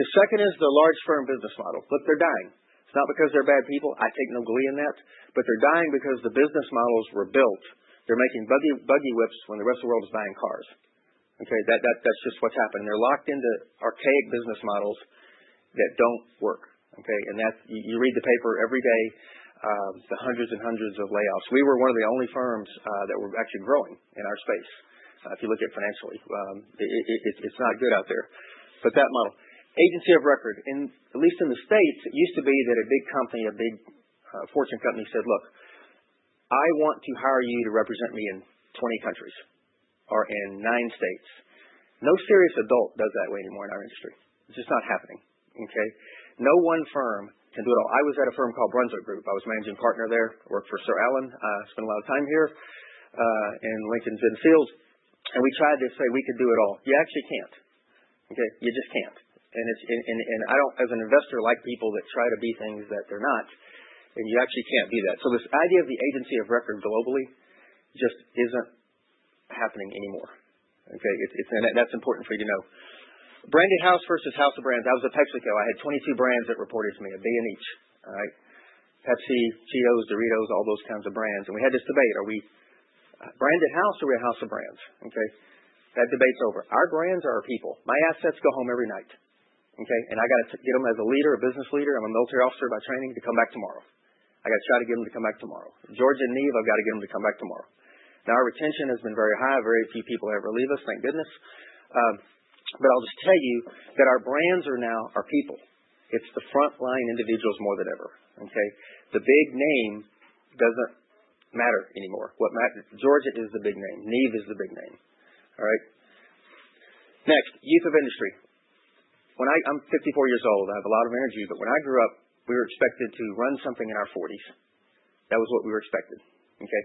The second is the large firm business model. Look, they're dying. It's not because they're bad people. I take no glee in that. They're dying because the business models were built. They're making buggy whips when the rest of the world's buying cars. Okay, that's just what's happened. They're locked into archaic business models that don't work. Okay? You read the paper every day, the hundreds and hundreds of layoffs. We were one of the only firms that was actually growing in our space if you look at financially. It's not good out there. That model, agency of record, at least in the U.S., it used to be that a big company, a big Fortune company said, look, I want to hire you to represent me in 20 countries or in nine states. No serious adult does it that way anymore in our industry. It's just not happening, okay? No one firm can do it. I was at a firm called Brunswick Group. I was managing partner there, worked for Sir Alan, spent a lot of time here in Lincoln's Inn Fields, we tried to say we can do it all. You actually can't. Okay? You just can't. I, as an investor, like people that try to be things that they're not, and you actually can't be that. This idea of the agency of record globally just isn't happening anymore. Okay. That's important for you to know. Branded house versus house of brands. I was at PepsiCo. I had 22 brands that reported to me at Brunswick. All right. Pepsi, Fritos, Doritos, all those kinds of brands. We had this debate, are we a branded house or are we a house of brands? Okay. That debate's over. Our brands are our people. My assets go home every night. Okay. I got to get them as a leader, a business leader. I'm a military officer by training to come back tomorrow. I got to try to get them to come back tomorrow. Georgia and Niamh, I've got to get them to come back tomorrow. Our retention has been very high. Very few people ever leave us, thank goodness. I'll just tell you that our brands are now our people. It's the frontline individuals more than ever. Okay? The big name doesn't matter anymore. What matters is Georgia is the big name. Niamh is the big name. All right? Youth of industry. I'm 54 years old. I have a lot of energy, but when I grew up, we were expected to run something in our 40s. That was what we were expected. Okay?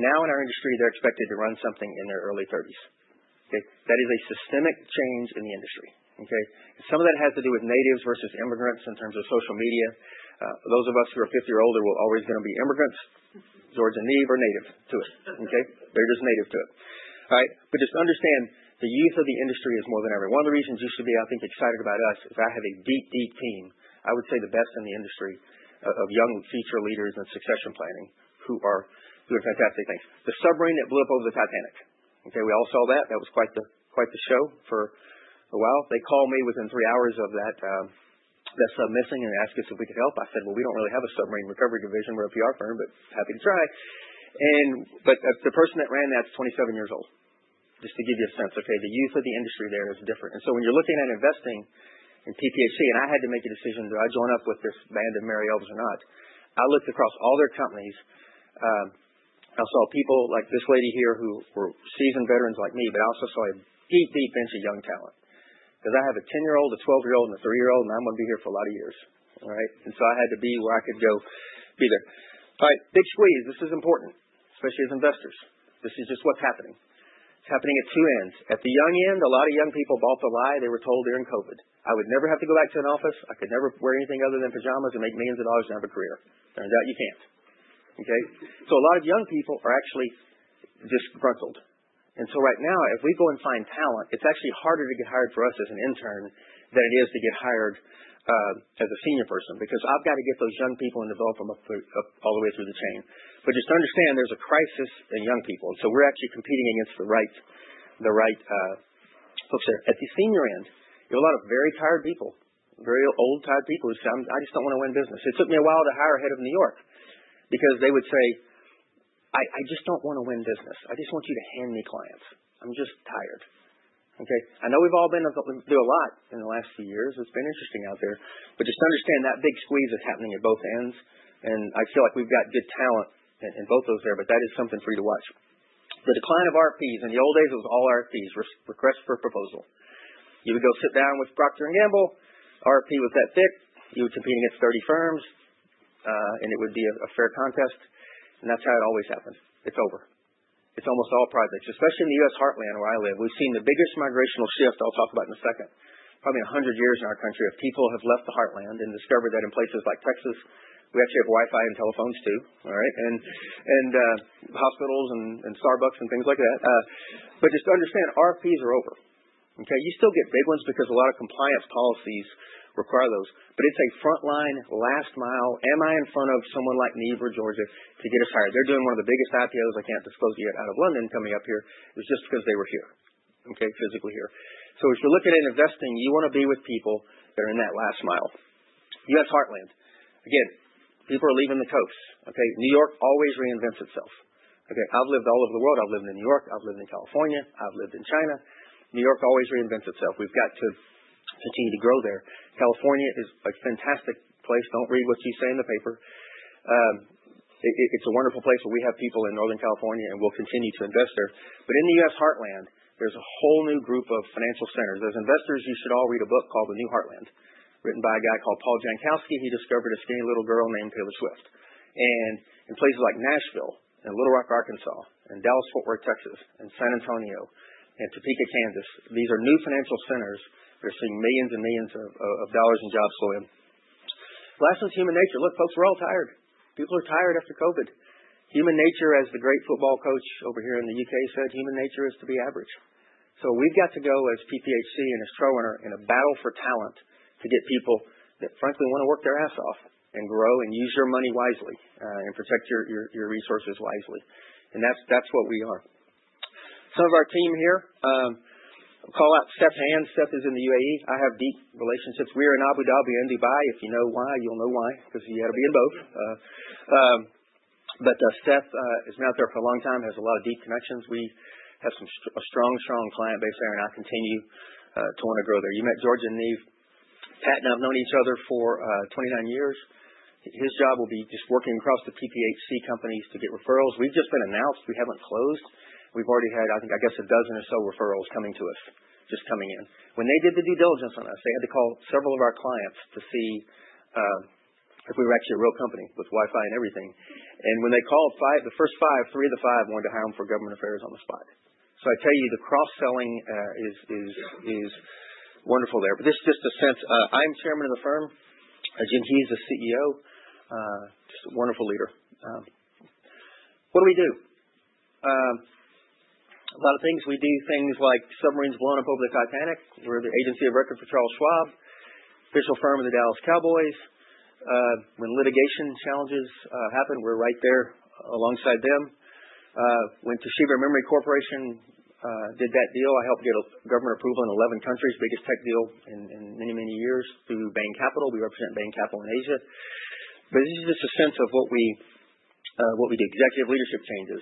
In our industry, they're expected to run something in their early 30s. Okay? That is a systemic change in the industry. Okay? Some of that has to do with natives versus immigrants in terms of social media. Those of us who are 50 years or older, we're always going to be immigrants. Georgia and Niamh are native to it. Okay? They're just native to it. All right? Just understand the youth of the industry is more than ever. One of the reasons you should be, I think, excited about us is I have a deep team. I would say the best in the industry of young future leaders in succession planning who are doing fantastic things. The submarine that blew up over the Titanic. Okay, we all saw that. That was quite the show for a while. They called me within three hours of that sub missing and asked me if we could help. I said, well, we don't really have a submarine recovery division. We're a PR firm, but happy to try. The person that ran that is 27 years old, just to give you a sense, okay, the youth of the industry there is different. When you're looking at investing in PPHC, and I had to make a decision when I joined up with this band of merry elves or not, I looked across all their companies. I saw people like this lady here who were seasoned veterans like me, but I also saw a deep, deep bench of young talent because I have a 10-year-old, a 12-year-old, and a 30-year-old, and I'm going to be here for a lot of years. All right. I had to be where I could go be there. All right, big squeeze. This is important, especially as investors. This is just what's happening. Happening at two ends At the young end, a lot of young people bought the lie they were told during COVID. I would never have to go back to an office. I could never wear anything other than pajamas. I could make millions of dollars and have a career. No, you can't. Okay? A lot of young people are actually disgruntled. Right now, if we go and find talent, it's actually harder to get hired for us as an intern than it is to get hired as a senior person, because I've got to get those young people and develop them up all the way through the chain. Just understand there's a crisis in young people. We're actually competing against the right folks there. At the senior end, there are a lot of very tired people, very old, tired people who say, I just don't want to win business. It took me a while to hire a head of New York because they would say, I just don't want to win business. I just want you to hand me clients. I'm just tired. Okay. I know we've all been through a lot in the last few years. It's been interesting out there. Just understand that big squeeze is happening at both ends. I feel like we've got good talent in both those there. That is something for you to watch. The decline of RFPs. In the old days, it was all RFPs, request for proposal. You would sit down with Procter & Gamble, RFP would set bid, you would compete against 30 firms, and it would be a fair contest, and that's how it always happened. It's over. It's almost all private, especially in the U.S. heartland where I live. We've seen the biggest migrational shift I'll talk about in a second. Probably 100 years in our country of people have left the heartland and discovered that in places like Texas, we actually have Wi-Fi and telephones too, all right, and hospitals and Starbucks and things like that. Just understand RFPs are over. Okay? You still get big ones because a lot of compliance policies require those. It's a frontline, last mile. Am I in front of someone like Niamh or Georgia to get us hired? They're doing one of the biggest happy hours I can't disclose yet out of London coming up here was just because they were here, okay, physically here. As you're looking at investing, you want to be with people that are in that last mile. U.S. heartland. Again, people are leaving the coast. Okay? New York always reinvents itself. Okay? I've lived all over the world. I've lived in New York. I've lived in California. I've lived in China. New York always reinvents itself. We've got to continue to grow there. California is a fantastic place. Don't read what you see in the paper. It's a wonderful place, and we have people in Northern California, and we'll continue to invest there. In the U.S. heartland, there's a whole new group of financial centers. As investors, you should all read a book called, The New Heartland, written by a guy called Paul Jankowski. He discovered a skinny little girl named Taylor Swift. In places like Nashville and Little Rock, Arkansas, and Dallas-Fort Worth, Texas, and San Antonio and Topeka, Kansas, these are new financial centers. They're seeing millions and millions of dollars in jobs flowing. Lastly, it's human nature. Look, folks, we're all tired. People are tired after COVID. Human nature, as the great football coach over here in the U.K. said, human nature is to be average. We've got to go as PPHC and a show owner in a battle for talent to get people that frankly want to work their ass off and grow and use your money wisely and protect your resources wisely, and that's what we are. Some of our team here. I'll call out Seth Hand. Seth is in the UAE. I have deep relationships. We are in Abu Dhabi and Dubai. If you know why, you'll know why, because of the MO. Seth has been out there for a long time, has a lot of deep connections. We have a strong client base there. I'll continue to want to grow there. You met Georgia and Niamh. Pat and I've known each other for 29 years. His job will be just working across the PPHC companies to get referrals. We've just been announced. We haven't closed. We've already had, I guess, a dozen or so referrals coming to us, just coming in. When they did the diligence on us, they had to call several of our clients to see if we were actually a real company with Wi-Fi and everything. When they called five, the first five, three of the five wanted to hire them for government affairs on the spot. I tell you, the cross-selling is wonderful there. Just a sense. I'm Chairman of the firm. Jim Hughes is the CEO. Just a wonderful leader. What do we do? A lot of things. We do things like submarines going public with Titanic. We're the agency of record for Charles Schwab, official firm of the Dallas Cowboys. When litigation challenges happen, we're right there alongside them. Went to Super Micro Computer, did that deal, helped get government approval in 11 countries. Biggest tech deal in many years through Bain Capital. We represent Bain Capital in Asia. This is just a sense of what we do. Executive leadership changes.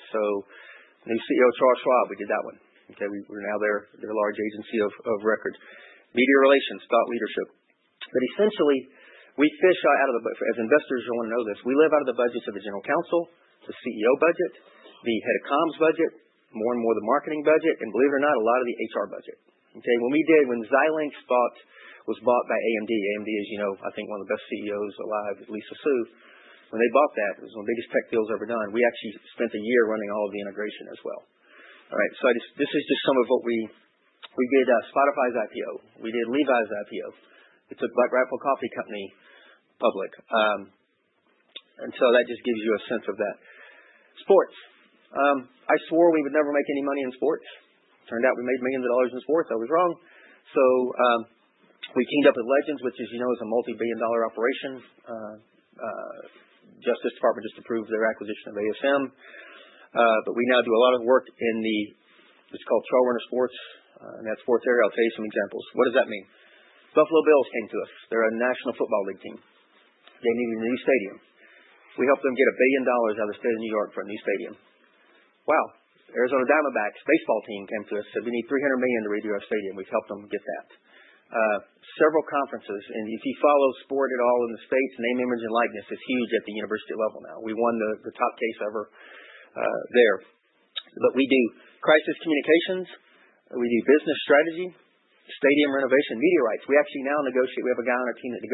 New CEO of Charles Schwab, we did that one. We're now their large agency of record. Media relations, thought leadership. Essentially, as investors, you want to know this. We live out of the budgets of the general counsel, the CEO budget, the head of comms budget, more and more the marketing budget, and believe it or not, a lot of the HR budget. When Xilinx was bought by AMD, as you know, I think one of the best CEOs alive, Lisa Su. When they bought that, it was the biggest tech deal that was ever done. We actually spent a year running all of the integration as well. This is just some of what we did. Spotify's IPO. We did Levi's IPO. We took Black Rifle Coffee Company public. That just gives you a sense of that. Sports. I swore we would never make any money in sports. Turned out we made millions of dollars in sports. I was wrong. We cleaned up and licensed, which, as you know, is a multi-billion dollar operation. Justice Department just approved their acquisition of ASM. We now do a lot of work in the It's called TrailRunner Sports in that sports area. I'll tell you some examples. What does that mean? Buffalo Bills came to us. They're a National Football League team. They need a new stadium. We helped them get $1 billion out of the State of New York for a new stadium. Wow. Arizona Diamondbacks baseball team came to us, said, we need $300 million to redo our stadium. We helped them get that. Several conferences, if you follow sport at all in the U.S., name, image, and likeness is huge at the university level now. We won the top case ever there. We do crisis communications. We do business strategy, stadium renovation, media rights. We actually now negotiate. We have a guy on our team that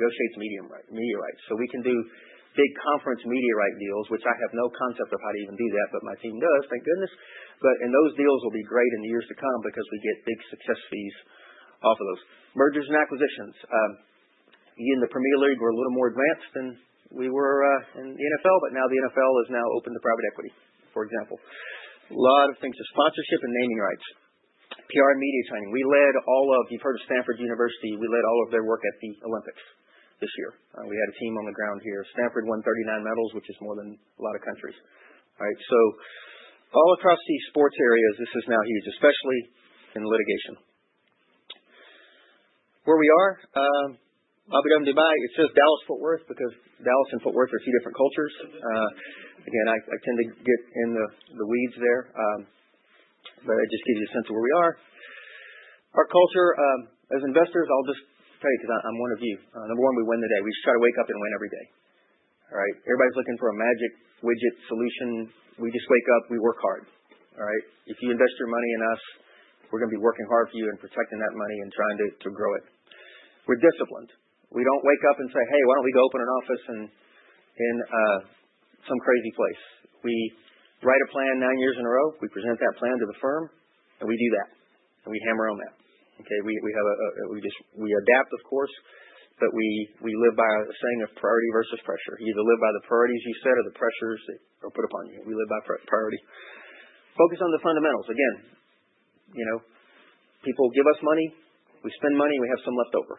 negotiates media rights. We can do big conference media right deals, which I have no concept of how you even do that, but my team does, thank goodness. Those deals will be great in the years to come because we get big success fees off of those. Mergers and acquisitions. You in the Premier League, we're a little more advanced than we were in the NFL, but now the NFL is now open to private equity, for example. A lot of things. Sponsorship and naming rights, PR and media training. You've heard of Stanford University. We led all of their work at the Olympics this year. We had a team on the ground here. Stanford won 39 medals, which is more than a lot of countries. All right, all across these sports areas, this is now huge, especially in litigation. Where we are. Abu Dhabi and Dubai. It says Dallas-Fort Worth because Dallas and Fort Worth are two different cultures. Again, I tend to get in the weeds there. It just gives you a sense of where we are. Our culture. As investors, I'll just say, because I'm one of you. I'm the one we win the day. We just try to wake up and win every day. All right? Everybody's looking for a magic widget solution. We just wake up, we work hard. All right? If you invest your money in us, we're going to be working hard for you and protecting that money and trying to grow it. We're disciplined. We don't wake up and say, hey, why don't we go open an office in some crazy place? We write a plan nine years in a row. We present that plan to the firm, and we do that, and we hammer on that. Okay, we adapt, of course, but we live by the saying of priority versus pressure. You either live by the priorities you set or the pressures they put upon you. We live by priority. Focus on the fundamentals. Again, people give us money, we spend money, and we have some left over.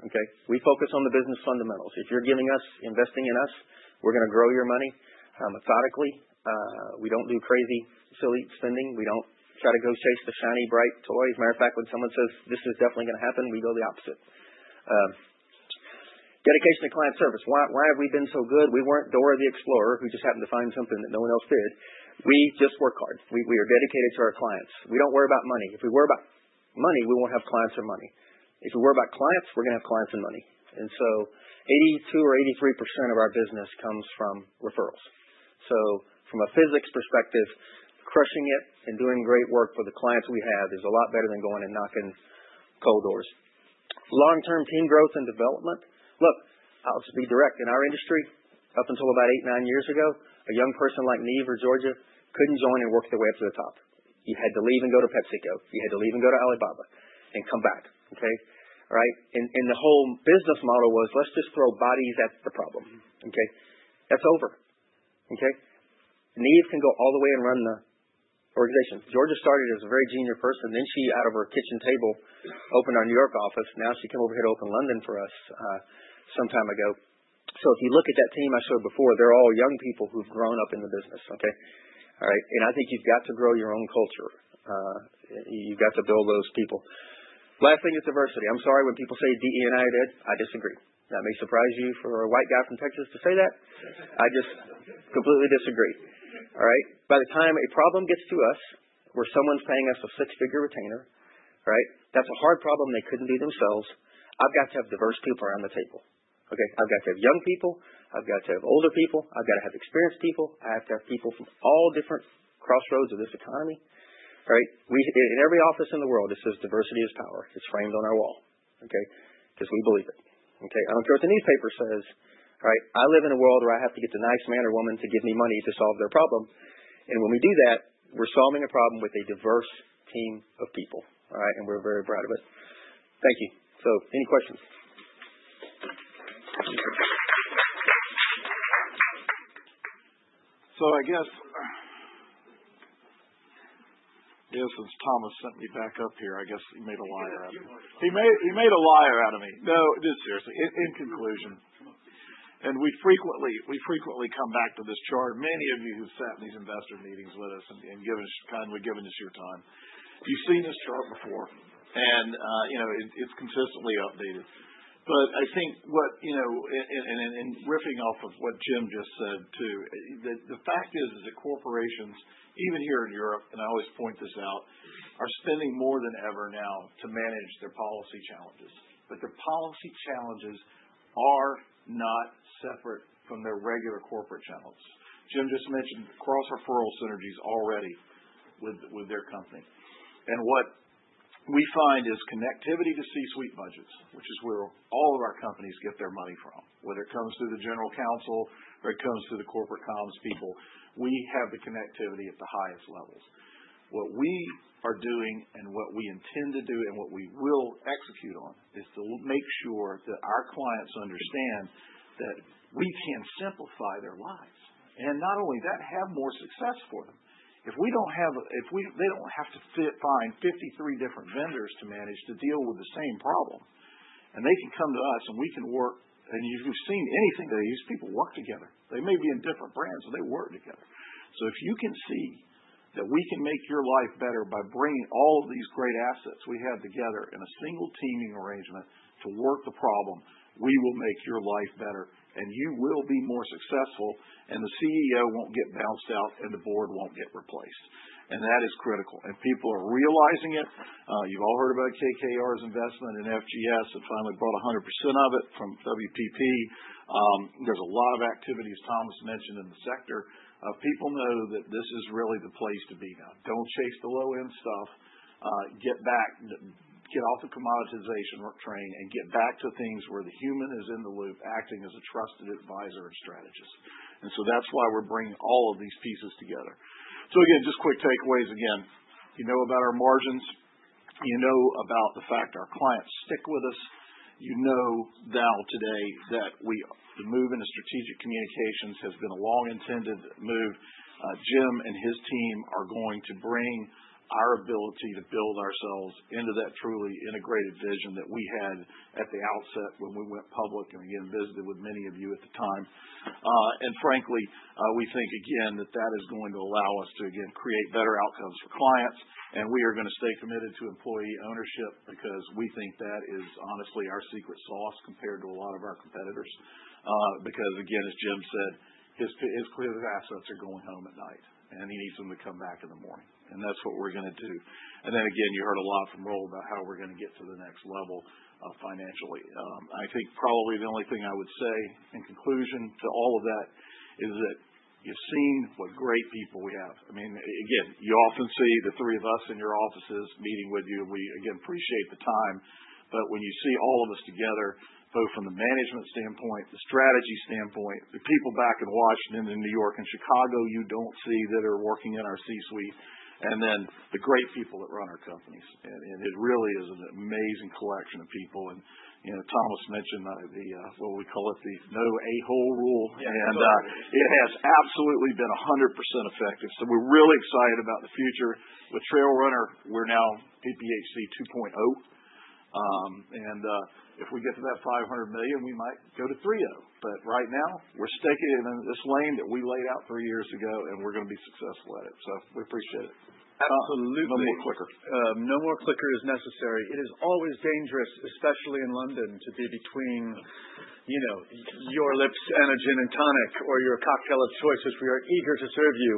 Okay? We focus on the business fundamentals. If you're giving us, investing in us, we're going to grow your money methodically. We don't do crazy, silly spending. We don't try to go chase the shiny, bright toys. Matter of fact, when someone says this is definitely going to happen, we build the opposite. Dedication to client service. Why have we been so good? We weren't Dora the Explorer, who just happened to find something that no one else did. We just work hard. We are dedicated to our clients. We don't worry about money. If we worry about money, we won't have clients or money. If we worry about clients, we're going to have clients and money. 82% or 83% of our business comes from referrals. From a physics perspective, crushing it and doing great work for the clients we have is a lot better than going and knocking cold doors. Long-term team growth and development. Look, I'll just be direct. In our industry, up until about eight, nine years ago, a young person like Niamh or Georgia couldn't join and work their way up to the top. You had to leave and go to PepsiCo. You had to leave and go to Alibaba and come back. Okay? Right? The whole business model was, let's just throw bodies at the problem. Okay? That's over. Okay? Niamh can go all the way and run the organization. Georgia started as a very junior person, then she, out of her kitchen table, opened our New York office, and now she came over here to open London for us some time ago. If you look at that team I showed before, they're all young people who've grown up in the business. Okay? All right. I think you've got to grow your own culture. You've got to build those people. Last thing is diversity. I'm sorry, when people say be united, I disagree. That may surprise you for a white guy from Texas to say that. I just completely disagree. All right? By the time a problem gets to us where someone's paying us a six-figure retainer, right? That's a hard problem they couldn't do themselves. I've got to have diverse people around the table. Okay? I've got to have young people. I've got to have older people. I've got to have experienced people. I have to have people from all different crossroads of this economy. Right? In every office in the world, it says, diversity is power. It's framed on our wall. Okay? We believe it. Okay? I don't care if any paper says, right, I live in a world where I have to get a nice man or woman to give me money to solve their problem. When we do that, we're solving a problem with a diverse team of people, right? We're very proud of it. Thank you. Any questions? I guess since Thomas sent me back up here, I guess he made a liar out of me. He made a liar out of me. No, just seriously. In conclusion, and we frequently come back to this chart. Many of you who've sat in these investor meetings with us and kindly given us your time, you've seen this chart before, and it's consistently outdated. I think what, in riffing off of what Jim just said, too, the fact is that corporations, even here in Europe, and I always point this out, are spending more than ever now to manage their policy challenges. Their policy challenges are not separate from their regular corporate challenges. Jim just mentioned cross-referral synergies already with their company. What we find is connectivity to C-suite budgets, which is where all of our companies get their money from. Whether it comes through the general counsel or it comes through the corporate comms people, we have the connectivity at the highest levels. What we are doing and what we intend to do and what we will execute on is to make sure that our clients understand that we can simplify their lives, and not only that, have more success for them. If they don't have to find 53 different vendors to manage to deal with the same problem, they can come to us and we can work. If you've seen anything today, these people work together. They may be in different brands, they work together. If you can see that we can make your life better by bringing all of these great assets we have together in a single teaming arrangement to work the problem, we will make your life better, you will be more successful, the CEO won't get bounced out, the board won't get replaced. That is critical. People are realizing it. You've all heard about KKR's investment in FGS that finally bought 100% of it from WPP. There's a lot of activity, as Thomas mentioned, in the sector. People know that this is really the place to be now. Don't chase the low-end stuff. Get off the commoditization train and get back to things where the human is in the loop acting as a trusted advisor and strategist. That's why we're bringing all of these pieces together. Again, just quick takeaways again. You know about our margins. You know about the fact our clients stick with us. You know now today that the move into strategic communications has been a long-intended move. Jim and his team are going to bring our ability to build ourselves into that truly integrated vision that we had at the outset when we went public and again visited with many of you at the time. Frankly, we think again that that is going to allow us to, again, create better outcomes for clients. We are going to stay committed to employee ownership because we think that is honestly our secret sauce compared to a lot of our competitors. Again, as Jim said, his creative assets are going home at night, and he needs them to come back in the morning, and that's what we're going to do. Again, you heard a lot from Roel about how we're going to get to the next level financially. I think probably the only thing I would say in conclusion to all of that is that you've seen what great people we have. Again, you often see the three of us in your offices meeting with you, and we again appreciate the time. When you see all of us together, both from the management standpoint, the strategy standpoint, the people back in Washington and New York and Chicago you don't see that are working in our C-suite, and then the great people that run our companies. It really is an amazing collection of people. Thomas mentioned the, what we call it, the no A-hole rule. It has absolutely been 100% effective. We're really excited about the future. With TrailRunner, we're now PPHC 2.0. If we get to that $500 million, we might go to 3.0 but right now we're sticking in this lane that we laid out three years ago, and we're going to be successful at it. We appreciate it. Absolutely. No more clicker. No more clicker is necessary. It is always dangerous, especially in London, to be between your lips and a gin and tonic or your cocktail of choices. We are eager to serve you.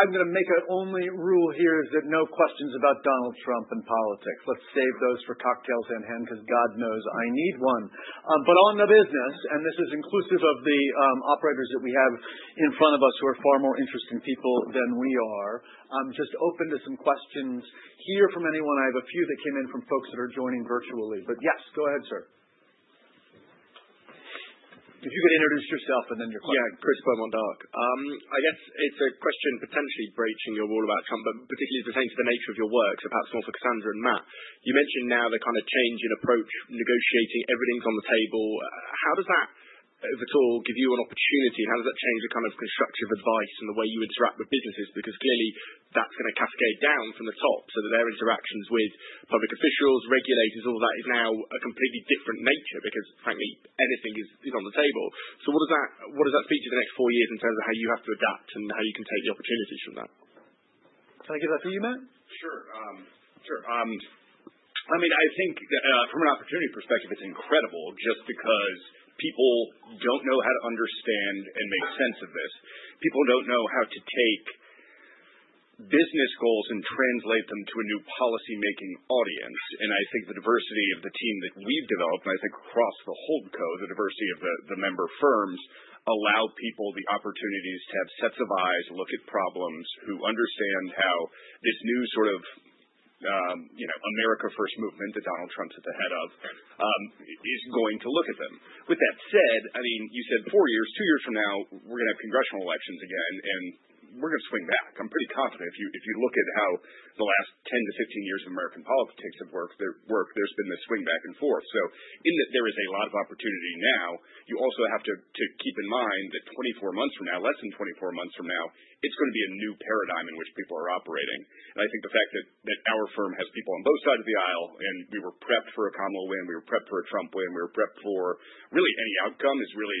I'm going to make an only rule here is that no questions about Donald Trump and politics. Let's save those for cocktails in hand, because God knows I need one. On the business, and this is inclusive of the operators that we have in front of us who are far more interesting people than we are. Just open to some questions here from anyone. I have a few that came in from folks that are joining virtually, but yes, go ahead, sir. If you could introduce yourself and then your question. Yeah, Chris Beaumont-Dark. I guess it's a question potentially breaching your rule about Trump. Because you were saying it's the nature of your work, perhaps more for Cassandra and Mat. You mentioned now the kind of change in approach, negotiating, everything's on the table. How does that, if at all, give you an opportunity? How does that change the kind of constructive advice and the way you interact with businesses? Because clearly that's going to cascade down from the top. Their interactions with public officials, regulators, all that is now a completely different nature because frankly, anything is on the table. What does that feed into the next four years in terms of how you have to adapt and how you can take the opportunities from that? Can I get that from you, Mat? Sure. I think from an opportunity perspective, it's incredible just because people don't know how to understand and make sense of this. People don't know how to take business goals and translate them to a new policymaking audience. I think the diversity of the team that we've developed, and I think across the holdco, the diversity of the member firms allow people the opportunities to have sets of eyes look at problems, who understand how this new sort of America First movement that Donald Trump is the head of is going to look at them. With that said, you said four years, two years from now, we're going to have congressional elections again, and we're going to swing back. I'm pretty confident if you look at how the last 10 to 15 years of American politics have worked, there's been a swing back and forth. In that there is a lot of opportunity now, you also have to keep in mind that 24 months from now, less than 24 months from now, it's going to be a new paradigm in which people are operating. I think the fact that our firm has people on both sides of the aisle, and we were prepped for a Kamala win, we were prepped for a Trump win, we were prepped for really any outcome is really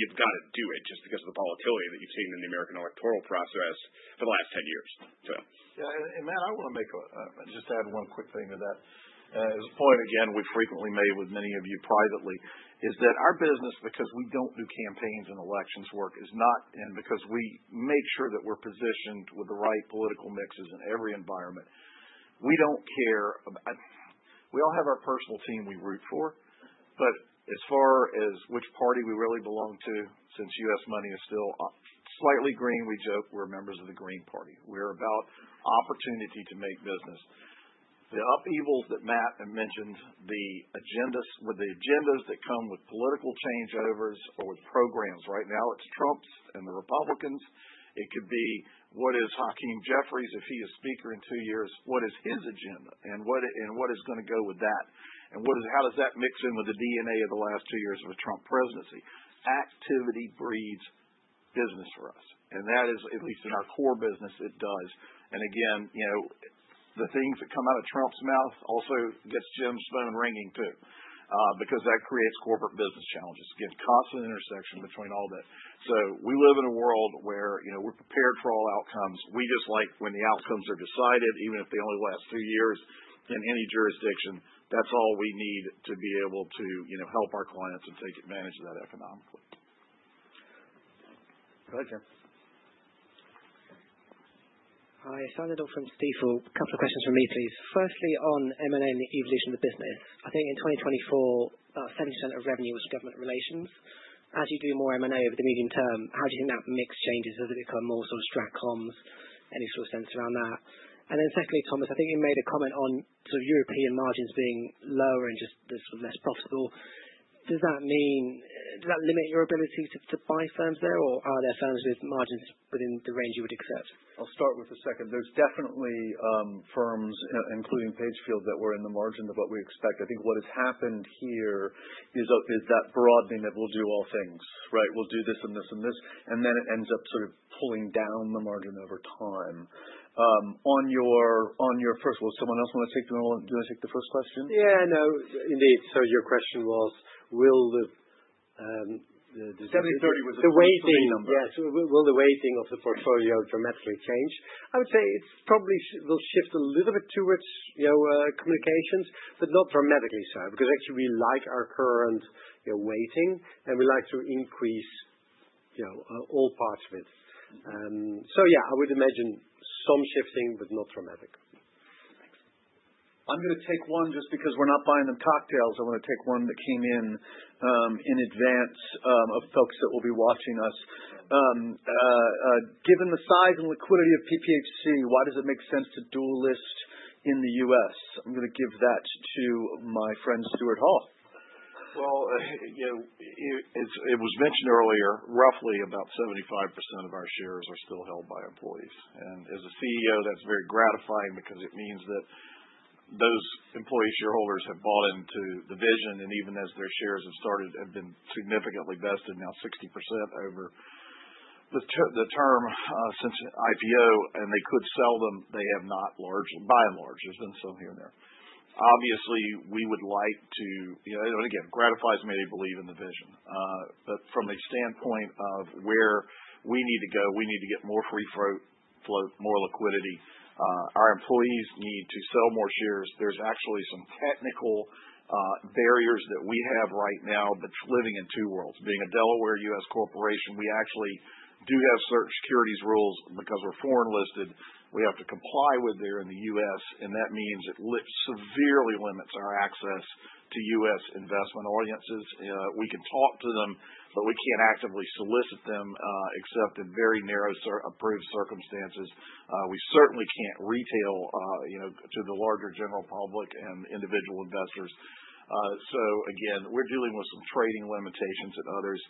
you've got to do it just because of the volatility that you've seen in the American electoral process for the last 10 years. Mat, I want to just add one quick thing to that. As a point, again, we've frequently made with many of you privately, is that our business, because we don't do campaigns and elections work, and because we make sure that we're positioned with the right political mixes in every environment, we don't care. We all have our personal team we root for. As far as which party we really belong to, since U.S. money is still slightly green, we joke we're members of the Green Party. We are about opportunity to make business. The upheavals that Mat had mentioned, the agendas that come with political changeovers or with programs. Right now it's Trump's and the Republicans. It could be what is Hakeem Jeffries if he is speaker in two years, what is his agenda? What is going to go with that, and how does that mix in with the DNA of the last two years of a Trump presidency? Activity breeds business for us, and that is, at least in our core business, it does. Again, the things that come out of Trump's mouth also gets Jim's phone ringing too because that creates corporate business challenges. Constant intersection between all that. We live in a world where we're prepared for all outcomes. We just like when the outcomes are decided, even if they only last two years in any jurisdiction. That's all we need to be able to help our clients and take advantage of that economic. Hi. Samuel Dindol from Stifel. A couple of questions from me, please. Firstly, on M&A and the evolution of the business. I think in 2024, about 70% of revenue was government relations. As you do more M&A over the medium term, how do you map mix changes as it become more sort of strat comms, any sort of sense around that? Secondly, Thomas, I think you made a comment on European margins being lower and just less profitable. Does that limit your ability to buy firms there, or are there firms with margins within the range you would accept? I'll start with the second. There's definitely firms, including Pagefield, that were in the margin of what we expect. I think what has happened here is that broadening that we'll do all things. We'll do this, and this, and this, and then it ends up sort of pulling down the margin over time. On your first one, someone else want to take the first question? Yeah, no, indeed. Your question was will the? The weighting Yes. The weighting of the portfolio dramatically change? I would say it probably will shift a little bit towards communications, but not dramatically so because actually we like our current weighting, and we like to increase all parts of it. Yeah, I would imagine some shifting, but not dramatically. I'm going to take one just because we're not buying them cocktails. I want to take one that came in in advance of folks that will be watching us. Given the size and liquidity of PPHC, why does it make sense to dual list in the U.S.? I'm going to give that to my friend Stewart Hall. It was mentioned earlier, roughly about 75% of our shares are still held by employees. As a CEO, that's very gratifying because it means that those employee shareholders have bought into the vision. Even as their shares have been significantly vested, now 60% over the term since IPO, and they could sell them, they have not by and large. There's been some here and there. Obviously, we would like to, again, gratifies me to believe in the vision. From a standpoint of where we need to go, we need to get more free float, more liquidity. Our employees need to sell more shares. There's actually some technical barriers that we have right now that's living in two worlds. Being a Delaware U.S. corporation, we actually do have certain securities rules because we're foreign listed, we have to comply with there in the U.S., and that means it severely limits our access to U.S. investment audiences. We can talk to them, but we can't actively solicit them except in very narrow approved circumstances. We certainly can't retail to the larger general public and individual investors. Again, we're dealing with some trading limitations and others.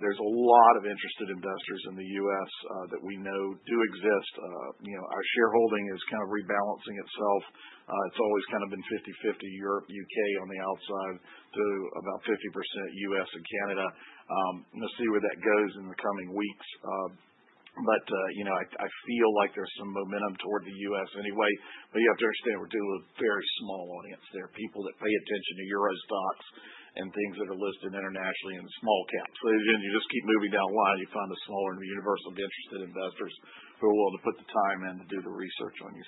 There's a lot of interested investors in the U.S. that we know do exist. Our shareholding is kind of rebalancing itself. It's always kind of been 50/50 Europe, U.K. on the outside to about 50% U.S. and Canada. We'll see where that goes in the coming weeks. I feel like there's some momentum toward the U.S. anyway. You have to understand we're dealing with very small audience there, people that pay attention to EURO STOXX and things that are listed internationally in the small caps. Again, you just keep moving down the line, you find the smaller and universal interested investors who are willing to put the time in to do the research on you.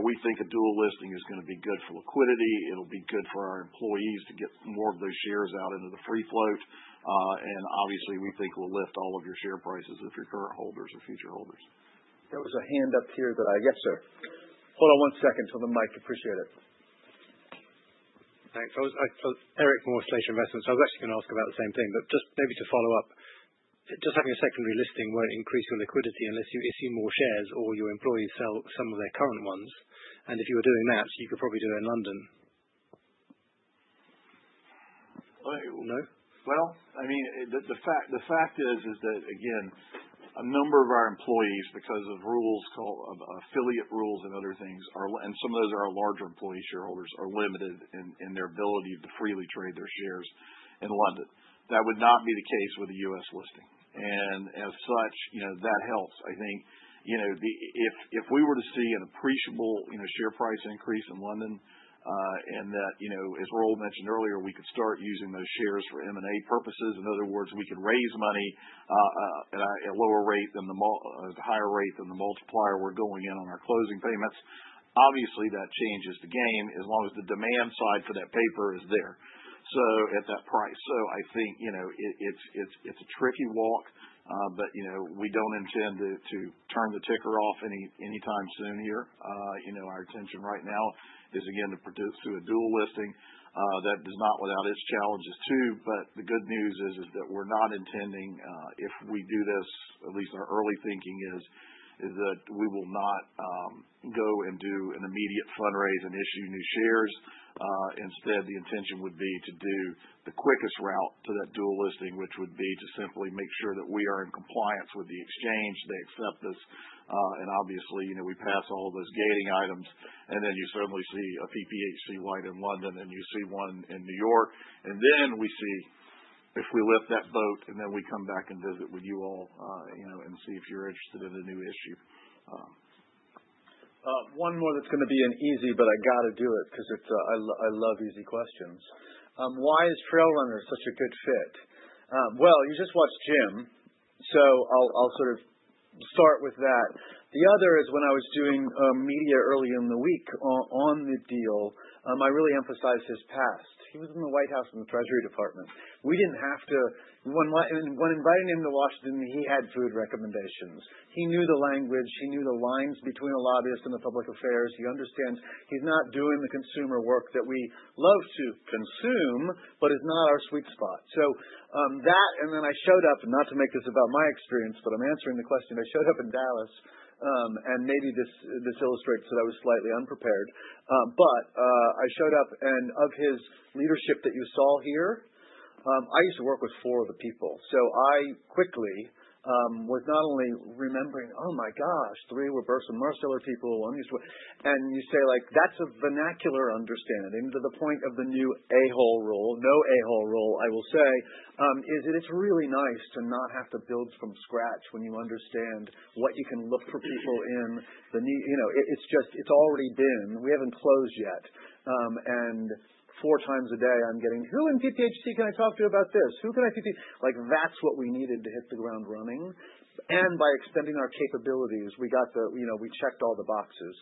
We think a dual listing is going to be good for liquidity. It'll be good for our employees to get more of those shares out into the free float. Obviously, we think we'll lift all of your share prices if you're current holders or future holders. There was a hand up here that Yes, sir. Hold on one second till the mic. Appreciate it. Eric, [Hillhouse] Investment. I was actually going to ask about the same thing, but just maybe to follow up, just having a secondary listing won't increase your liquidity unless you issue more shares or your employees sell some of their current ones. If you were doing that, you could probably do it in London. Well, the fact is that, again, a number of our employees, because of affiliate rules and other things, and some of those are our larger employee shareholders, are limited in their ability to freely trade their shares in London. That would not be the case with a U.S. listing. As such, that helps. I think, if we were to see an appreciable share price increase in London, and that as Roel mentioned earlier, we could start using those shares for M&A purposes. In other words, we could raise money at a higher rate than the multiplier we're going in on our closing payments. Obviously, that changes the game as long as the demand side for that paper is there at that price. I think, it's a tricky walk. We don't intend to turn the ticker off any time soon here. Our intention right now is, again, to pursue a dual listing. That does not rule out its challenges too. The good news is that we're not intending, if we do this, at least our early thinking is that we will not go and do an immediate fundraise and issue new shares. Instead, the intention would be to do the quickest route to that dual listing, which would be to simply make sure that we are in compliance with the exchange, they accept us, and obviously, we pass all those gating items, then you suddenly see a PPHC white in London, and you see one in New York. Then we see if we lift that boat, then we come back and visit with you all, and see if you're interested in a new issue. One more that's going to be an easy, but I got to do it because I love easy questions. Why is TrailRunner such a good fit? Well, you just watched Jim, so I'll sort of start with that. The other is when I was doing media early in the week on the deal, I really emphasized his past. He was in the White House and Treasury Department. When inviting him to Washington, he had food recommendations. He knew the language, he knew the lines between a lobbyist and a public affairs. He understands he's not doing the consumer work that we love to consume, but it's not our sweet spot. I showed up, not to make this about my experience, but I'm answering the question. I showed up in Dallas, and maybe this illustrates that I was slightly unprepared. I showed up, of his leadership that you saw here, I used to work with four of the people. I quickly was not only remembering, oh my gosh, three were Burson-Marsteller people..You say like, that's a vernacular understanding to the point of the new A-hole rule. No A-hole rule, I will say, is that it's really nice to not have to build from scratch when you understand what you can look for people in the need. It's already been. We haven't closed yet, and four times a day, I'm getting, who in PPHC can I talk to about this? Who can I? That's what we needed to hit the ground running. By extending our capabilities, we checked all the boxes.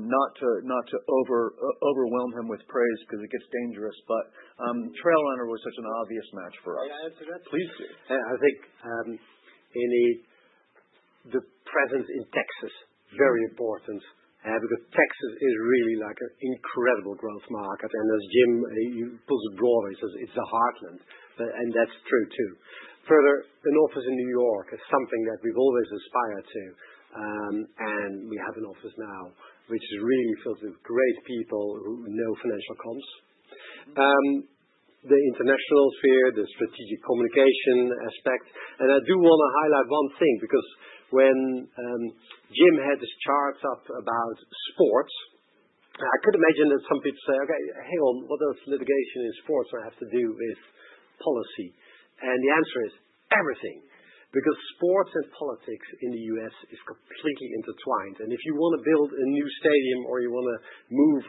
Not to overwhelm him with praise because it gets dangerous, TrailRunner was such an obvious match for us. Yeah, I think the presence in Texas is very important, because Texas is really an incredible growth market. As Jim puts it gloriously, it's a heartland, and that's true too. Further, an office in New York is something that we've always aspired to, and we have an office now, which is really filled with great people who know financial comms, the international sphere, the strategic communication aspect. I do want to highlight one thing, because when Jim had his chart up about sports, I could imagine that some people say, hey, Roel, what does litigation in sports have to do with policy? The answer is everything, because sports and politics in the U.S. is completely intertwined. If you want to build a new stadium or you want to move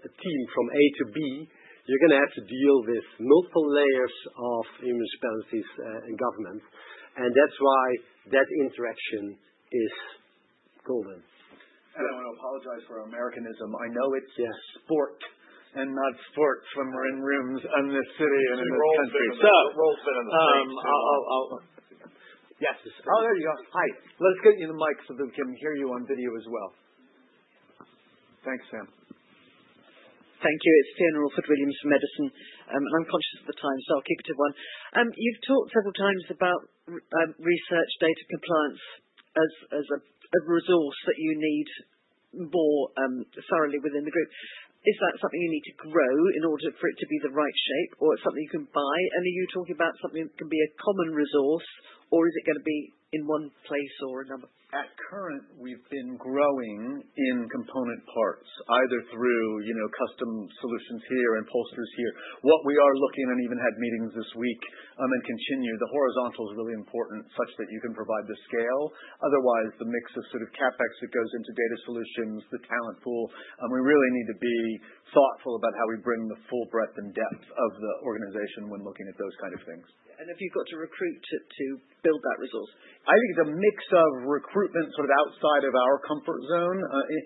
a team from A to B, you're going to have to deal with multiple layers of municipalities and government, and that's why that interaction is golden. I'm going to apologize for Americanism. I know it's sport and not sport when we're in rooms and necessarily in the country. Roel's German. Yes. Oh, there you are. Hi. Let's get you the mic so that we can hear you on video as well. Thanks, ma'am. Thank you. It's Fiona Orford-Williams from Edison. I'm conscious of the time, so I'll keep it to one. You've talked several times about research data compliance as a resource that you need. More sorry within the group. Is that something you need to grow in order for it to be the right shape, or it's something you can buy? Are you talking about something that can be a common resource, or is it going to be in one place or another? At current, we've been growing in component parts, either through custom solutions here and pulses here. What we are looking and even had meetings this week, and then continue, the horizontal is really important such that you can provide the scale. Otherwise, the mix of CapEx that goes into data solutions, the talent pool, and we really need to be thoughtful about how we bring the full breadth and depth of the organization when looking at those kind of things. Have you got to recruit to build that resource? I think a mix of recruitment sort of outside of our comfort zone,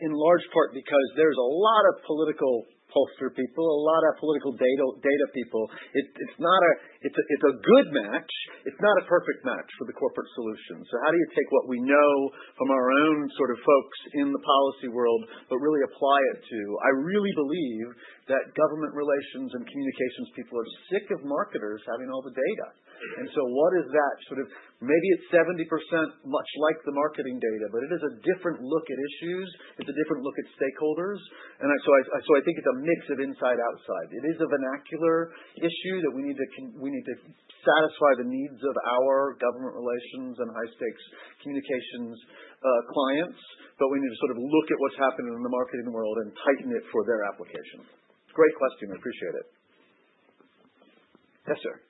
in large part because there's a lot of political pollster people, a lot of political data people. It's a good match. It's not a perfect match for the corporate solution. How do you take what we know from our own sort of folks in the policy world, but really apply it to I really believe that government relations and communications people are sick of marketers having all the data. What is that sort of, maybe it's 70% much like the marketing data, but it is a different look at issues. It's a different look at stakeholders. I think it's a mix of inside, outside. It is a vernacular issue that we need to satisfy the needs of our government relations and high-stakes communications clients, but we need to sort of look at what's happening in the marketing world and tighten it for their application. Great question. Appreciate it. Yes, sir.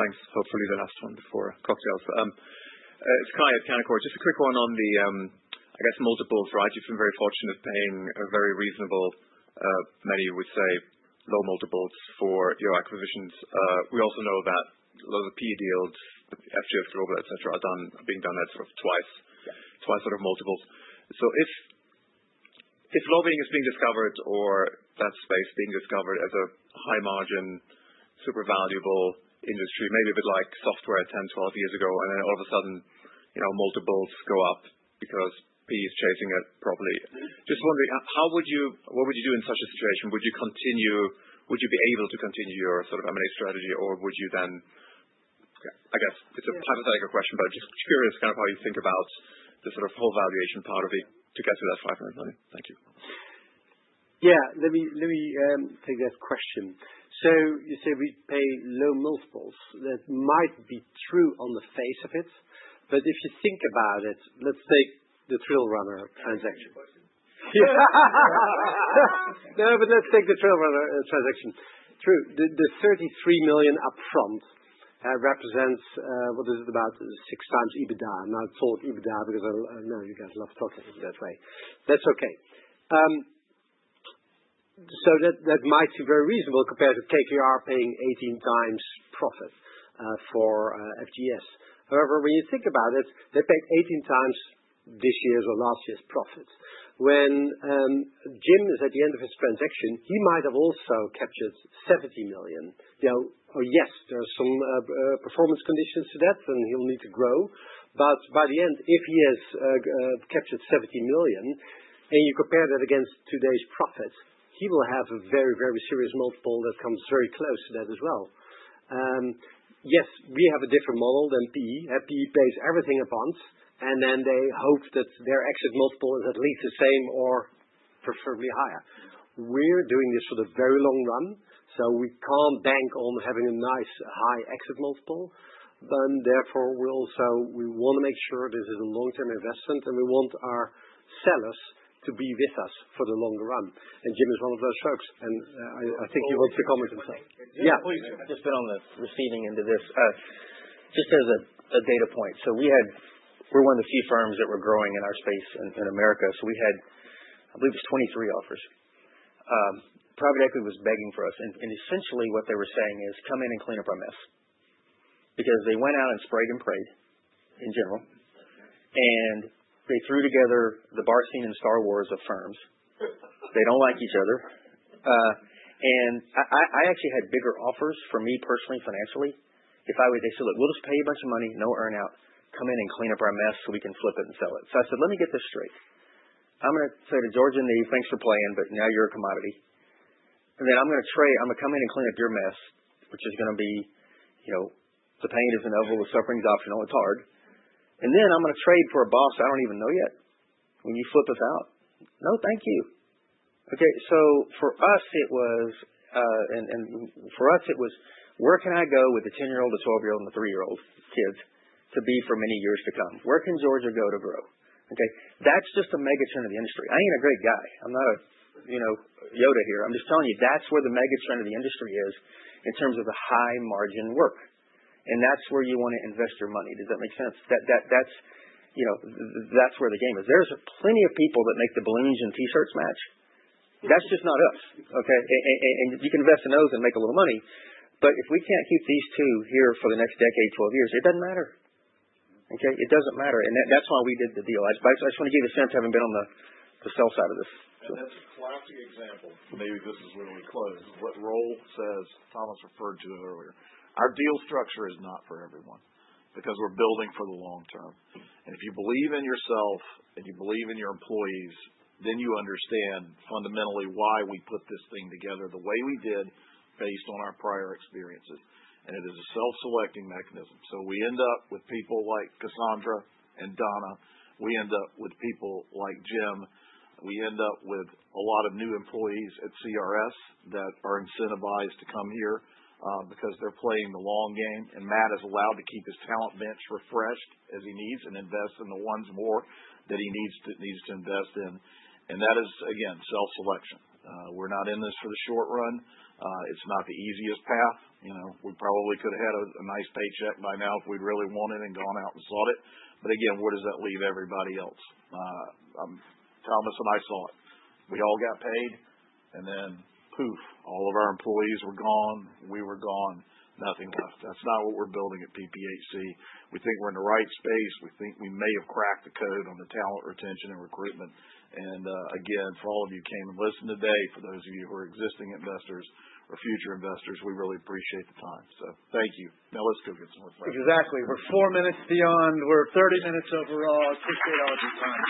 Thanks. Hopefully the last one before cocktails. It's Kai at Canaccord. Just a quick one on the, I guess, multiples, right? You've been very fortunate of paying a very reasonable, many would say low multiples for your acquisitions. We also know that a lot of the PE deals with FGS, Roel, et cetera, have been done at sort of twice sort of multiples. If Roel being discovered or that space being discovered as a high margin, super valuable industry, maybe a bit like software 10, 12 years ago, and then all of a sudden, multiples go up because P is chasing it probably. Just wondering, what would you do in such a situation? Would you be able to continue your sort of M&A strategy, or would you then I guess it's a hypothetical-like question, but just curious kind of how you think about the sort of whole valuation part of it to get to that $500 million? Thank you. Yeah. Let me take that question. You say we pay low multiples. That might be true on the face of it, but if you think about it, let's take the TrailRunner transaction. Let's take the TrailRunner transaction. True. The $33 million upfront represents, what is it? About 6x EBITDA. I thought EBITDA because I know you guys love focusing that way. That's okay. That might seem very reasonable compared to KKR paying 18x profits for FGS. However, when you think about it, they paid 18x this year's or last year's profits. When Jim is at the end of his transaction, he might have also captured $17 million. Yes, there are some performance conditions to that, and he'll need to grow. By the end, if he has captured $17 million and you compare that against today's profits, he will have a very, very serious multiple that comes very close to that as well. Yes, we have a different model than PE. PE pays everything up front, and then they hope that their exit multiple is at least the same or preferably higher. We're doing this sort of very long run, we can't bank on having a nice high exit multiple. Therefore, we want to make sure this is a long-term investment, and we want our sellers to be with us for the longer run. Jim is one of those folks, and I think he wants to comment as well. Yeah. Just to build on the preceding into this, just as a data point. We're one of the few firms that were growing in our space in America. We had, I believe it was 23 offers. Private equity was begging for us. Essentially, what they were saying is, come in and clean up our mess. Because they went out and sprayed and prayed in general, and they threw together the [Bar team] and Star Wars of firms. They don't like each other. I actually had bigger offers for me personally, financially, if I would've just said, look, we'll pay you a bunch of money, no earn out, come in and clean up our mess so we can flip it and sell it. I said, let me get this straight. I'm going to say to Georgia and me, thanks for playing, but now you're a commodity. I'm going to trade. I'm going to come in and clean up your mess, which is going to be the pain is inevitable, suffering's optional. It's hard. I'm going to trade for a boss I don't even know yet when you flip us out. No, thank you. For us it was where can I go with a 10-year-old, a 12-year-old, and a three-year-old kid to be for many years to come? Where can Georgia and Roel to grow? That's just the mega trend of the industry. I ain't a great guy. I'm not a Yoda here. I'm just telling you that's where the mega trend of the industry goes in terms of the high margin work. That's where you want to invest your money. Does that make sense? That's where the game is. There's plenty of people that make the balloons and T-shirts match. That's just not us, okay? You can invest in those and make a little money. If we can't keep these two here for the next decade, 12 years, it doesn't matter. Okay? It doesn't matter. That's why we did the deal. I just want you to get a sense having been on the sell side of this. That's a classy example. Maybe this is where we close. This is what Roel says, Thomas referred to it earlier. Our deal structure is not for everyone because we're building for the long term. If you believe in yourself and you believe in your employees, you understand fundamentally why we put this thing together the way we did based on our prior experiences. It is a self-selecting mechanism. We end up with people like Cassandra and Donna. We end up with people like Jim. We end up with a lot of new employees at CRS that are incentivized to come here because they're playing the long game. Mat is allowed to keep his talent bench refreshed as he needs and invest in the ones more that he needs to invest in. That is, again, self-selection. We're not in this for the short run. It's not the easiest path. We probably could've had a nice paycheck by now if we really wanted and gone out and sold it. Again, where does that leave everybody else? Thomas and I saw it. We all got paid, and then poof, all of our employees were gone. We were gone. Nothing. That's not what we're building at PPHC. We think we're in the right space. We think we may have cracked the code on the talent retention and recruitment. Again, for all of you who came and listened today, for those of you who are existing investors or future investors, we really appreciate the time. Thank you. Now let's go get some cocktails. Exactly. We're four minutes beyond. We're 30 minutes overall. Appreciate all your time.